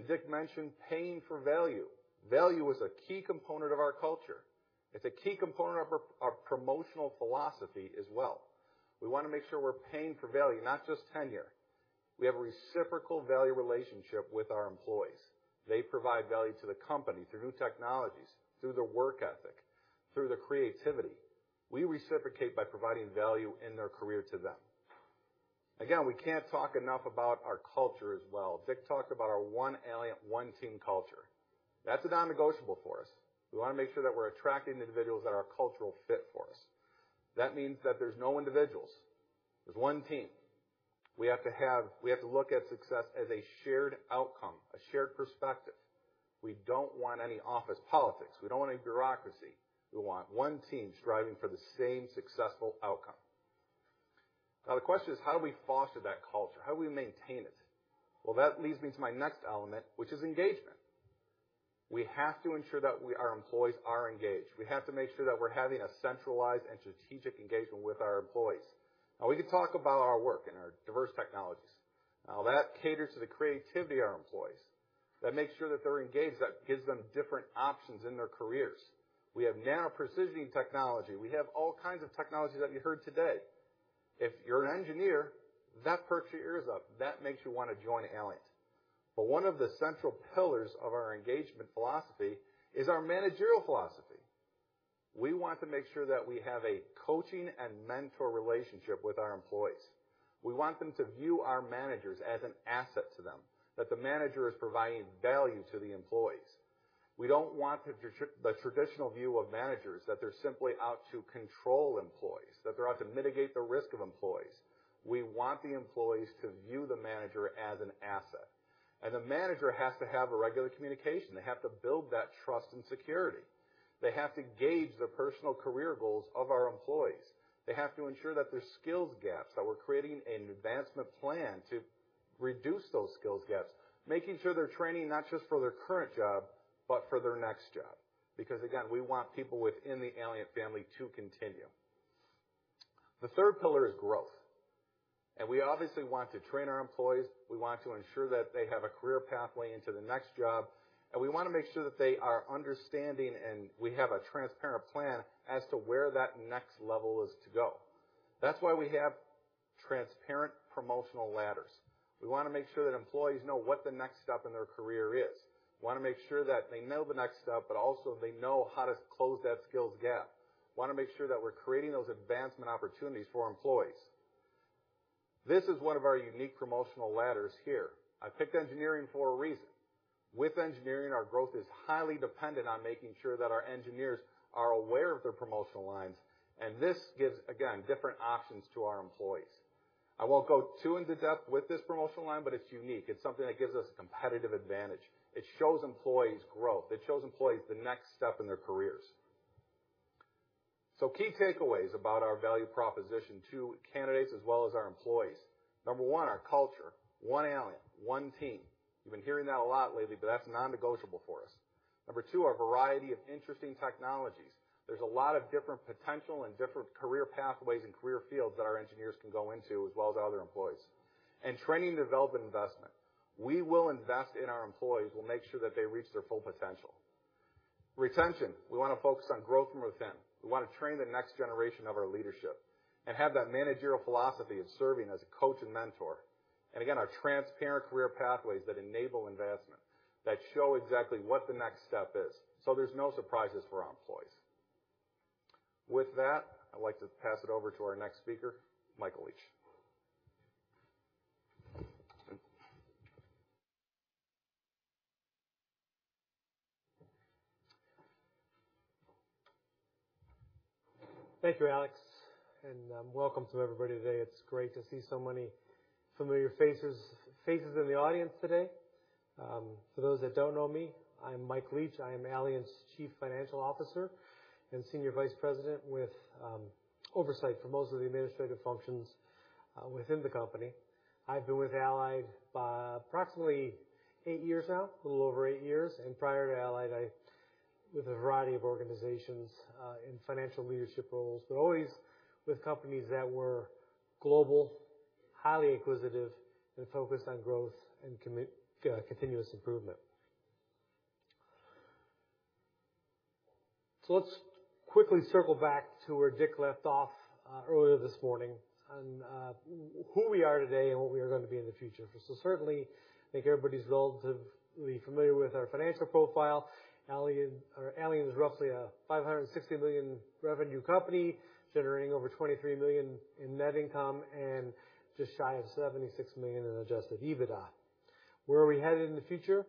Dick mentioned paying for value. Value is a key component of our culture. It's a key component of our promotional philosophy as well. We wanna make sure we're paying for value, not just tenure. We have a reciprocal value relationship with our employees. They provide value to the company through new technologies, through their work ethic, through their creativity. We reciprocate by providing value in their career to them. Again, we can't talk enough about our culture as well. Dick talked about our One Allient, One-Team culture. That's a non-negotiable for us. We wanna make sure that we're attracting individuals that are a cultural fit for us. That means that there's no individuals. There's One-Team. We have to look at success as a shared outcome, a shared perspective. We don't want any office politics. We don't want any bureaucracy. We want One-Team striving for the same successful outcome. Now, the question is: how do we foster that culture? How do we maintain it? Well, that leads me to my next element, which is engagement. We have to ensure that we, our employees, are engaged. We have to make sure that we're having a centralized and strategic engagement with our employees. Now, we can talk about our work and our diverse technologies. Now, that caters to the creativity of our employees. That makes sure that they're engaged, that gives them different options in their careers. We have nano-precision technology. We have all kinds of technologies that you heard today. If you're an engineer, that perks your ears up, that makes you wanna join Allient. One of the central pillars of our engagement philosophy is our managerial philosophy. We want to make sure that we have a coaching and mentor relationship with our employees. We want them to view our managers as an asset to them, that the manager is providing value to the employees. We don't want the traditional view of managers, that they're simply out to control employees, that they're out to mitigate the risk of employees. We want the employees to view the manager as an asset. The manager has to have a regular communication. They have to build that trust and security. They have to gauge the personal career goals of our employees. They have to ensure that there's skills gaps, that we're creating an advancement plan to reduce those skills gaps, making sure they're training not just for their current job, but for their next job, because, again, we want people within the Allient family to continue. The third pillar is growth. We obviously want to train our employees. We want to ensure that they have a career pathway into the next job, and we wanna make sure that they are understanding, and we have a transparent plan as to where that next level is to go. That's why we have transparent promotional ladders. We wanna make sure that employees know what the next step in their career is. We wanna make sure that they know the next step, but also they know how to close that skills gap. We wanna make sure that we're creating those advancement opportunities for our employees. This is one of our unique promotional ladders here. I picked engineering for a reason. With engineering, our growth is highly dependent on making sure that our engineers are aware of their promotional lines, and this gives, again, different options to our employees. I won't go too into depth with this promotional line, but it's unique. It's something that gives us competitive advantage. It shows employees growth. It shows employees the next step in their careers. Key takeaways about our value proposition to candidates as well as our employees. One our culture, One Allient, One-Team. You've been hearing that a lot lately, but that's non-negotiable for us. Two, a variety of interesting technologies. There's a lot of different potential and different career pathways and career fields that our engineers can go into, as well as other employees. Training, development, investment. We will invest in our employees. We'll make sure that they reach their full potential. Retention. We wanna focus on growth from within. We wanna train the next generation of our leadership and have that managerial philosophy of serving as a coach and mentor. Again, our transparent career pathways that enable investment, that show exactly what the next step is, so there's no surprises for our employees. With that, I'd like to pass it over to our next speaker, Mike Leach. Thank you, Alex, and welcome to everybody today. It's great to see so many familiar faces, faces in the audience today. For those that don't know me, I'm Mike Leach. I am Allient's Chief Financial Officer and Senior Vice President with oversight for most of the administrative functions within the company. I've been with Allient by approximately eight years now, a little over eght years, and prior to Allient, I—with a variety of organizations in financial leadership roles, but always with companies that were global, highly acquisitive, and focused on growth and continuous improvement. Let's quickly circle back to where Dick left off earlier this morning and who we are today and what we are gonna be in the future. Certainly, I think everybody's relatively familiar with our financial profile. Allied or Allient is roughly a $560 million revenue company, generating over $23 million in net income and just shy of $76 million in adjusted EBITDA. Where are we headed in the future?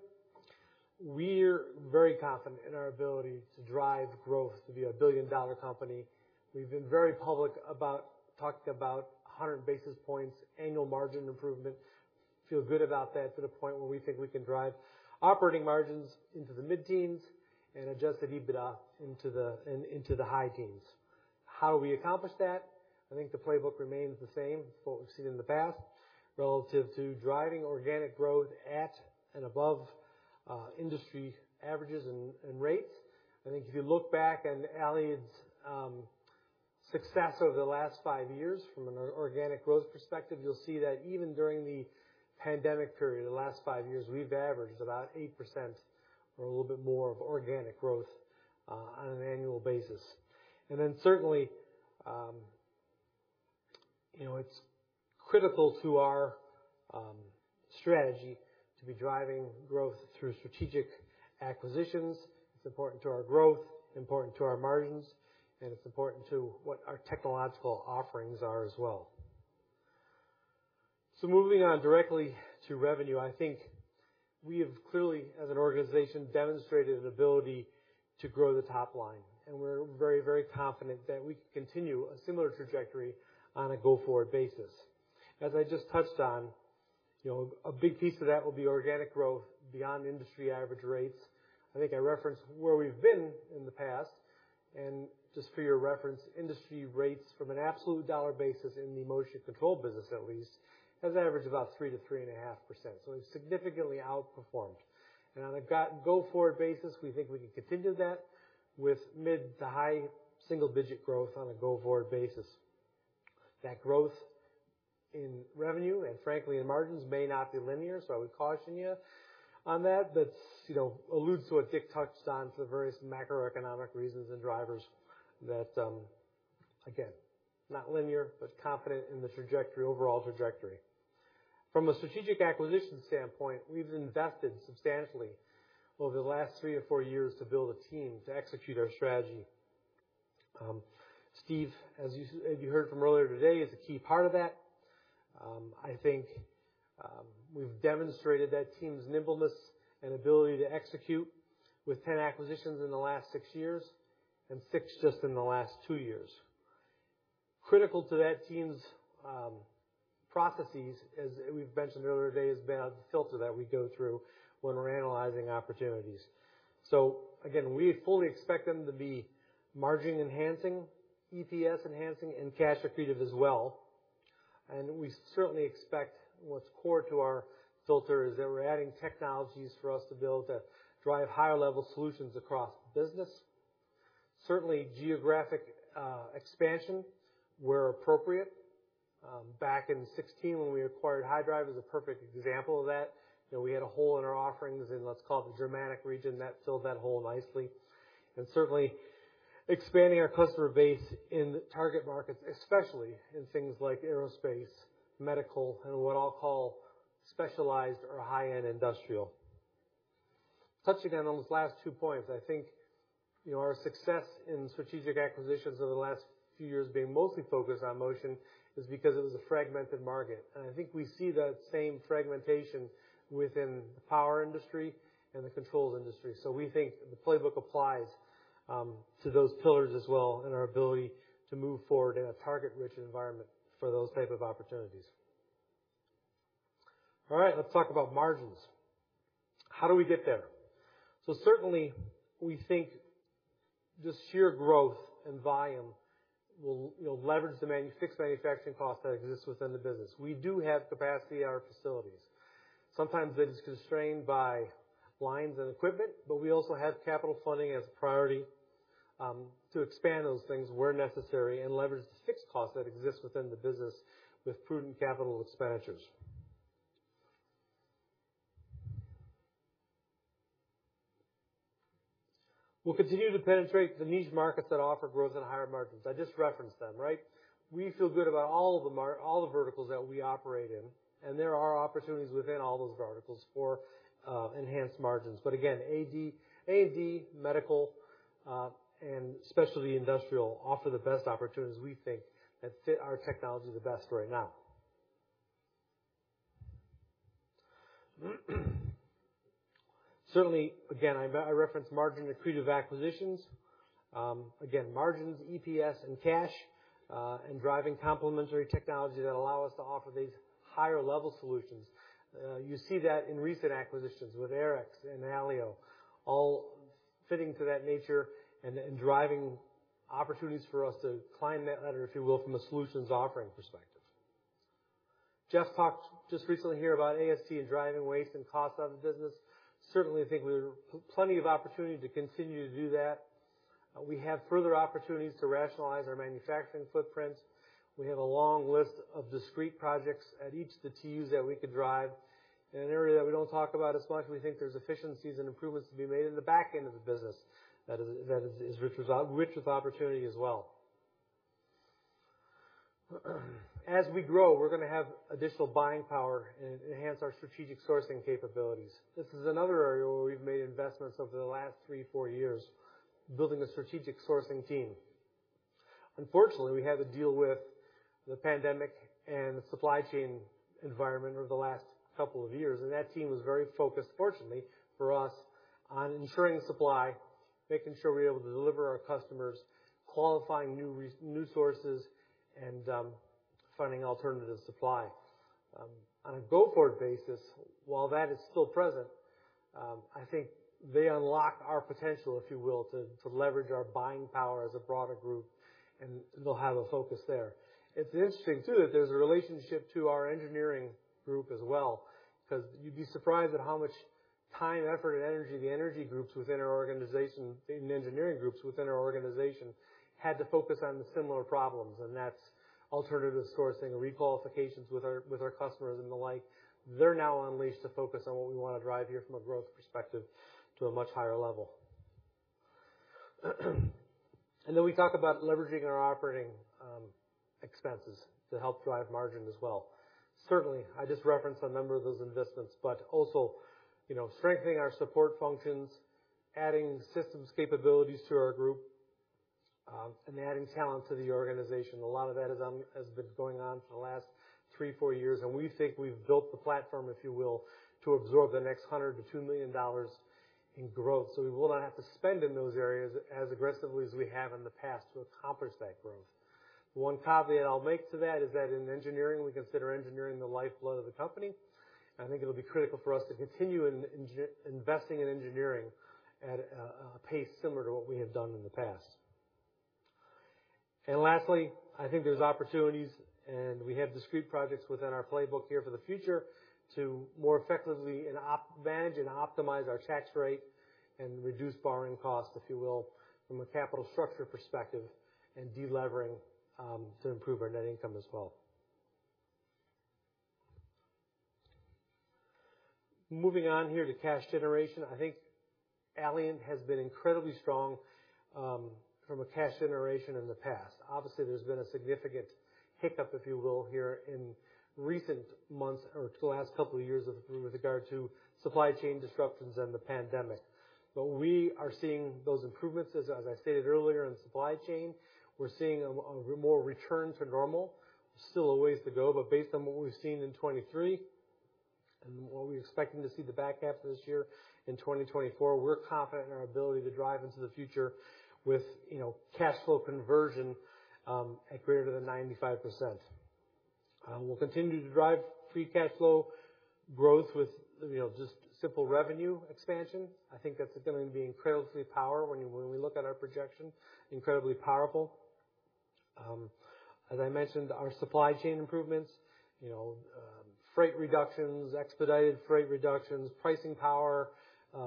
We're very confident in our ability to drive growth to be a $1 billion company. We've been very public about talking about 100 basis points, annual margin improvement. Feel good about that, to the point where we think we can drive operating margins into the mid-teens and adjusted EBITDA into the high teens. How we accomplish that? I think the playbook remains the same as what we've seen in the past, relative to driving organic growth at and above industry averages and rates. I think if you look back on Allient's success over the last five years from an organic growth perspective, you'll see that even during the pandemic period, the last five years, we've averaged about 8% or a little bit more of organic growth on an annual basis. Certainly, you know, it's critical to our strategy to be driving growth through strategic acquisitions. It's important to our growth, important to our margins, and it's important to what our technological offerings are as well. Moving on directly to revenue, I think we have clearly, as an organization, demonstrated an ability to grow the top line, and we're very, very confident that we can continue a similar trajectory on a go-forward basis. As I just touched on, you know, a big piece of that will be organic growth beyond industry average rates. I think I referenced where we've been in the past, and just for your reference, industry rates from an absolute dollar basis in the motion control business, at least, has averaged about 3%-3.5%, so we've significantly outperformed. On a go-go forward basis, we think we can continue that with mid to high single-digit growth on a go-forward basis. That growth in revenue and frankly, in margins, may not be linear, so I would caution you on that. That's, you know, alludes to what Dick touched on, to the various macroeconomic reasons and drivers that, again, not linear, but confident in the trajectory, overall trajectory. From a strategic acquisition standpoint, we've invested substantially over the last three or four years to build a team to execute our strategy. Steve, as you heard from earlier today, is a key part of that. I think, we've demonstrated that team's nimbleness and ability to execute with 10 acquisitions in the last six years and six just in the last two years. Critical to that team's processes, as we've mentioned earlier today, has been a filter that we go through when we're analyzing opportunities. Again, we fully expect them to be margin enhancing, EPS enhancing, and cash accretive as well. We certainly expect what's core to our filter is that we're adding technologies for us to be able to drive highermlevel solutions across the business. Certainly geographic expansion, where appropriate. Back in 2016, when we acquired Heidrive, is a perfect example of that. You know, we had a hole in our offerings in, let's call it, the Germanic region, that filled that hole nicely. Certainly expanding our customer base in target markets, especially in things like aerospace, medical, and what I'll call specialized or high-end industrial. Touching on those last two points, I think, you know, our success in strategic acquisitions over the last few years being mostly focused on motion, is because it was a fragmented market. I think we see that same fragmentation within the power industry and the controls industry. We think the playbook applies to those pillars as well, and our ability to move forward in a target-rich environment for those type of opportunities. All right, let's talk about margins. How do we get there? Certainly, we think just sheer growth and volume will, you know, leverage the fixed manufacturing cost that exists within the business. We do have capacity in our facilities. Sometimes it is constrained by lines and equipment, but we also have capital funding as a priority to expand those things where necessary and leverage the fixed costs that exist within the business with prudent capital expenditures. We'll continue to penetrate the niche markets that offer growth and higher margins. I just referenced them, right? We feel good about all the verticals that we operate in, and there are opportunities within all those verticals for enhanced margins. Again, A&D, medical, and specialty industrial offer the best opportunities we think that fit our technology the best right now. Certainly, again, I referenced margin accretive acquisitions. Again, margins, EPS, and cash, and driving complementary technology that allow us to offer these higher-level solutions. You see that in recent acquisitions with Airex and ALIO, all fitting to that nature and driving opportunities for us to climb that ladder, if you will, from a solutions offering perspective. Jeff talked just recently here about AST and driving waste and cost out of the business. Certainly think we have plenty of opportunity to continue to do that. We have further opportunities to rationalize our manufacturing footprints. We have a long list of discrete projects at each of the TUs that we could drive. In an area that we don't talk about as much, we think there's efficiencies and improvements to be made in the back end of the business that is rich with opportunity as well. As we grow, we're going to have additional buying power and enhance our strategic sourcing capabilities. This is another area where we've made investments over the last three, four years, building a strategic sourcing team. Unfortunately, we had to deal with the pandemic and the supply chain environment over the last couple of years. That team was very focused, fortunately for us, on ensuring supply, making sure we are able to deliver our customers, qualifying new sources, and finding alternative supply. On a go-forward basis, while that is still present, I think they unlock our potential, if you will, to leverage our buying power as a broader group. They'll have a focus there. It's interesting, too, that there's a relationship to our engineering group as well, because you'd be surprised at how much time, effort, and energy the energy groups within our organization, and engineering groups within our organization had to focus on the similar problems, and that's alternative sourcing, requalifications with our, with our customers and the like. They're now unleashed to focus on what we want to drive here from a growth perspective to a much higher level. We talk about leveraging our operating expenses to help drive margin as well. Certainly, I just referenced a number of those investments, also, you know, strengthening our support functions, adding systems capabilities to our group, and adding talent to the organization.A lot of that is on has been going on for the last three, four years, and we think we've built the platform, if you will, to absorb the next $100 million-$200 million in growth. We will not have to spend in those areas as aggressively as we have in the past to accomplish that growth. One caveat I'll make to that is that in engineering, we consider engineering the lifeblood of the company. I think it'll be critical for us to continue investing in engineering at a pace similar to what we have done in the past. Lastly, I think there's opportunities, and we have discrete projects within our playbook here for the future to more effectively manage and optimize our tax rate and reduce borrowing costs, if you will, from a capital structure perspective, and delevering to improve our net income as well. Moving on here to cash generation, I think Allient has been incredibly strong from a cash generation in the past. Obviously, there's been a significant hiccup, if you will, here in recent months or the last couple of years with, with regard to supply chain disruptions and the pandemic. We are seeing those improvements. As, as I stated earlier in the supply chain, we're seeing a more return to normal. There's still a ways to go, based on what we've seen in 2023 and what we're expecting to see the back half of this year in 2024, we're confident in our ability to drive into the future with, you know, cash flow conversion at greater than 95%. We'll continue to drive free cash flow growth with, you know, just simple revenue expansion. I think that's going to be incredibly powerful when we look at our projections, incredibly powerful. As I mentioned, our supply chain improvements, you know, freight reductions, expedited freight reductions, pricing power,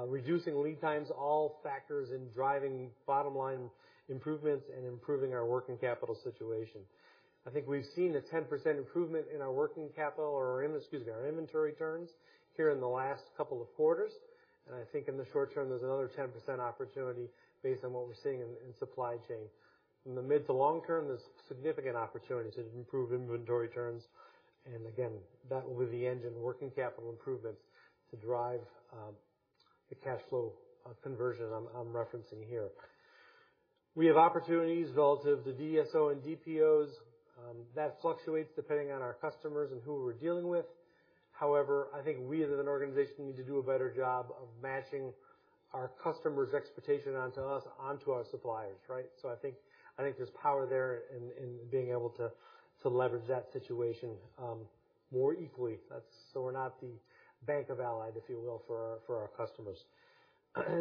reducing lead times, all factors in driving bottom line improvements and improving our working capital situation. I think we've seen a 10% improvement in our working capital or in, excuse me, our inventory turns here in the last couple of quarters. I think in the short term, there's another 10% opportunity based on what we're seeing in supply chain. In the mid to long term, there's significant opportunities to improve inventory turns, and again, that will be the engine working capital improvements to drive the cash flow conversion I'm referencing here. We have opportunities relative to DSO and DPOs. That fluctuates depending on our customers and who we're dealing with. However, I think we as an organization need to do a better job of matching our customer's expectation onto us, onto our suppliers, right? I think, I think there's power there in being able to leverage that situation more equally. That's so we're not the bank of Allied, if you will, for our customers.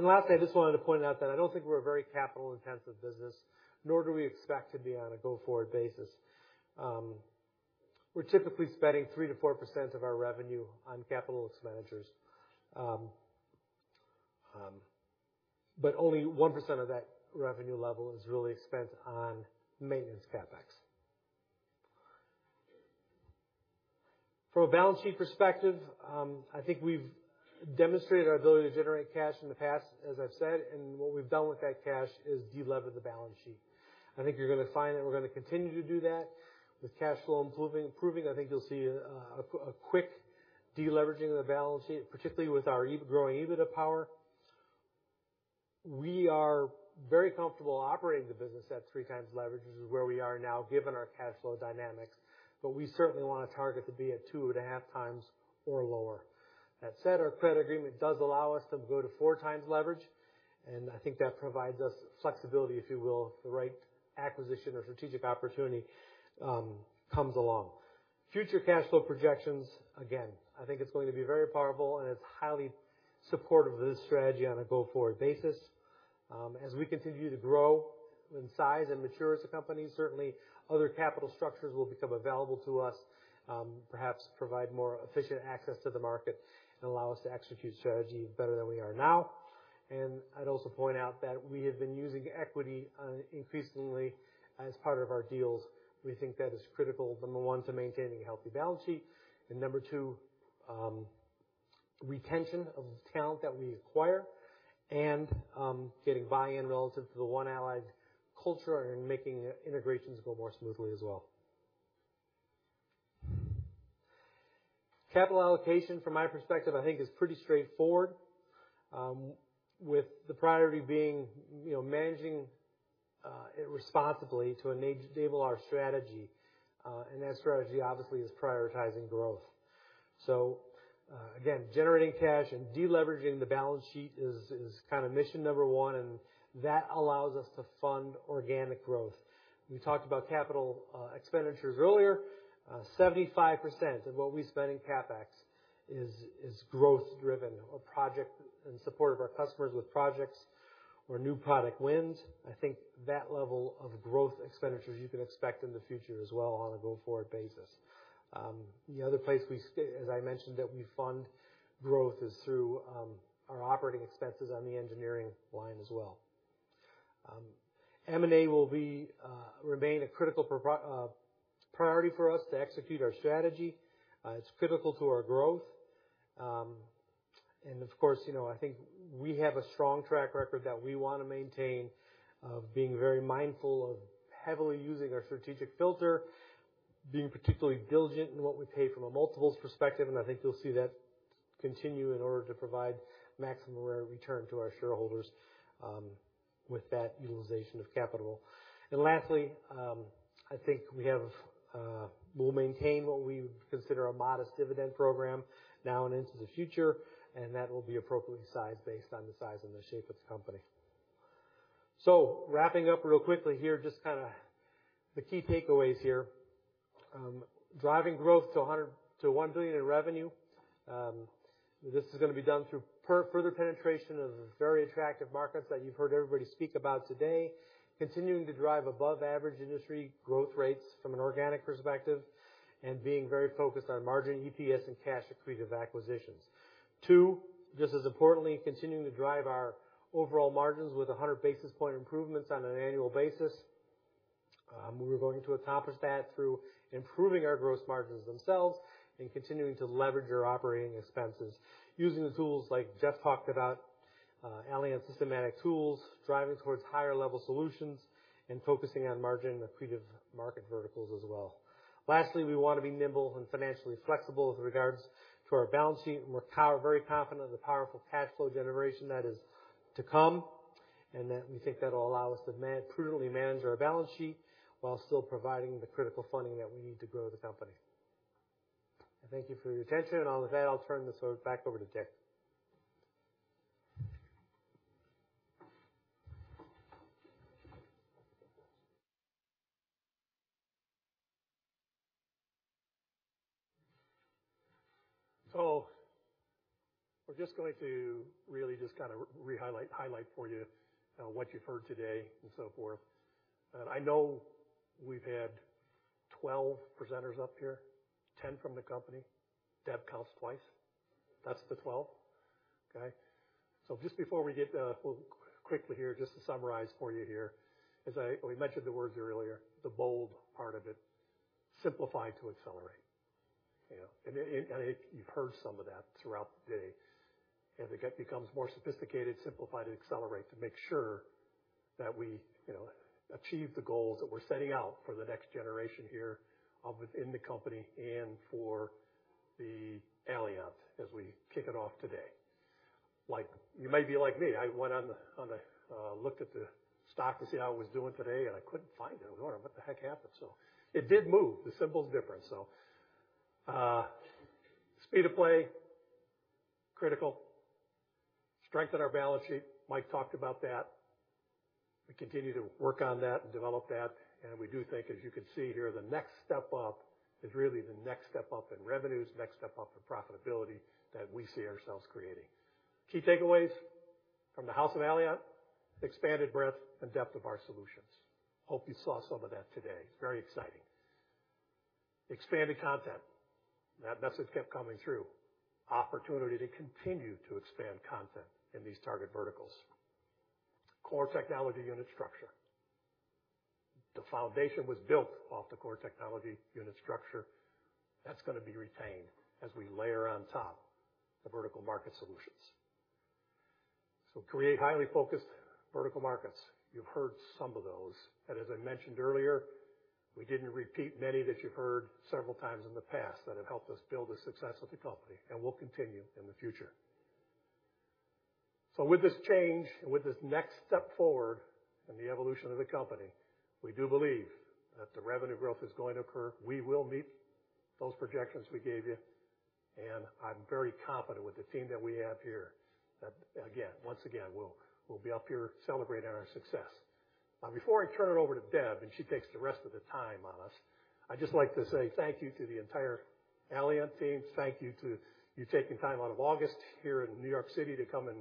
Lastly, I just wanted to point out that I don't think we're a very capital-intensive business, nor do we expect to be on a go-forward basis. We're typically spending 3%-4% of our revenue on capital expenditures. Only 1% of that revenue level is really spent on maintenance CapEx. From a balance sheet perspective, I think we've demonstrated our ability to generate cash in the past, as I've said, and what we've done with that cash is delever the balance sheet. I think you're gonna find that we're gonna continue to do that. With cash flow improving, improving, I think you'll see a, a quick deleveraging of the balance sheet, particularly with our growing EBITDA power. We are very comfortable operating the business at 3x leverage. This is where we are now, given our cash flow dynamics. We certainly want to target to be at 2.5x or lower. That said, our credit agreement does allow us to go to 4x leverage. I think that provides us flexibility, if you will, if the right acquisition or strategic opportunity comes along. Future cash flow projections, again, I think it's going to be very powerful, and it's highly supportive of this strategy on a go-forward basis. As we continue to grow in size and mature as a company, certainly other capital structures will become available to us, perhaps provide more efficient access to the market and allow us to execute strategy better than we are now. I'd also point out that we have been using equity increasingly as part of our deals. We think that is critical, number one, to maintaining a healthy balance sheet, and number two, retention of the talent that we acquire, and getting buy-in relative to the One Allient culture and making integrations go more smoothly as well. Capital allocation, from my perspective, I think is pretty straightforward, with the priority being, you know, managing it responsibly to enable our strategy, and that strategy, obviously, is prioritizing growth. Again, generating cash and deleveraging the balance sheet is, is kind of mission number one, and that allows us to fund organic growth. We talked about capital expenditures earlier, 75% of what we spend in CapEx is, is growth driven, a project in support of our customers with projects or new product wins. I think that level of growth expenditures you can expect in the future as well on a go-forward basis. The other place we as I mentioned, that we fund growth is through our operating expenses on the engineering line as well. M&A will be remain a critical priority for us to execute our strategy. It's critical to our growth. Of course, you know, I think we have a strong track record that we wanna maintain, of being very mindful of heavily using our strategic filter, being particularly diligent in what we pay from a multiples perspective. I think you'll see that continue in order to provide maximum return to our shareholders with that utilization of capital. Lastly, I think we have, we'll maintain what we would consider a modest dividend program now and into the future, and that will be appropriately sized based on the size and the shape of the company. Wrapping up real quickly here, just kind of the key takeaways here. Driving growth to $1 billion in revenue. This is gonna be done through further penetration of the very attractive markets that you've heard everybody speak about today. Continuing to drive above average industry growth rates from an organic perspective, and being very focused on margin, EPS, and cash accretive acquisitions. Two, just as importantly, continuing to drive our overall margins with 100 basis point improvements on an annual basis. We're going to accomplish that through improving our gross margins themselves and continuing to leverage our operating expenses, using the tools like Jeff talked about, Allied Systematic Tools, driving towards higher level solutions and focusing on margin accretive market verticals as well. Lastly, we want to be nimble and financially flexible with regards to our balance sheet, and we're very confident of the powerful cash flow generation that is to come, and that we think that will allow us to prudently manage our balance sheet, while still providing the critical funding that we need to grow the company. I thank you for your attention. On that, I'll turn this over back over to Dick. We're just going to really just kind of rehighlight- highlight for you, what you've heard today and so forth. I know we've had 12 presenters up here, 10 from the company. Deb counts twice. That's the 12. Okay. Just before we get, we'll quickly here, just to summarize for you here, as I—we mentioned the words earlier, the bold part of it, simplify to accelerate. You know, and you've heard some of that throughout the day. It get—becomes more sophisticated, simplified, and accelerate to make sure that we, you know, achieve the goals that we're setting out for the next generation here, within the company and for the Allient as we kick it off today. Like, you may be like me, I went on the, looked at the stock to see how it was doing today, I couldn't find it. I was going, "What the heck happened?" It did move. The symbol's different, so. Speed of play, critical. Strengthen our balance sheet. Mike talked about that. We continue to work on that, develop that, we do think, as you can see here, the next step up is really the next step up in revenues, next step up in profitability that we see ourselves creating. Key takeaways from the House of Allient, expanded breadth and depth of our solutions. Hope you saw some of that today. It's very exciting. Expanded content, that message kept coming through. Opportunity to continue to expand content in these target verticals. Core technology unit structure. The foundation was built off the core technology unit structure. That's gonna be retained as we layer on top the vertical market solutions. Create highly focused vertical markets. You've heard some of those, and as I mentioned earlier, we didn't repeat many that you've heard several times in the past that have helped us build the success of the company and will continue in the future. With this change and with this next step forward in the evolution of the company, we do believe that the revenue growth is going to occur. We will meet those projections we gave you, and I'm very confident with the team that we have here, that, again, once again, we'll, we'll be up here celebrating our success. Now, before I turn it over to Deb, and she takes the rest of the time on us, I'd just like to say thank you to the entire Allient team. Thank you to you taking time out of August here in New York City to come and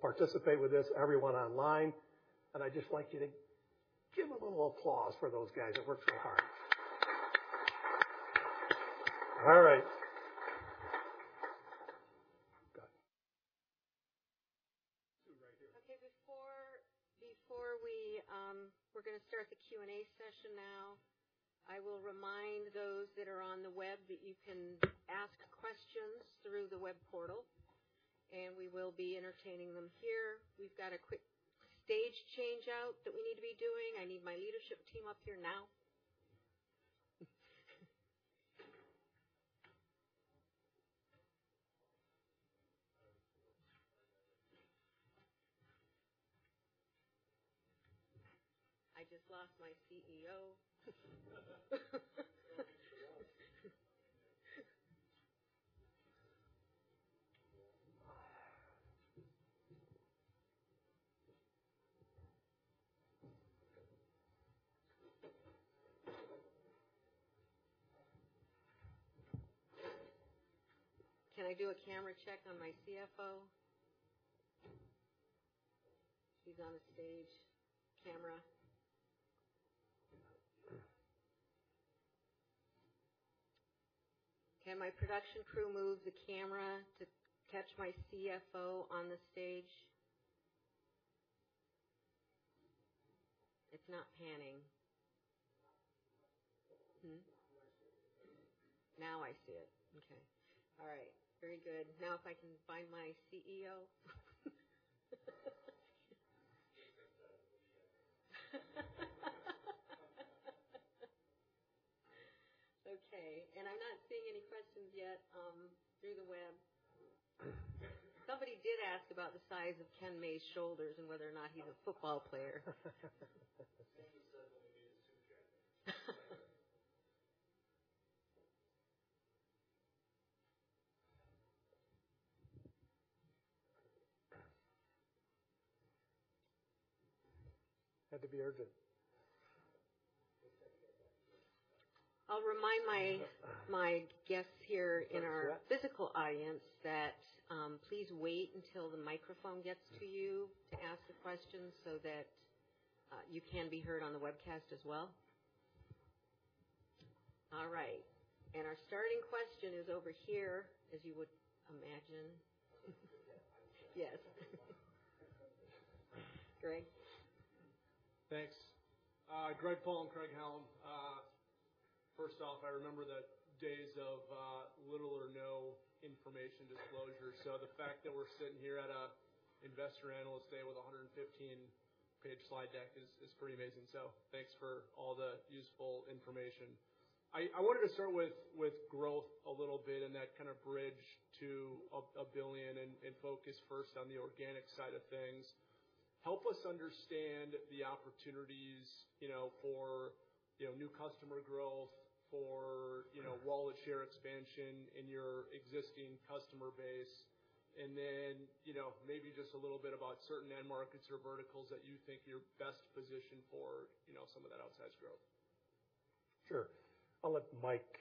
participate with us, everyone online. I'd just like you to give a little applause for those guys that worked so hard. All right. Go ahead. Okay, before, before we. We're gonna start the Q&A session now. I will remind those that are on the web, that you can ask questions through the web portal, and we will be entertaining them here. We've got a quick stage changeout that we need to be doing. I need my leadership team up here now. I just lost my CEO. She left. Can I do a camera check on my CFO? He's on the stage. Camera. Can my production crew move the camera to catch my CFO on the stage? It's not panning. Hmm? Now I see it. Okay. All right, very good. If I can find my CEO. I'm not seeing any questions yet through the web. Somebody did ask about the size of Ken May's shoulders and whether or not he's a football player. Had to be urgent. I'll remind my, my guests here in our physical audience that, please wait until the microphone gets to you to ask a question so that, you can be heard on the webcast as well. All right, our starting question is over here, as you would imagine. Yes. Greg? Thanks. Greg Palm and Craig-Hallum. First off, I remember the days of little or no information disclosure, so the fact that we're sitting here at a investor analyst day with a 115 page slide deck is pretty amazing. Thanks for all the useful information. I wanted to start with growth a little bit and that kind of bridge to $1 billion and focus first on the organic side of things. Help us understand the opportunities, you know, for, you know, new customer growth, for, you know, wallet share expansion in your existing customer base. Then, you know, maybe just a little bit about certain end markets or verticals that you think you're best positioned for, you know, some of that outside growth. Sure. I'll let Mike,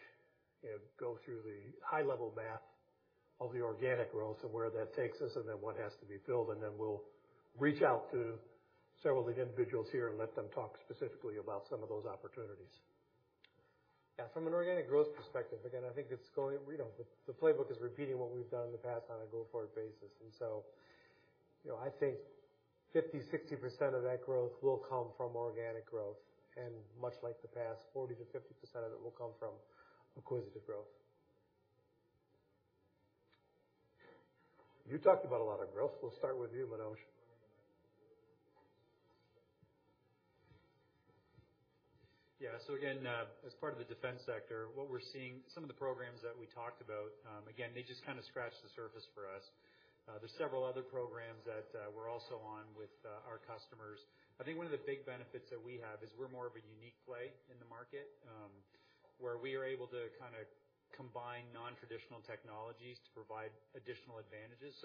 you know, go through the high-level math of the organic growth and where that takes us, and then what has to be built, and then we'll reach out to several of the individuals here and let them talk specifically about some of those opportunities. Yeah, from an organic growth perspective, again, I think it's going, you know, the, the playbook is repeating what we've done in the past on a go-forward basis. So, you know, I think 50%-60% of that growth will come from organic growth, and much like the past, 40%-50% of it will come from acquisitive growth. You talked about a lot of growth. We'll start with you, Manoj. Yeah. Again, as part of the defense sector, what we're seeing some of the programs that we talked about, again, they just kind of scratch the surface for us. There's several other programs that we're also on with our customers. I think one of the big benefits that we have is we're more of a unique play in the market, where we are able to kind of combine non-traditional technologies to provide additional advantages.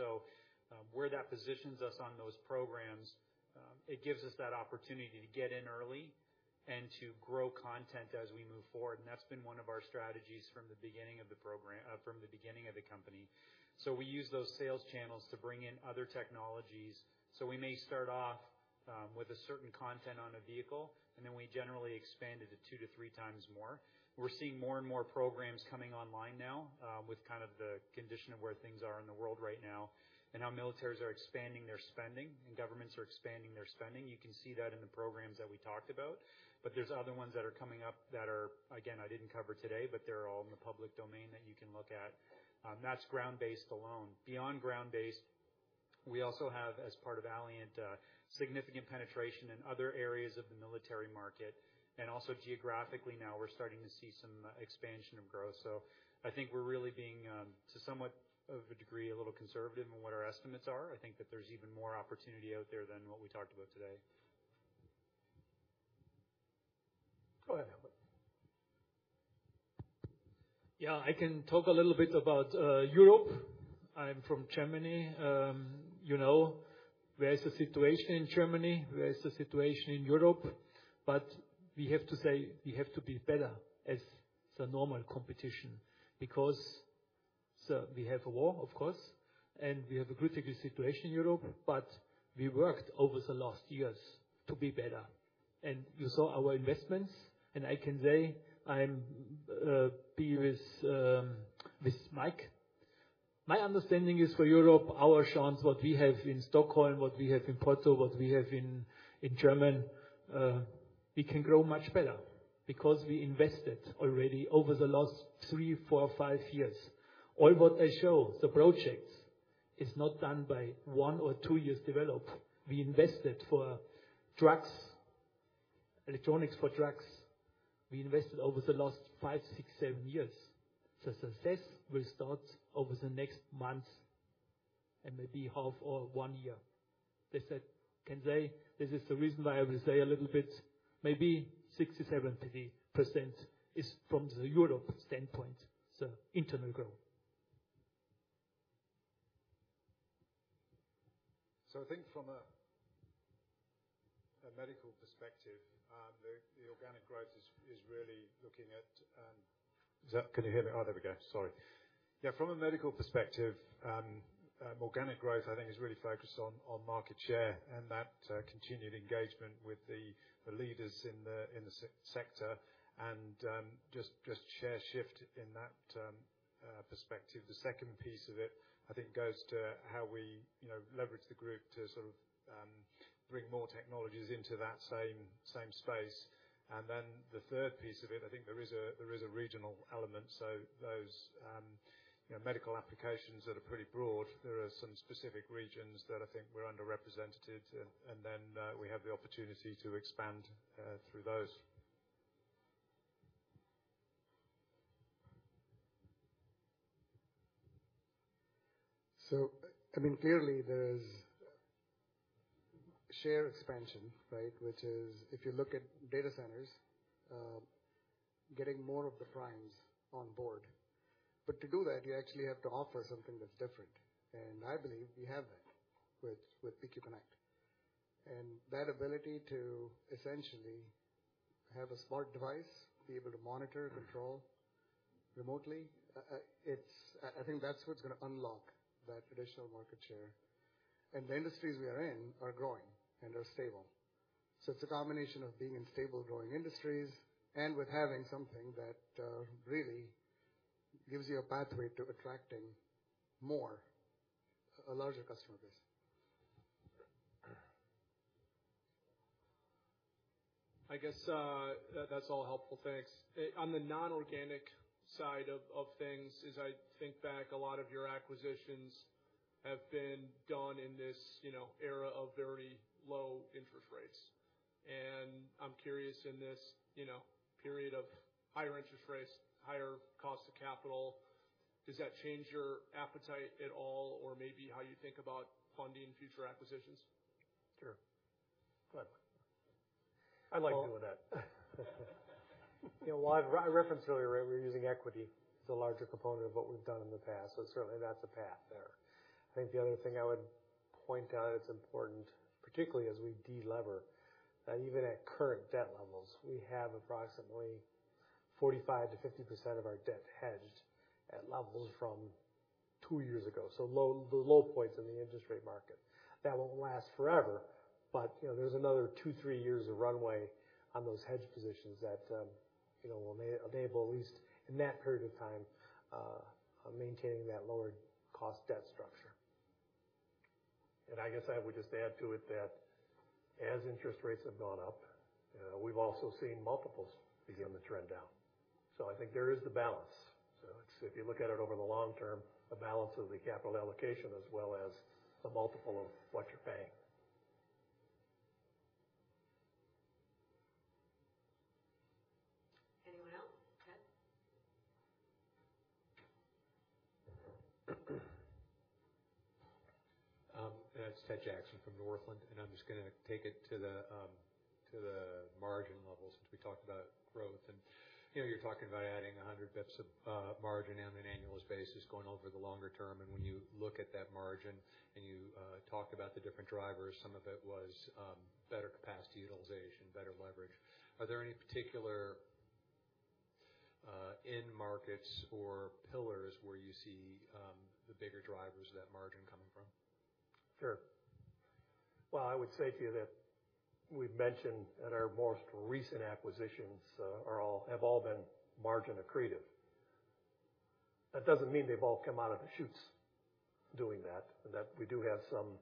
Where that positions us on those programs, it gives us that opportunity to get in early and to grow content as we move forward, and that's been one of our strategies from the beginning of the company. We use those sales channels to bring in other technologies. We may start off with a certain content on a vehicle, and then we generally expand it to 2–3x more. We're seeing more and more programs coming online now with kind of the condition of where things are in the world right now, and how militaries are expanding their spending and governments are expanding their spending. You can see that in the programs that we talked about, but there's other ones that are coming up. Again, I didn't cover today, but they're all in the public domain that you can look at. That's ground-based alone. Beyond ground-based, we also have, as part of Allient, significant penetration in other areas of the military market, and also geographically, now we're starting to see some expansion of growth. I think we're really being, to somewhat of a degree, a little conservative in what our estimates are. I think that there's even more opportunity out there than what we talked about today. Go ahead, Helmut. Yeah, I can talk a little bit about Europe. I'm from Germany. You know, where is the situation in Germany? Where is the situation in Europe? We have to say we have to be better as the normal competition, because we have a war, of course, and we have a critical situation in Europe, but we worked over the last years to be better. You saw our investments, and I can say I'm be with with Mike. My understanding is, for Europe, our chance, what we have in Stockholm, what we have in Porto, what we have in, in German, we can grow much better because we invested already over the last three, four five years. All what I show, the projects, is not done by one or two years develop. We invested for trucks, electronics for trucks. We invested over the last five, six, seven years. The success will start over the next month and maybe half or one year. This is the reason why I will say a little bit, maybe 60%-70% is from the Europe standpoint, so internal growth. I think from a, a medical perspective, the, the organic growth is, is really looking at. Can you hear me? Oh, there we go. Sorry. Yeah, from a medical perspective, organic growth, I think, is really focused on, on market share and that continued engagement with the leaders in the sector, and just share shift in that perspective. The second piece of it, I think, goes to how we, you know, leverage the group to sort of bring more technologies into that same space. The third piece of it, I think there is a regional element. Those, you know, medical applications that are pretty broad, there are some specific regions that I think we're underrepresented, and then we have the opportunity to expand through those. I mean, clearly, there's share expansion, right? Which is, if you look at data centers, getting more of the primes on board. To do that, you actually have to offer something that's different. I believe we have that with, with PQConnect. That ability to essentially have a smart device, be able to monitor and control remotely, I think that's what's gonna unlock that traditional market share. The industries we are in are growing and are stable. It's a combination of being in stable, growing industries and with having something that really gives you a pathway to attracting more, a larger customer base. I guess, that, that's all helpful. Thanks. On the non-organic side of things, as I think back, a lot of your acquisitions have been done in this, you know, era of very low interest rates. I'm curious, in this, you know, period of higher interest rates, higher cost of capital, does that change your appetite at all, or maybe how you think about funding future acquisitions? Sure. Go ahead. I like doing that. Well, you know, well, I, I referenced earlier, right, we're using equity as a larger component of what we've done in the past, so certainly that's a path there. I think the other thing I would point out that's important, particularly as we de-lever, that even at current debt levels, we have approximately 45%-50% of our debt hedged at levels from two years ago, so low, the low points in the interest rate market. That won't last forever, but, you know, there's another two, three years of runway on those hedge positions that, you know, will enab-enable at least in that period of time, maintaining that lower cost debt structure. I guess I would just add to it that as interest rates have gone up, we've also seen multiples begin to trend down. I think there is the balance. It's, if you look at it over the long term, a balance of the capital allocation as well as the multiple of what you're paying. Anyone else? Ted. It's Ted Jackson from Northland, I'm just gonna take it to the margin levels, since we talked about growth. You know, you're talking about adding 100 basis points of margin on an annual basis going out over the longer term. When you look at that margin, and you talk about the different drivers, some of it was better capacity utilization, better leverage. Are there any particular end markets or pillars where you see the bigger drivers of that margin coming from? Sure. Well, I would say to you that we've mentioned that our most recent acquisitions are all have all been margin accretive. That doesn't mean they've all come out of the chutes doing that, and that we do have some.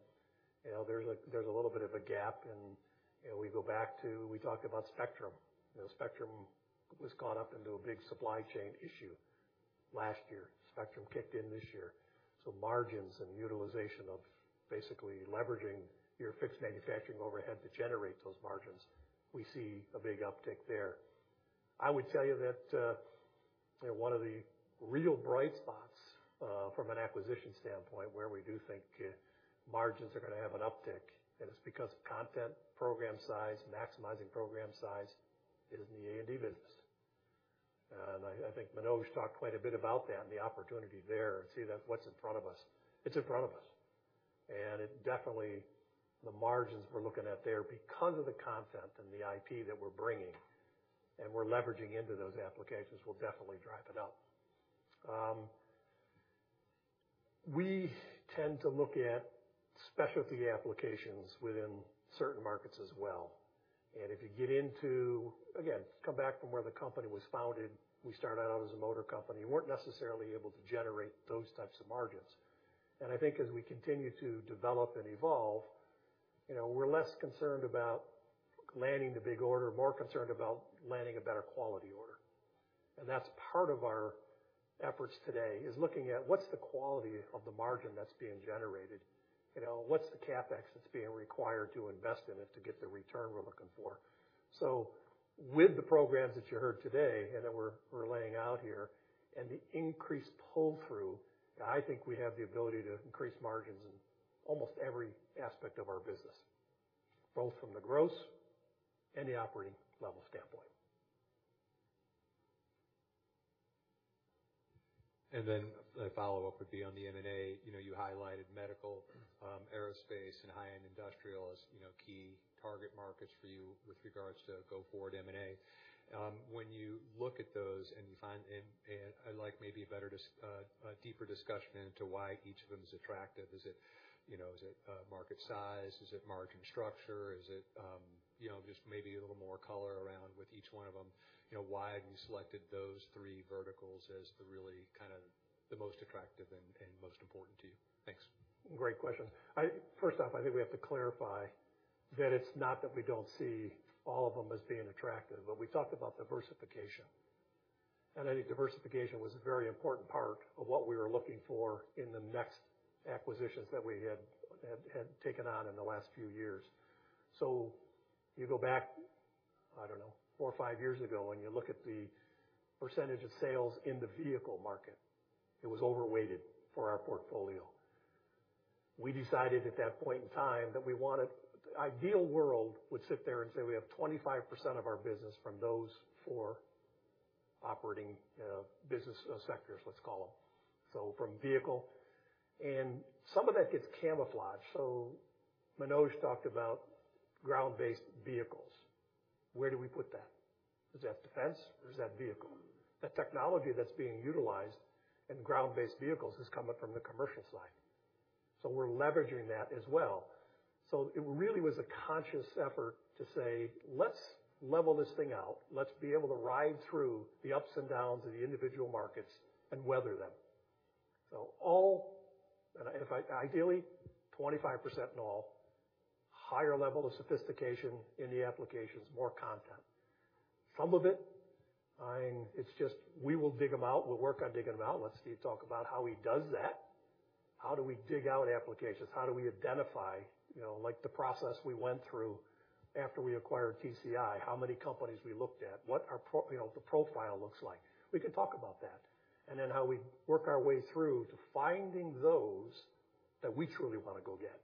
You know, there's a, there's a little bit of a gap, and, you know, we go back to, we talked about Spectrum. You know, Spectrum has gone up into a big supply chain issue last year. Spectrum kicked in this year. Margins and utilization of basically leveraging your fixed manufacturing overhead to generate those margins, we see a big uptick there. I would tell you that, you know, one of the real bright spots from an acquisition standpoint, where we do think margins are gonna have an uptick, and it's because of content, program size, maximizing program size is in the A&D business. I think Manoj talked quite a bit about that and the opportunity there and see that what's in front of us. It's in front of us. It definitely, the margins we're looking at there, because of the content and the IP that we're bringing, and we're leveraging into those applications, will definitely drive it up. We tend to look at specialty applications within certain markets as well. If you get into... Again, come back from where the company was founded. We started out as a motor company, and weren't necessarily able to generate those types of margins. I think as we continue to develop and evolve, you know, we're less concerned about landing the big order, more concerned about landing a better quality order. That's part of our efforts today, is looking at what's the quality of the margin that's being generated? You know, what's the CapEx that's being required to invest in it to get the return we're looking for? With the programs that you heard today, and that we're, we're laying out here, and the increased pull-through, I think we have the ability to increase margins in almost every aspect of our business, both from the gross and the operating level standpoint. Then a follow-up would be on the M&A. You know, you highlighted medical, aerospace, and high-end industrial as, you know, key target markets for you with regards to go forward M&A. When you look at those and you find, and, I'd like maybe a better, a deeper discussion into why each of them is attractive. Is it, you know, is it market size? Is it margin structure? Is it, you know, just maybe a little more color around with each one of them. You know, why have you selected those three verticals as the really kind of the most attractive and, and most important to you? Thanks. Great question. First off, I think we have to clarify that it's not that we don't see all of them as being attractive, but we talked about diversification. I think diversification was a very important part of what we were looking for in the next acquisitions that we had, had, had taken on in the last few years. You go back, I don't know, four or five years ago, and you look at the percentage of sales in the vehicle market, it was overweighted for our portfolio. We decided at that point in time that we wanted—i world, would sit there and say we have 25% of our business from those four operating business sectors, let's call them. From vehicle, and some of that gets camouflaged. Manoj talked about ground-based vehicles. Where do we put that? Is that defense or is that vehicle? The technology that's being utilized in ground-based vehicles is coming from the commercial side, so we're leveraging that as well. It really was a conscious effort to say: Let's level this thing out. Let's be able to ride through the ups and downs of the individual markets and weather them. All, ideally, 25% in all, higher level of sophistication in the applications, more content. Some of it, it's just we will dig them out. We'll work on digging them out. Let Steve talk about how he does that. How do we dig out applications? How do we identify, you know, like, the process we went through after we acquired TCI, how many companies we looked at, what our, you know, the profile looks like? We can talk about that, then how we work our way through to finding those that we truly want to go get.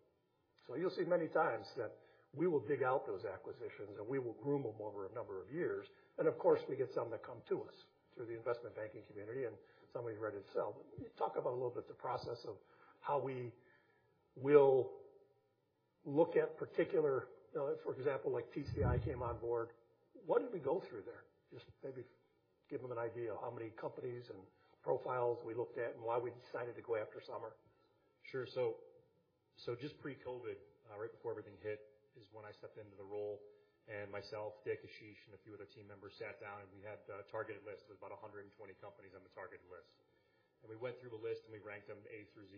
You'll see many times that we will dig out those acquisitions, and we will groom them over a number of years. Of course, we get some that come to us through the investment banking community and some we've read itself. Talk about a little bit the process of how we will look at particular, you know, for example, like TCI came on board. What did we go through there? Just maybe give them an idea of how many companies and profiles we looked at, and why we decided to go after Sierramotion. Sure. Just pre-COVID, right before everything hit, is when I stepped into the role, and myself, Dick, Ashish, and a few other team members sat down, and we had a targeted list of about 120 companies on the targeted list. We went through the list, and we ranked them A through Z,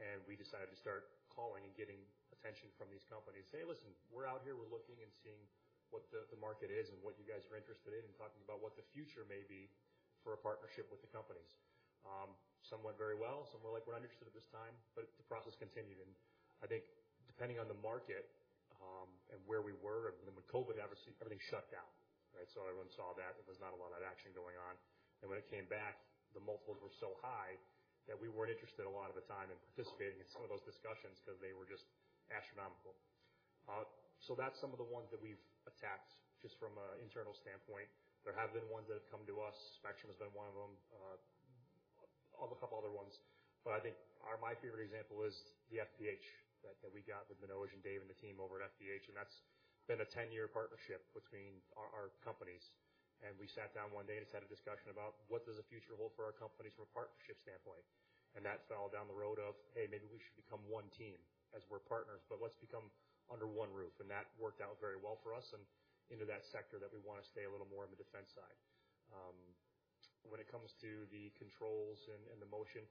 and we decided to start calling and getting attention from these companies. "Hey, listen, we're out here. We're looking and seeing what the, the market is and what you guys are interested in, and talking about what the future may be for a partnership with the companies." Some went very well. Some were like, "We're not interested at this time," but the process continued. I think depending on the market, and where we were, and then when COVID happened, everything shut down, right? Everyone saw that. There was not a lot of action going on. When it came back, the multiples were so high that we weren't interested a lot of the time in participating in some of those discussions because they were just astronomical. That's some of the ones that we've attacked just from an internal standpoint. There have been ones that have come to us. Spectrum has been one of them, a couple other ones. I think my favorite example is the FPH that, that we got with Manoj and Dave and the team over at FPH, and that's been a 10-year partnership between our, our companies. We sat down one day and just had a discussion about what does the future hold for our companies from a partnership standpoint. That fell down the road of, "Hey, maybe we should become One-Team, as we're partners, but let's become under one roof." That worked out very well for us and into that sector that we want to stay a little more on the defense side. When it comes to the controls and, and the motion,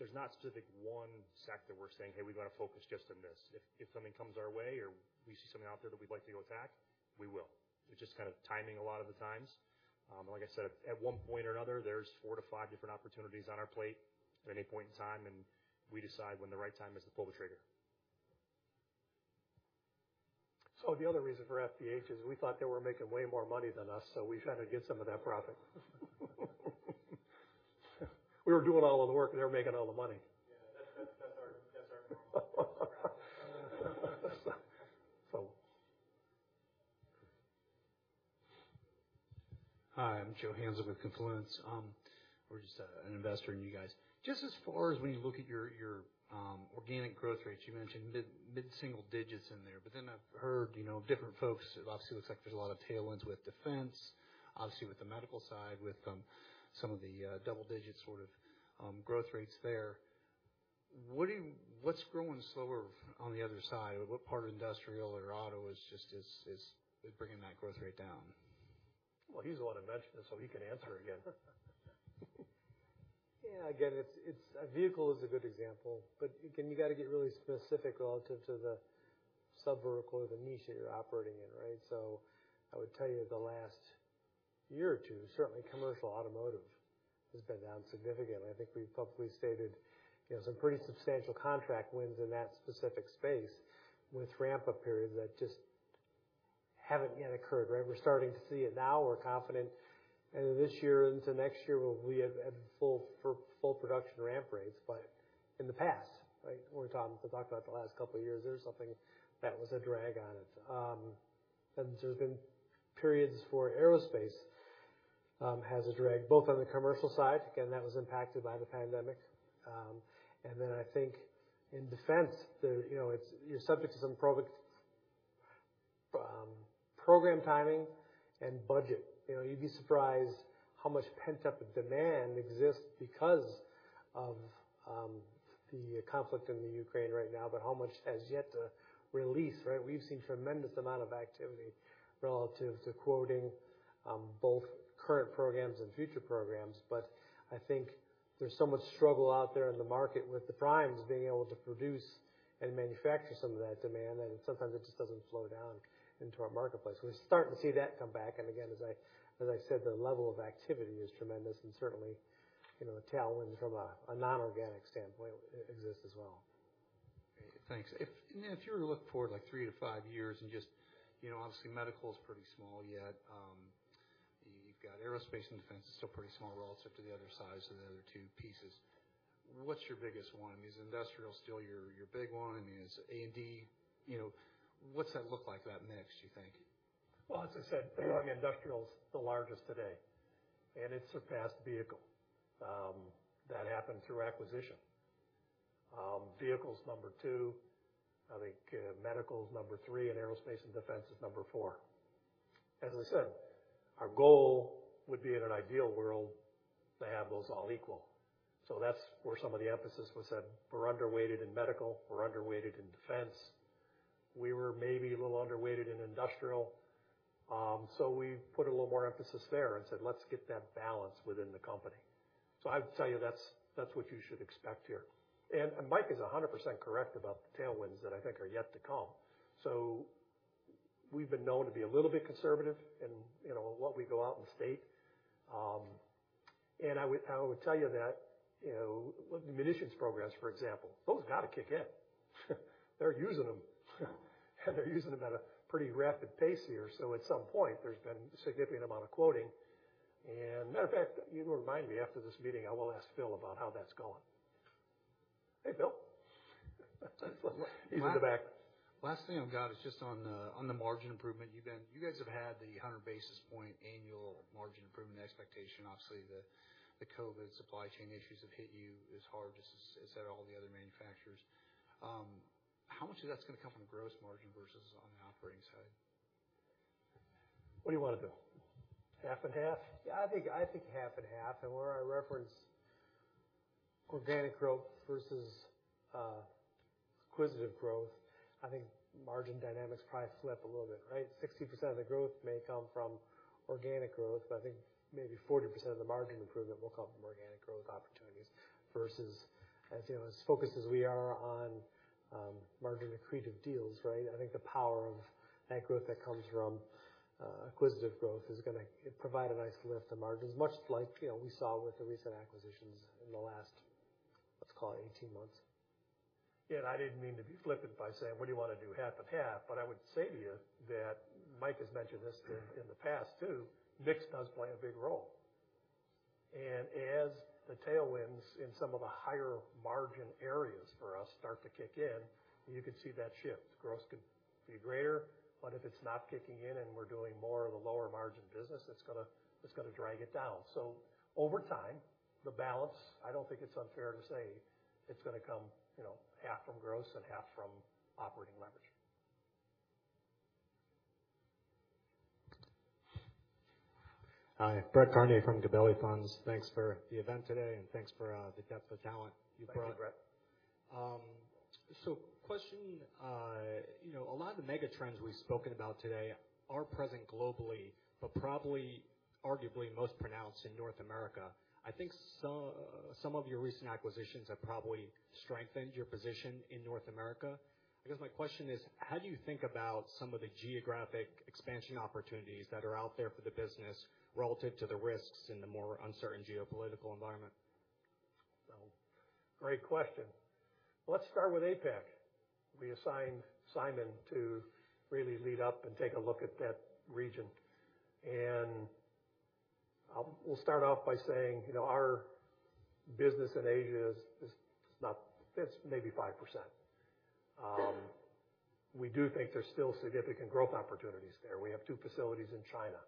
there's not specific one sector we're saying, "Hey, we're going to focus just on this." If, if something comes our way or we see something out there that we'd like to go attack, we will. It's just kind of timing a lot of the times. Like I said, at one point or another, there's four to five different opportunities on our plate at any point in time, and we decide when the right time is to pull the trigger. The other reason for FPH is we thought they were making way more money than us, so we tried to get some of that profit. We were doing all of the work, they were making all the money. Yeah, that's, that's, that's our, that's our. So... Hi, I'm Joe Hanzlik with Confluence. We're just an investor in you guys. Just as far as when you look at your, your organic growth rates, you mentioned mid, mid-single digits in there. I've heard, you know, different folks, it obviously looks like there's a lot of tailwinds with defense, obviously with the medical side, with some of the double digits sort of growth rates there. What's growing slower on the other side? What part of industrial or auto is just, is, is bringing that growth rate down? Well, he's the one who mentioned this, so he can answer again. Yeah, again, a vehicle is a good example, again, you got to get really specific relative to the subvertical or the niche that you're operating in, right? I would tell you that the last year or two, certainly commercial automotive has been down significantly. I think we've publicly stated, you know, some pretty substantial contract wins in that specific space with ramp-up periods that just haven't yet occurred, right? We're starting to see it now. We're confident, this year into next year, we'll be at full, for full production ramp rates. In the past, like we're talking, to talk about the last couple of years, there's something that was a drag on it. there's been periods for aerospace, has a drag both on the commercial side, again, that was impacted by the pandemic. Then I think in defense, you know, it's, you're subject to some product, program timing and budget. You know, you'd be surprised how much pent-up demand exists because of, the conflict in the Ukraine right now, but how much has yet to release, right? We've seen tremendous amount of activity relative to quoting, both current programs and future programs. I think there's so much struggle out there in the market with the primes being able to produce and manufacture some of that demand, and sometimes it just doesn't flow down into our marketplace. We're starting to see that come back, and again, as I said, the level of activity is tremendous, and certainly, you know, a tailwind from a non-organic standpoint exists as well. Great. Thanks. If you were to look forward, like, three to five years and just, you know, obviously, medical is pretty small yet. You've got aerospace and defense is still pretty small relative to the other size of the other two pieces. What's your biggest one? Is industrial still your, your big one? Is it A&D? You know, what's that look like that mix, do you think? Well, as I said, industrial is the largest today, and it surpassed vehicle. That happened through acquisition. Vehicle's number two, I think, medical is number three, and aerospace and defense is number four. As I said, our goal would be, in an ideal world, to have those all equal, that's where some of the emphasis was said. We're underweighted in medical, we're underweighted in defense. We were maybe a little underweighted in industrial. We put a little more emphasis there and said, "Let's get that balance within the company." I would tell you, that's, that's what you should expect here. Mike is 100% correct about the tailwinds that I think are yet to come. We've been known to be a little bit conservative in, you know, what we go out and state. I would, I would tell you that, you know, with the munitions programs, for example, those got to kick in. They're using them, they're using them at a pretty rapid pace here. At some point, there's been a significant amount of quoting, matter of fact, you remind me, after this meeting, I will ask Phil about how that's going. Hey, Phil. He's in the back. Last thing I've got is just on the, on the margin improvement. You guys have had the 100 basis point annual margin improvement expectation. Obviously, the, the COVID supply chain issues have hit you as hard as, as has hit all the other manufacturers. How much of that's gonna come from gross margin versus on the operating side? What do you want to do? Half and half? Yeah, I think, I think half and half, and where I referenced organic growth versus acquisitive growth, I think margin dynamics probably slip a little bit, right? 60% of the growth may come from organic growth, but I think maybe 40% of the margin improvement will come from organic growth opportunities versus as, you know, as focused as we are on margin accretive deals, right? I think the power of that growth that comes from acquisitive growth is gonna provide a nice lift to margins, much like, you know, we saw with the recent acquisitions in the last, let's call it 18 months. I didn't mean to be flippant by saying: What do you want to do, half and half? I would say to you that Mike has mentioned this in, in the past, too. Mix does play a big role. As the tailwinds in some of the higher margin areas for us start to kick in, you can see that shift. Gross could be greater, but if it's not kicking in and we're doing more of the lower margin business, it's gonna, it's gonna drag it down. Over time, the balance, I don't think it's unfair to say it's gonna come, you know, half from gross and half from operating leverage. Hi, Brett Kearney from Gabelli Funds. Thanks for the event today, and thanks for, the depth of talent you've brought. Thank you, Brett. Question, you know, a lot of the mega trends we've spoken about today are present globally, but probably arguably most pronounced in North America. I think some, some of your recent acquisitions have probably strengthened your position in North America. I guess my question is: How do you think about some of the geographic expansion opportunities that are out there for the business relative to the risks in the more uncertain geopolitical environment? Great question. Let's start with APAC. We assigned Simon to really lead up and take a look at that region, and we'll start off by saying, you know, our business in Asia is, is not. It's maybe 5%. We do think there's still significant growth opportunities there. We have two facilities in China,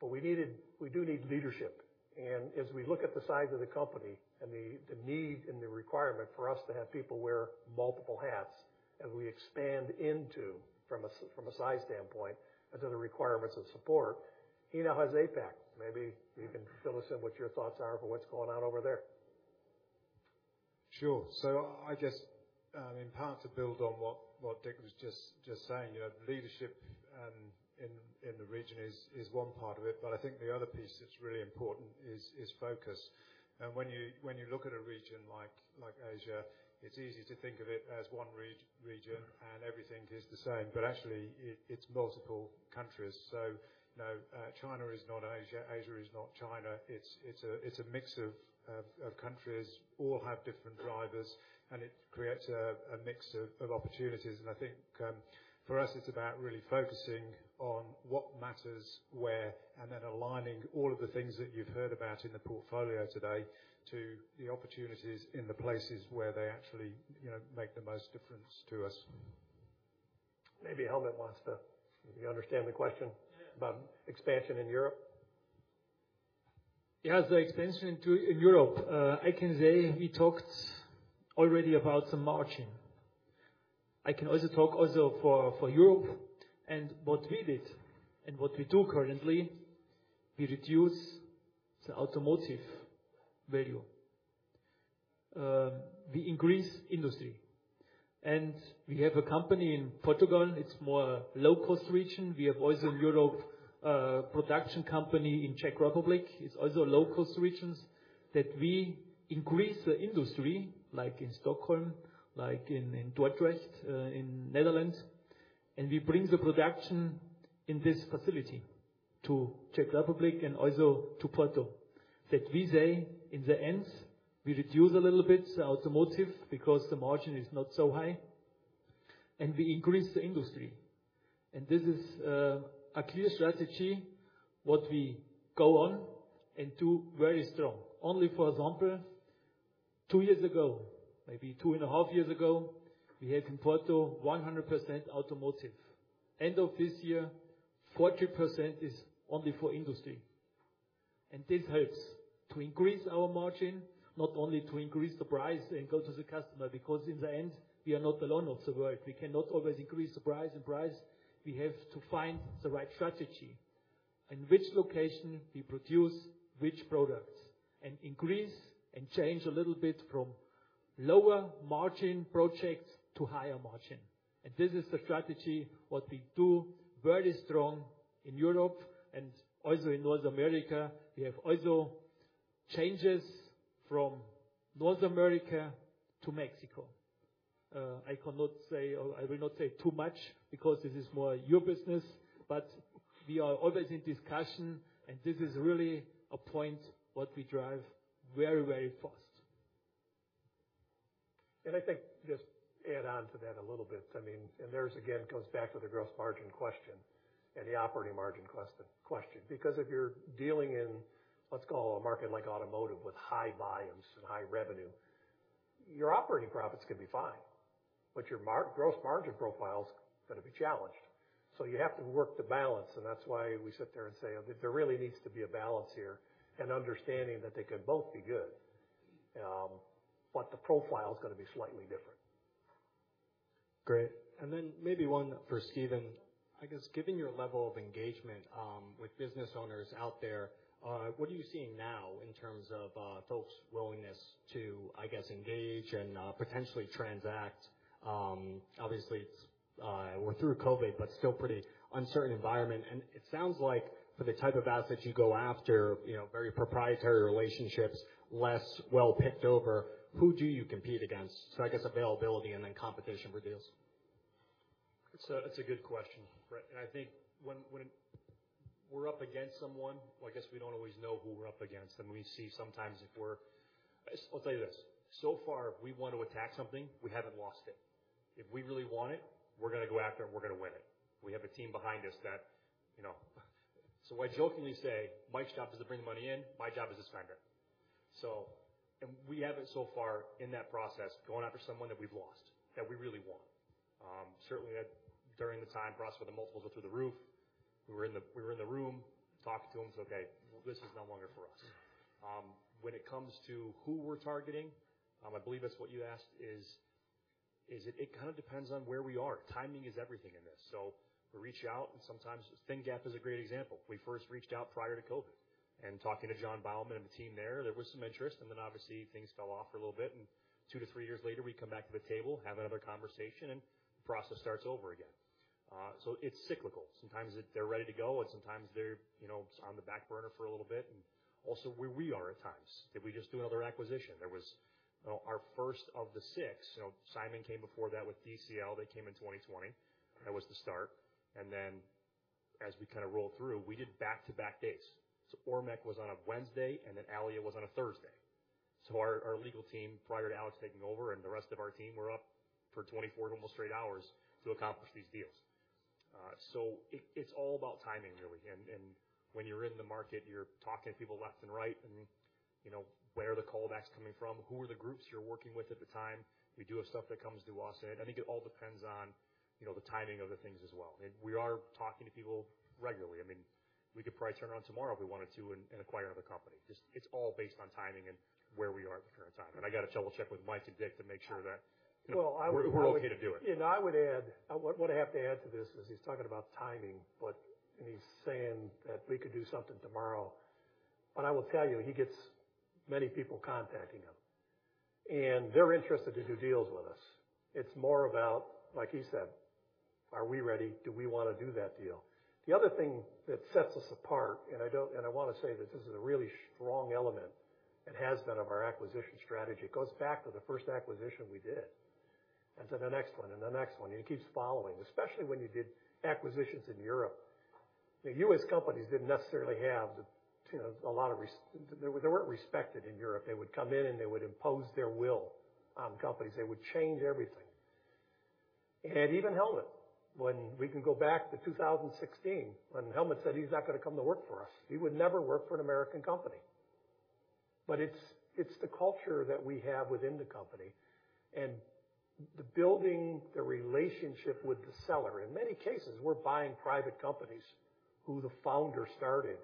but we do need leadership, and as we look at the size of the company and the need and the requirement for us to have people wear multiple hats as we expand into, from a size standpoint, and to the requirements of support, he now has APAC. Maybe you can fill us in what your thoughts are on what's going on over there? Sure. I guess, in part, to build on what, what Dick was just, just saying, you know, leadership, in, in the region is, is one part of it, but I think the other piece that's really important is, is focus. When you, when you look at a region like, like Asia, it's easy to think of it as one region, and everything is the same, but actually, it, it's multiple countries. You know, China is not Asia, Asia is not China. It's, it's a, it's a mix of, of, of countries, all have different drivers, and it creates a, a mix of, of opportunities. I think, for us, it's about really focusing on what matters where, and then aligning all of the things that you've heard about in the portfolio today to the opportunities in the places where they actually, you know, make the most difference to us. Maybe Helmut wants to, do you understand the question about expansion in Europe? Yes, the expansion into, in Europe. I can say we talked already about the margin. I can also talk also for Europe and what we did and what we do currently, we reduce the automotive value. We increase industry. We have a company in Portugal, it's more a low-cost region. We have also in Europe a production company in Czech Republic. It's also low-cost regions that we increase the industry, like in Stockholm, like in Dordrecht, in Netherlands. We bring the production in this facility to Czech Republic and also to Porto. That we say, in the end, we reduce a little bit the automotive because the margin is not so high, and we increase the industry. This is a clear strategy, what we go on and do very strong. Only, for example, two years ago, maybe two and a half years ago, we had in Porto 100% automotive. End of this year, 40% is only for industry. This helps to increase our margin, not only to increase the price and go to the customer, because in the end, we are not alone in the world. We cannot always increase the price and price. We have to find the right strategy. In which location we produce which products, and increase and change a little bit from lower margin projects to higher margin. This is the strategy, what we do very strong in Europe and also in North America. We have also changes from North America to Mexico. I cannot say, or I will not say too much because this is more your business, but we are always in discussion, and this is really a point what we drive very, very fast. I think just to add on to that a little bit, I mean, and there's, again, it goes back to the gross margin question and the operating margin question, because if you're dealing in, let's call a market like automotive, with high volumes and high revenue, your operating profits can be fine, but your gross margin profile is gonna be challenged. You have to work the balance, and that's why we sit there and say: There really needs to be a balance here and understanding that they can both be good. The profile is gonna be slightly different. Great. Then maybe one for Steven. I guess, given your level of engagement, with business owners out there, what are you seeing now in terms of, folks' willingness to, I guess, engage and, potentially transact? Obviously, it's, we're through COVID, but still pretty uncertain environment. It sounds like for the type of assets you go after, you know, very proprietary relationships, less well picked over, who do you compete against? I guess availability and then competition for deals. It's a good question, Brett. I think when, when we're up against someone, I guess we don't always know who we're up against. We see sometimes if we're... I'll tell you this. So far, if we want to attack something, we haven't lost it. If we really want it, we're gonna go after it, and we're gonna win it. We have a team behind us that, you know. I jokingly say, "Mike's job is to bring the money in, my job is to spend it." We haven't so far in that process, going after someone that we've lost, that we really want. Certainly, during the time for us, when the multiples were through the roof, we were in the, we were in the room talking to them, said, "Okay, well, this is no longer for us." When it comes to who we're targeting, I believe that's what you asked, is, is it kind of depends on where we are. Timing is everything in this. We reach out, and sometimes... ThinGap is a great example. We first reached out prior to COVID. Talking to John Baumann and the team there, there was some interest, and then obviously, things fell off for a little bit. Two to three years later, we come back to the table, have another conversation, and the process starts over again. It's cyclical. Sometimes they're ready to go, and sometimes they're, you know, on the back burner for a little bit. Also, where we are at times. Did we just do another acquisition? There was, you know, our first of the six, you know, Simon came before that with DCL. They came in 2020. That was the start. Then, as we kind of rolled through, we did back-to-back days. ORMEC was on a Wednesday, and then ALIO was on a Thursday. Our legal team, prior to Alex taking over and the rest of our team, were up for 24 almost straight hours to accomplish these deals. So it's all about timing, really, and when you're in the market, you're talking to people left and right, and you know, where are the callbacks coming from? Who are the groups you're working with at the time? We do have stuff that comes to us, and I think it all depends on, you know, the timing of the things as well. We are talking to people regularly. I mean, we could probably turn around tomorrow if we wanted to and acquire another company. Just it's all based on timing and where we are at the current time. I got to double-check with Mike and Dick to make sure that. Well, I would- We're okay to do it. I would add, what, what I have to add to this is he's talking about timing, but and he's saying that we could do something tomorrow. I will tell you, he gets many people contacting him, and they're interested to do deals with us. It's more about, like he said, "Are we ready? Do we want to do that deal?" The other thing that sets us apart, and I want to say this, this is a really strong element and has been of our acquisition strategy. It goes back to the first acquisition we did, and to the next one and the next one, and it keeps following, especially when you did acquisitions in Europe. The U.S. companies didn't necessarily have the, you know, a lot of they, they weren't respected in Europe. They would come in, and they would impose their will on companies. They would change everything. Even Helmut, when we can go back to 2016, when Helmut said he's not gonna come to work for us. He would never work for an American company. It's, it's the culture that we have within the company and the building, the relationship with the seller. In many cases, we're buying private companies who the founder started.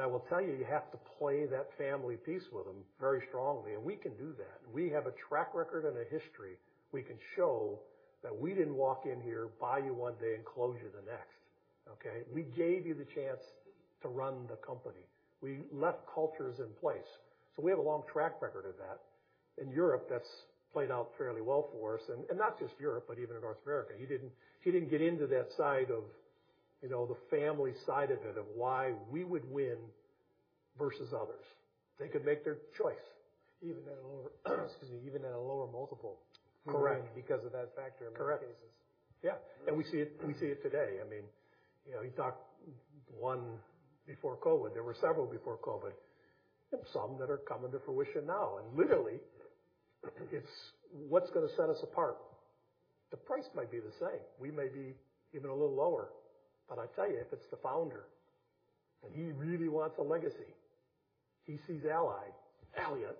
I will tell you, you have to play that family piece with them very strongly, and we can do that. We have a track record and a history. We can show that we didn't walk in here, buy you 1 day and close you the next. Okay? We gave you the chance to run the company. We left cultures in place. We have a long track record of that. In Europe, that's played out fairly well for us, and not just Europe, but even in North America. He didn't get into that side of, you know, the family side of it, of why we would win versus others. They could make their choice. Even at a lower, excuse me, even at a lower multiple... Correct. Because of that factor in many cases. Correct. Yeah, we see it, we see it today. I mean, you know, he talked one before COVID. There were several before COVID, and some that are coming to fruition now. Literally, it's what's gonna set us apart. The price might be the same. We may be even a little lower, but I tell you, if it's the founder and he really wants a legacy, he sees Ally, Allient.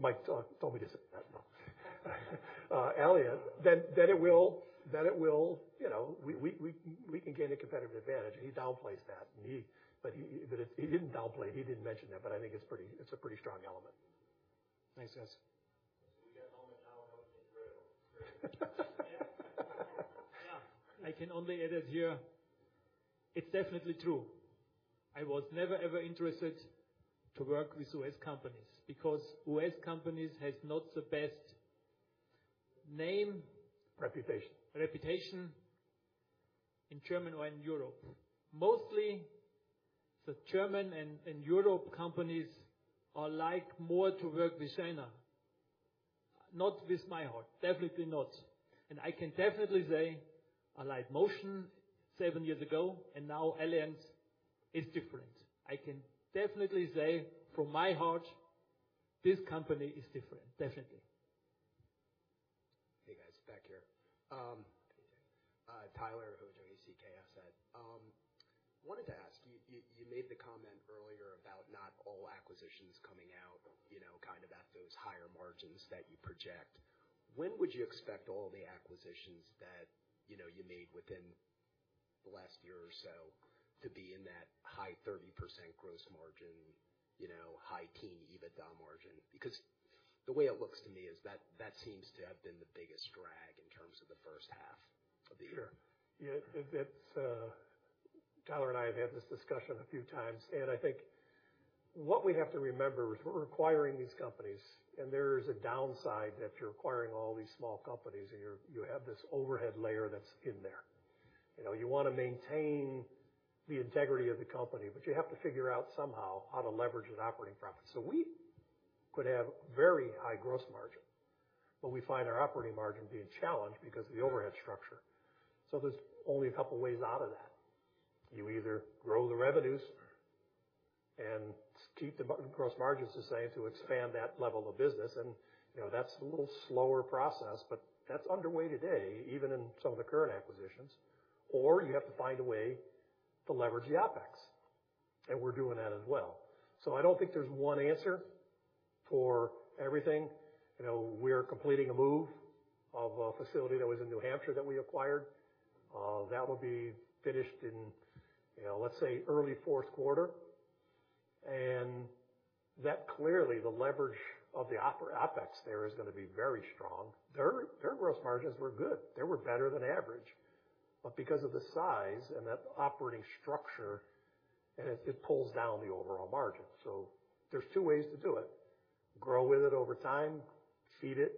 Mike told me to say that. No. Allient, then, then it will, then it will, you know, we, we, we, we can gain a competitive advantage. He downplays that. He didn't downplay it. He didn't mention that, but I think it's pretty, it's a pretty strong element. Thanks, guys. We got Helmut now. Incredible. Yeah. I can only add it here. It's definitely true. I was never, ever interested to work with U.S. companies because U.S. companies has not the best name... Reputation. Reputation in German or in Europe. Mostly, the German and Europe companies are like more to work with Sana, not with my heart, definitely not. I can definitely say Allied Motion seven years ago, and now Allient is different. I can definitely say from my heart, this company is different. Definitely. Hey, guys, back here. Tyler [Ecksin] wanted to ask you, you, you made the comment earlier about not all acquisitions coming out, you know, kind of at those higher margins that you project. When would you expect all the acquisitions that, you know, you made within the last year or so to be in that high 30% gross margin, you know, high-teen EBITDA margin? The way it looks to me is that, that seems to have been the biggest drag in terms of the first half of the year. Sure. Yeah, that's Tyler and I have had this discussion a few times. I think what we have to remember is we're acquiring these companies. There is a downside that you're acquiring all these small companies, and you have this overhead layer that's in there. You know, you wanna maintain the integrity of the company, but you have to figure out somehow how to leverage an operating profit. We could have very high gross margin, but we find our operating margin being challenged because of the overhead structure. There's only a couple of ways out of that. You either grow the revenues and keep the gross margins the same to expand that level of business, and, you know, that's a little slower process, but that's underway today, even in some of the current acquisitions, or you have to find a way to leverage the OpEx, and we're doing that as well. I don't think there's one answer for everything. You know, we are completing a move of a facility that was in New Hampshire that we acquired. That will be finished in, you know, let's say, early fourth quarter. That clearly, the leverage of the OpEx there is gonna be very strong. Their, their gross margins were good. They were better than average, but because of the size and that operating structure, and it, it pulls down the overall margin. There's two ways to do it: Grow with it over time, feed it,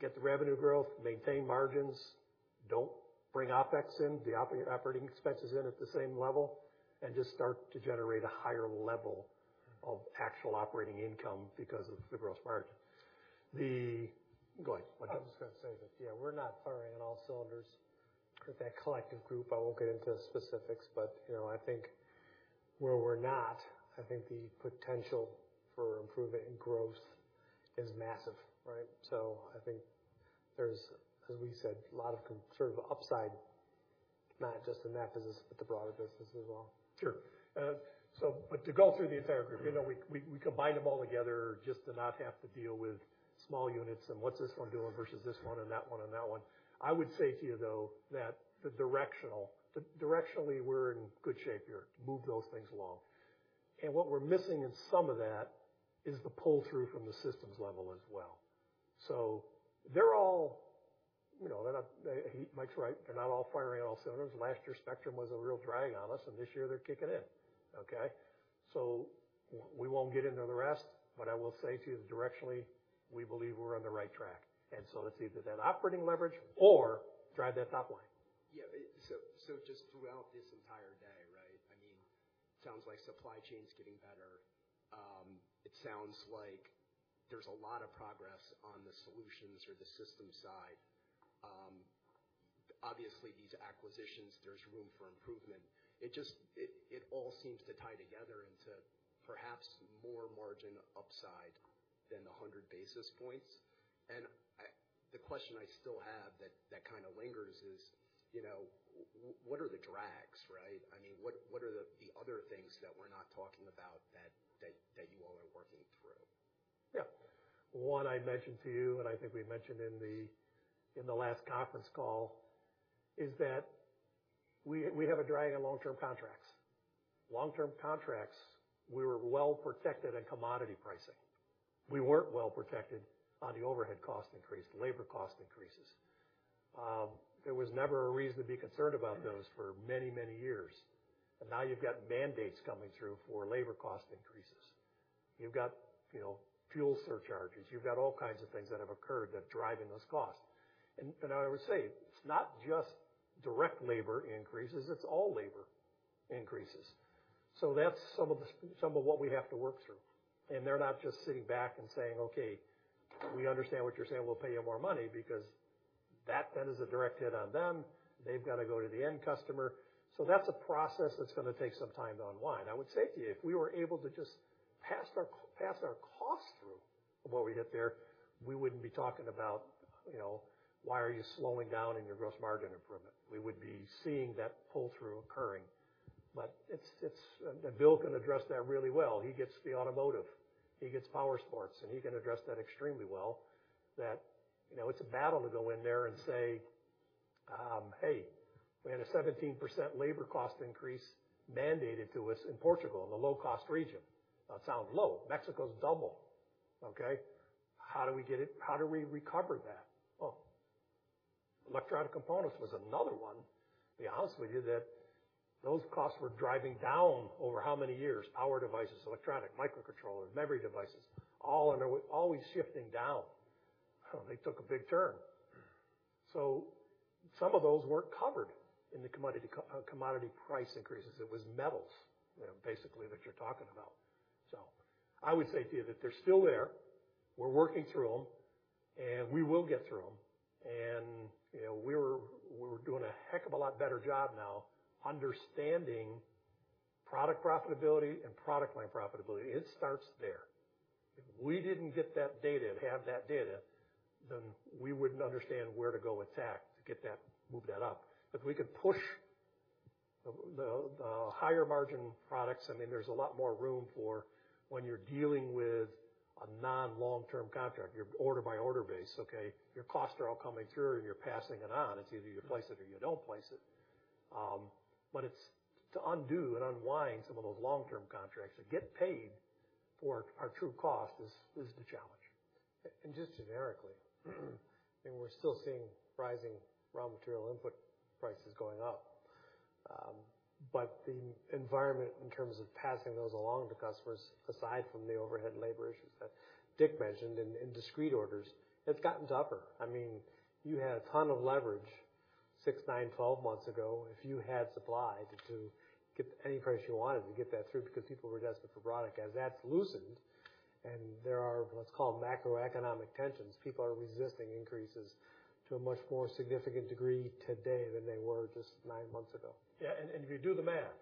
get the revenue growth, maintain margins, don't bring OpEx in, operating expenses in at the same level, and just start to generate a higher level of actual operating income because of the gross margin. Go ahead. I was just gonna say that, yeah, we're not firing on all cylinders with that collective group. I won't get into the specifics, but, you know, I think where we're not, I think the potential for improvement in growth is massive, right? I think there's, as we said, a lot of sort of upside, not just in that business, but the broader business as well. Sure. But to go through the entire group, you know, we, we, we combine them all together just to not have to deal with small units and what's this one doing versus this one and that one and that one. I would say to you, though, that the directional, directionally, we're in good shape here to move those things along. What we're missing in some of that is the pull-through from the systems level as well. They're all. You know, Mike's right, they're not all firing on all cylinders. Last year, Spectrum was a real drag on us, and this year they're kicking in. Okay? We won't get into the rest, but I will say to you that directionally, we believe we're on the right track, and so let's either that operating leverage or drive that top line. Just throughout this entire day, right? I mean, sounds like supply chain is getting better. It sounds like there's a lot of progress on the solutions or the systems side. Obviously, these acquisitions, there's room for improvement. It all seems to tie together into perhaps more margin upside than the 100 basis points. The question I still have that, that kind of lingers is, you know, what are the drags, right? I mean, what, what are the, the other things that we're not talking about that, that, that you all are working through? Yeah. One I mentioned to you, and I think we mentioned in the, in the last conference call, is that we have a drag on long-term contracts. Long-term contracts, we were well protected on commodity pricing. We weren't well protected on the overhead cost increase, labor cost increases. There was never a reason to be concerned about those for many, many years, and now you've got mandates coming through for labor cost increases. You've got, you know, fuel surcharges. You've got all kinds of things that have occurred that are driving those costs. And I would say, it's not just direct labor increases, it's all labor increases. That's some of what we have to work through. They're not just sitting back and saying: Okay, we understand what you're saying. We'll pay you more money, because that then is a direct hit on them. They've got to go to the end customer. That's a process that's going to take some time to unwind. I would say to you, if we were able to just pass our... pass our cost through of what we hit there, we wouldn't be talking about, you know, why are you slowing down in your gross margin improvement? We would be seeing that pull-through occurring. It's, it's. Bill can address that really well. He gets the automotive, he gets powersports, and he can address that extremely well, that, you know, it's a battle to go in there and say: Hey, we had a 17% labor cost increase mandated to us in Portugal, in a low-cost region. That sounds low. Mexico's 2x, okay? How do we get it? How do we recover that? Well, electronic components was another one. Be honest with you that those costs were driving down over how many years? Power devices, electronic, microcontrollers, memory devices, all always shifting down. Well, they took a big turn. Some of those weren't covered in the commodity price increases. It was metals, you know, basically, that you're talking about. I would say to you that they're still there. We're working through them, and we will get through them. You know, we're, we're doing a heck of a lot better job now understanding product profitability and product line profitability. It starts there. If we didn't get that data and have that data, we wouldn't understand where to go attack to get that, move that up. If we can push the, the, the higher margin products, I mean, there's a lot more room for when you're dealing with a non-long-term contract, your order-by-order base, okay? Your costs are all coming through, and you're passing it on. It's either you place it or you don't place it. But it's to undo and unwind some of those long-term contracts to get paid for our true cost is, is the challenge. Just generically, we're still seeing rising raw material input prices going up. The environment in terms of passing those along to customers, aside from the overhead labor issues that Dick mentioned in discrete orders, has gotten tougher. I mean, you had a ton of leverage 6, 9, 12 months ago, if you had supply to get any price you wanted to get that through, because people were desperate for product. As that's loosened, there are, let's call them macroeconomic tensions, people are resisting increases to a much more significant degree today than they were just 9 months ago. Yeah. If you do the math,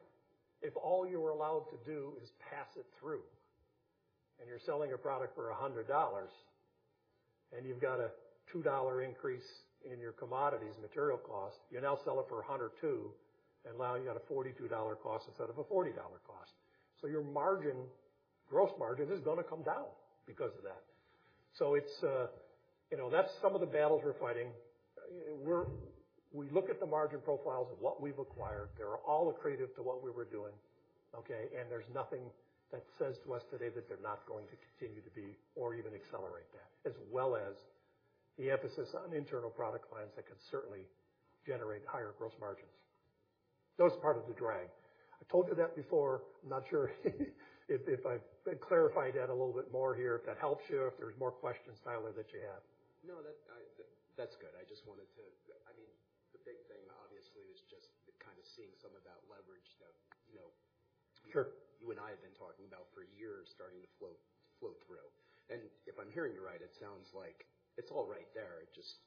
if all you are allowed to do is pass it through, and you're selling a product for $100, and you've got a $2 increase in your commodities, material cost, you now sell it for $102, and now you got a $42 cost instead of a $40 cost. Your margin, gross margin, is going to come down because of that. It's, you know, that's some of the battles we're fighting. We look at the margin profiles of what we've acquired. They're all accretive to what we were doing, okay? There's nothing that says to us today that they're not going to continue to be or even accelerate that, as well as the emphasis on internal product lines that could certainly generate higher gross margins. Those are part of the drag. I told you that before. I'm not sure if, if I clarified that a little bit more here, if that helps you, if there's more questions, Tyler, that you have. No, that. That's good. I just wanted to-- I mean, the big thing obviously is just kind of seeing some of that leverage that, you know- Sure you and I have been talking about for years starting to flow, flow through. If I'm hearing you right, it sounds like it's all right there. It just,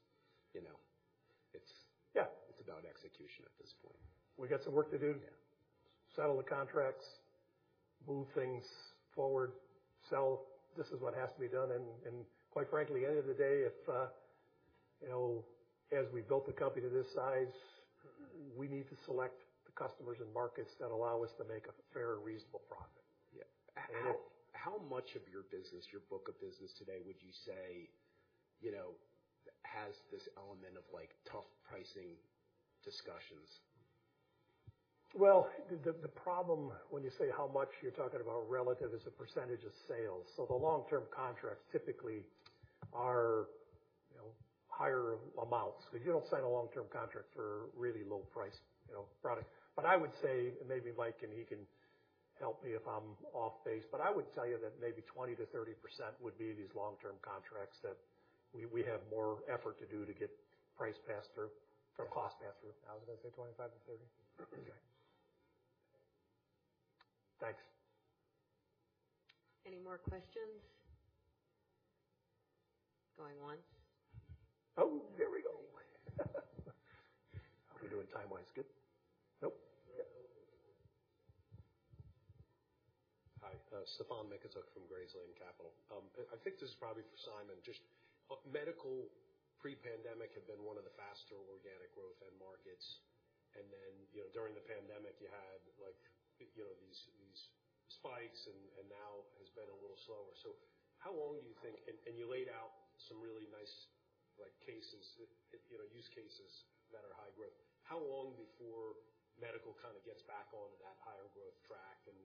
you know, it's- Yeah. It's about execution at this point. We got some work to do. Yeah. Settle the contracts, move things forward, sell. This is what has to be done, and quite frankly, at the end of the day, if, you know, as we built the company to this size, we need to select the customers and markets that allow us to make a fair and reasonable profit. Yeah. How, how much of your business, your book of business today, would you say, you know, has this element of, like, tough pricing discussions? The, the, the problem when you say how much, you're talking about relative as a percentage of sales. The long-term contracts typically are, you know, higher amounts, because you don't sign a long-term contract for really low price, you know, product. I would say, and maybe Mike, and he can help me if I'm off base, but I would tell you that maybe 20%-30% would be these long-term contracts that we, we have more effort to do to get price passed through, or cost passed through. I was gonna say 25 to 30. Okay. Thanks. Any more questions? Going once. Oh, there we go. How are we doing time-wise? Good? Nope. Yeah. Hi, Stefan Myk from Graceland Capital. I think this is probably for Simon. Just, medical pre-pandemic had been one of the faster organic growth end markets, then, you know, during the pandemic, you had, like, you know, these spikes and now has been a little slower. How long do you think? You laid out some really nice, like, cases, you know, use cases that are high growth. How long before medical kind of gets back on to that higher growth track and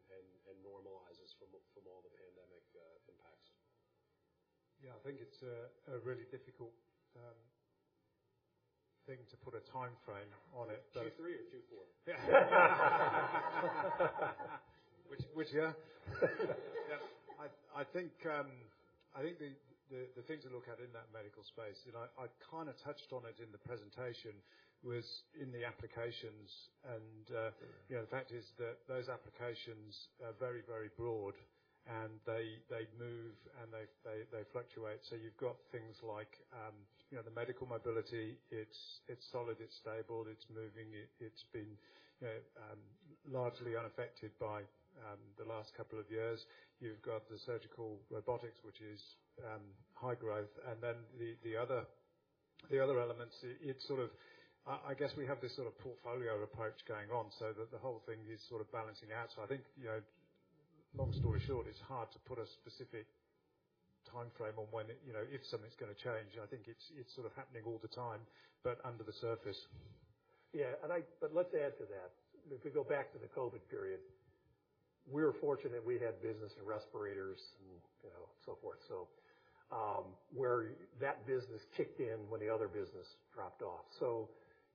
normalizes from all the pandemic, impacts? Yeah, I think it's a really difficult thing to put a timeframe on it, but... Q3 or Q4? Which, which, yeah. I, I think, I think the, the, the things to look at in that medical space, and I, I kind of touched on it in the presentation, was in the applications. The fact is that those applications are very, very broad, and they, they move, and they, they, they fluctuate. You've got things like, you know, the medical mobility. It's, it's solid, it's stable, it's moving. It, it's been, you know, largely unaffected by, the last couple of years. You've got the surgical robotics, which is, high growth, and then the, the other, the other elements, it, it sort of... I, I guess we have this sort of portfolio approach going on so that the whole thing is sort of balancing out. I think, you know, long story short, it's hard to put a specific timeframe on when it, you know, if something's gonna change. I think it's, it's sort of happening all the time, but under the surface. Yeah, and let's add to that. If we go back to the COVID period, we were fortunate we had business in respirators and, you know, so forth. Where that business kicked in when the other business dropped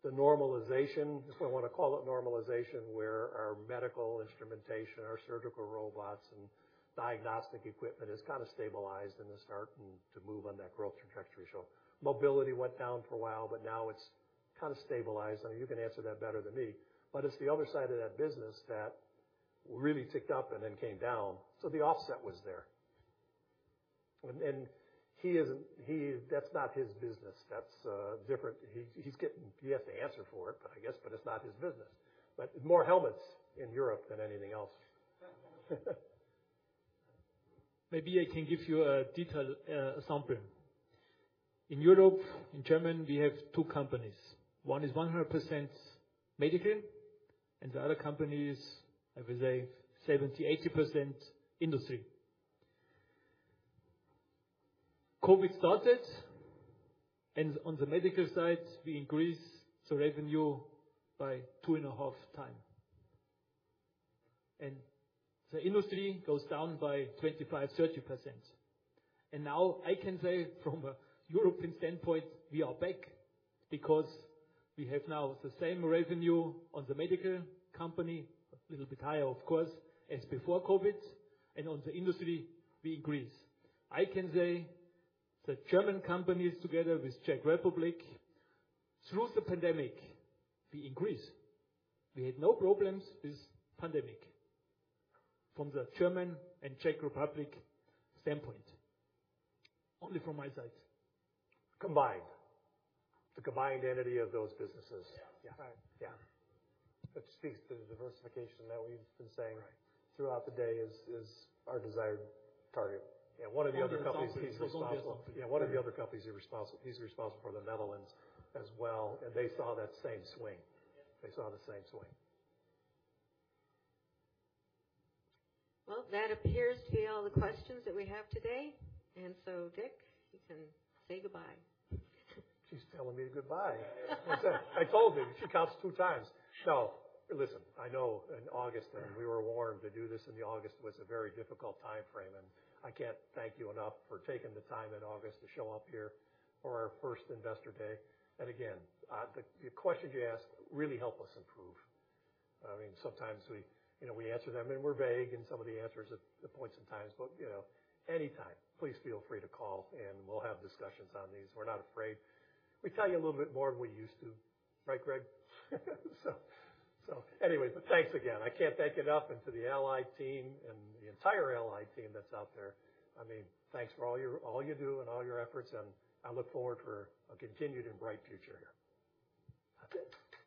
off. The normalization, just wanna call it normalization, where our medical instrumentation, our surgical robots, and diagnostic equipment has kind of stabilized and is starting to move on that growth trajectory. Mobility went down for a while, but now it's kind of stabilized. I mean, you can answer that better than me, but it's the other side of that business that really ticked up and then came down, so the offset was there. He isn't, he, that's not his business. That's different. He has to answer for it, but I guess, but it's not his business. More helmets in Europe than anything else. Maybe I can give you a detailed example. In Europe, in Germany, we have two companies. One is 100% medical, the other company is, I would say, 70%-80% industry. Covid started, on the medical side, we increased the revenue by 2.5x. The industry goes down by 25%-30%. Now I can say from a European standpoint, we are back because we have now the same revenue on the medical company, a little bit higher, of course, as before Covid, and on the industry, we increase. I can say the German companies, together with Czech Republic, through the pandemic, we increase. We had no problems with pandemic from the German and Czech Republic standpoint. Only from my side. Combined. The combined entity of those businesses. Yeah. Yeah. That speaks to the diversification that we've been saying. Right. throughout the day is, is our desired target. Yeah, one of the other companies, he responsible. He's responsible for the Netherlands as well, and they saw that same swing. They saw the same swing. Well, that appears to be all the questions that we have today, and so, Dick, you can say goodbye. She's telling me goodbye. I told you she counts two times. Listen, I know in August, and we were warned to do this in August, was a very difficult timeframe, and I can't thank you enough for taking the time in August to show up here for our first Investor Day. Again, the questions you asked really help us improve. I mean, sometimes we, you know, we answer them, and we're vague in some of the answers at the points in times, you know, anytime, please feel free to call, and we'll have discussions on these. We're not afraid. We tell you a little bit more than we used to. Right, Greg? Anyways, thanks again. I can't thank you enough, and to the Allient team and the entire Allient team that's out there, I mean, thanks for all your, all you do and all your efforts, and I look forward for a continued and bright future here. That's it.